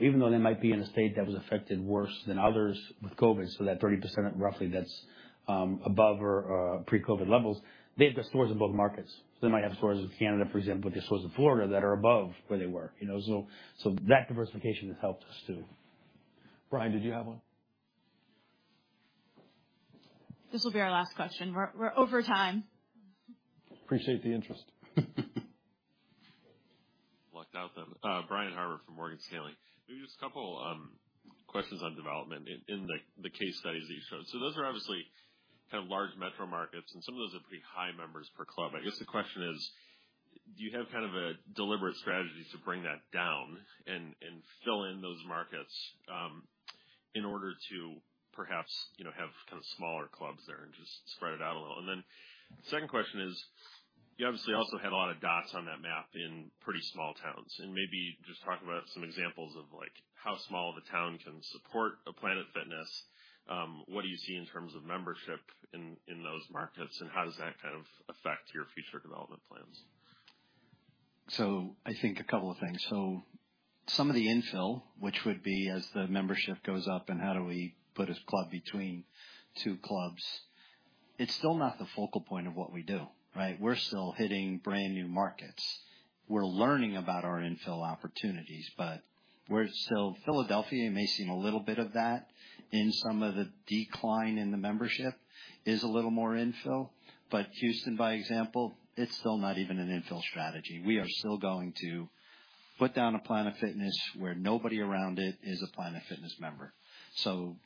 Even though they might be in a state that was affected worse than others with COVID, so that 30% roughly that's above or pre-COVID levels, they have the stores in both markets. They might have stores in Canada, for example, but they have stores in Florida that are above where they were. You know, so that diversification has helped us too. Brian, did you have one? This will be our last question. We're over time. Appreciate the interest. Brian Harbour from Morgan Stanley. Maybe just a couple questions on development in the case studies that you showed. Those are obviously kind of large metro markets, and some of those are pretty high members per club. I guess the question is, do you have kind of a deliberate strategy to bring that down and fill in those markets in order to perhaps, you know, have kind of smaller clubs there and just spread it out a little? Second question is, you obviously also had a lot of dots on that map in pretty small towns, and maybe just talk about some examples of, like, how small of a town can support a Planet Fitness. What do you see in terms of membership in those markets, and how does that kind of affect your future development plans? I think a couple of things. Some of the infill, which would be as the membership goes up and how do we put a club between two clubs, it's still not the focal point of what we do, right? We're still hitting brand-new markets. We're learning about our infill opportunities, but we're still Philadelphia may seem a little bit of that. Some of the decline in the membership is a little more infill. But Houston, for example, it's still not even an infill strategy. We are still going to put down a Planet Fitness where nobody around it is a Planet Fitness member.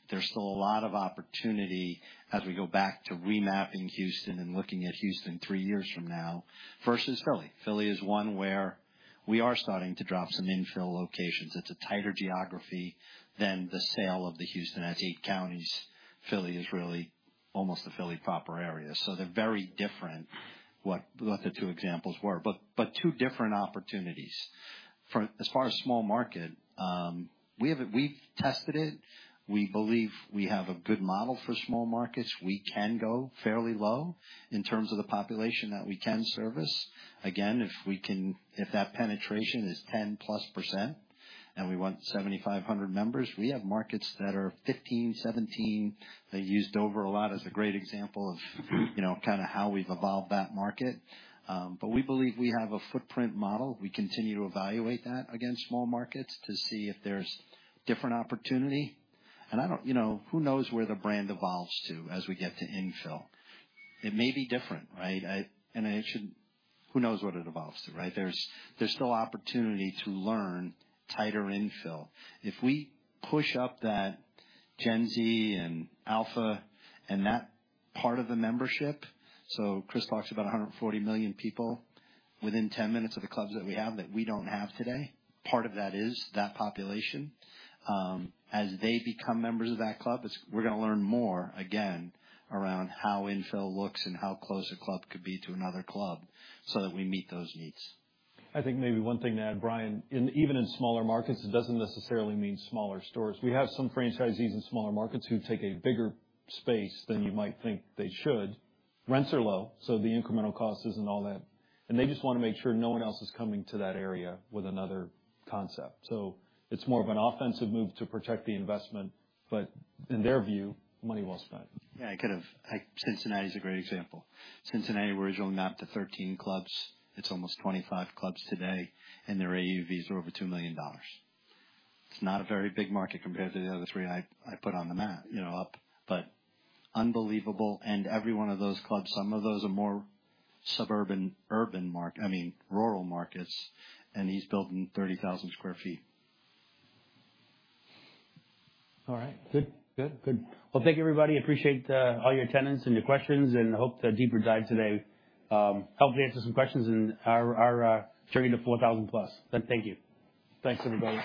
There's still a lot of opportunity as we go back to remapping Houston and looking at Houston three years from now versus Philly. Philly is one where we are starting to drop some infill locations. It's a tighter geography than the sale of the Houston at eight counties. Philly is really almost the Philly proper area. They're very different, the two examples were, two different opportunities. As far as small market, we've tested it. We believe we have a good model for small markets. We can go fairly low in terms of the population that we can service. Again, if that penetration is 10%+ and we want 7,500 members, we have markets that are 15, 17. They used Dover a lot as a great example of, you know, kinda how we've evolved that market. We believe we have a footprint model. We continue to evaluate that against small markets to see if there's different opportunity. I don't... You know, who knows where the brand evolves to as we get to infill. It may be different, right? It should. Who knows what it evolves to, right? There's still opportunity to learn tighter infill. If we push up that Gen Z and Gen Alpha and that part of the membership, Chris talks about 140 million people within 10 minutes of the clubs that we have that we don't have today. Part of that is that population. As they become members of that club, we're gonna learn more, again, around how infill looks and how close a club could be to another club so that we meet those needs. I think maybe one thing to add, Brian, even in smaller markets, it doesn't necessarily mean smaller stores. We have some franchisees in smaller markets who take a bigger space than you might think they should. Rents are low, so the incremental cost isn't all that. They just wanna make sure no one else is coming to that area with another concept. It's more of an offensive move to protect the investment, but in their view, money well spent. Yeah, kind of. Cincinnati is a great example. Cincinnati, we're originally mapped to 13 clubs. It's almost 25 clubs today, and their AUVs are over $2 million. It's not a very big market compared to the other three I put on the map, you know, but unbelievable. Every one of those clubs, some of those are more suburban, I mean, rural markets, and he's building 30,000 sq ft. All right. Good. Well, thank you everybody. Appreciate all your attendance and your questions, and hope the deeper dive today helped answer some questions in our journey to 4,000+. Thank you. Thanks, everybody.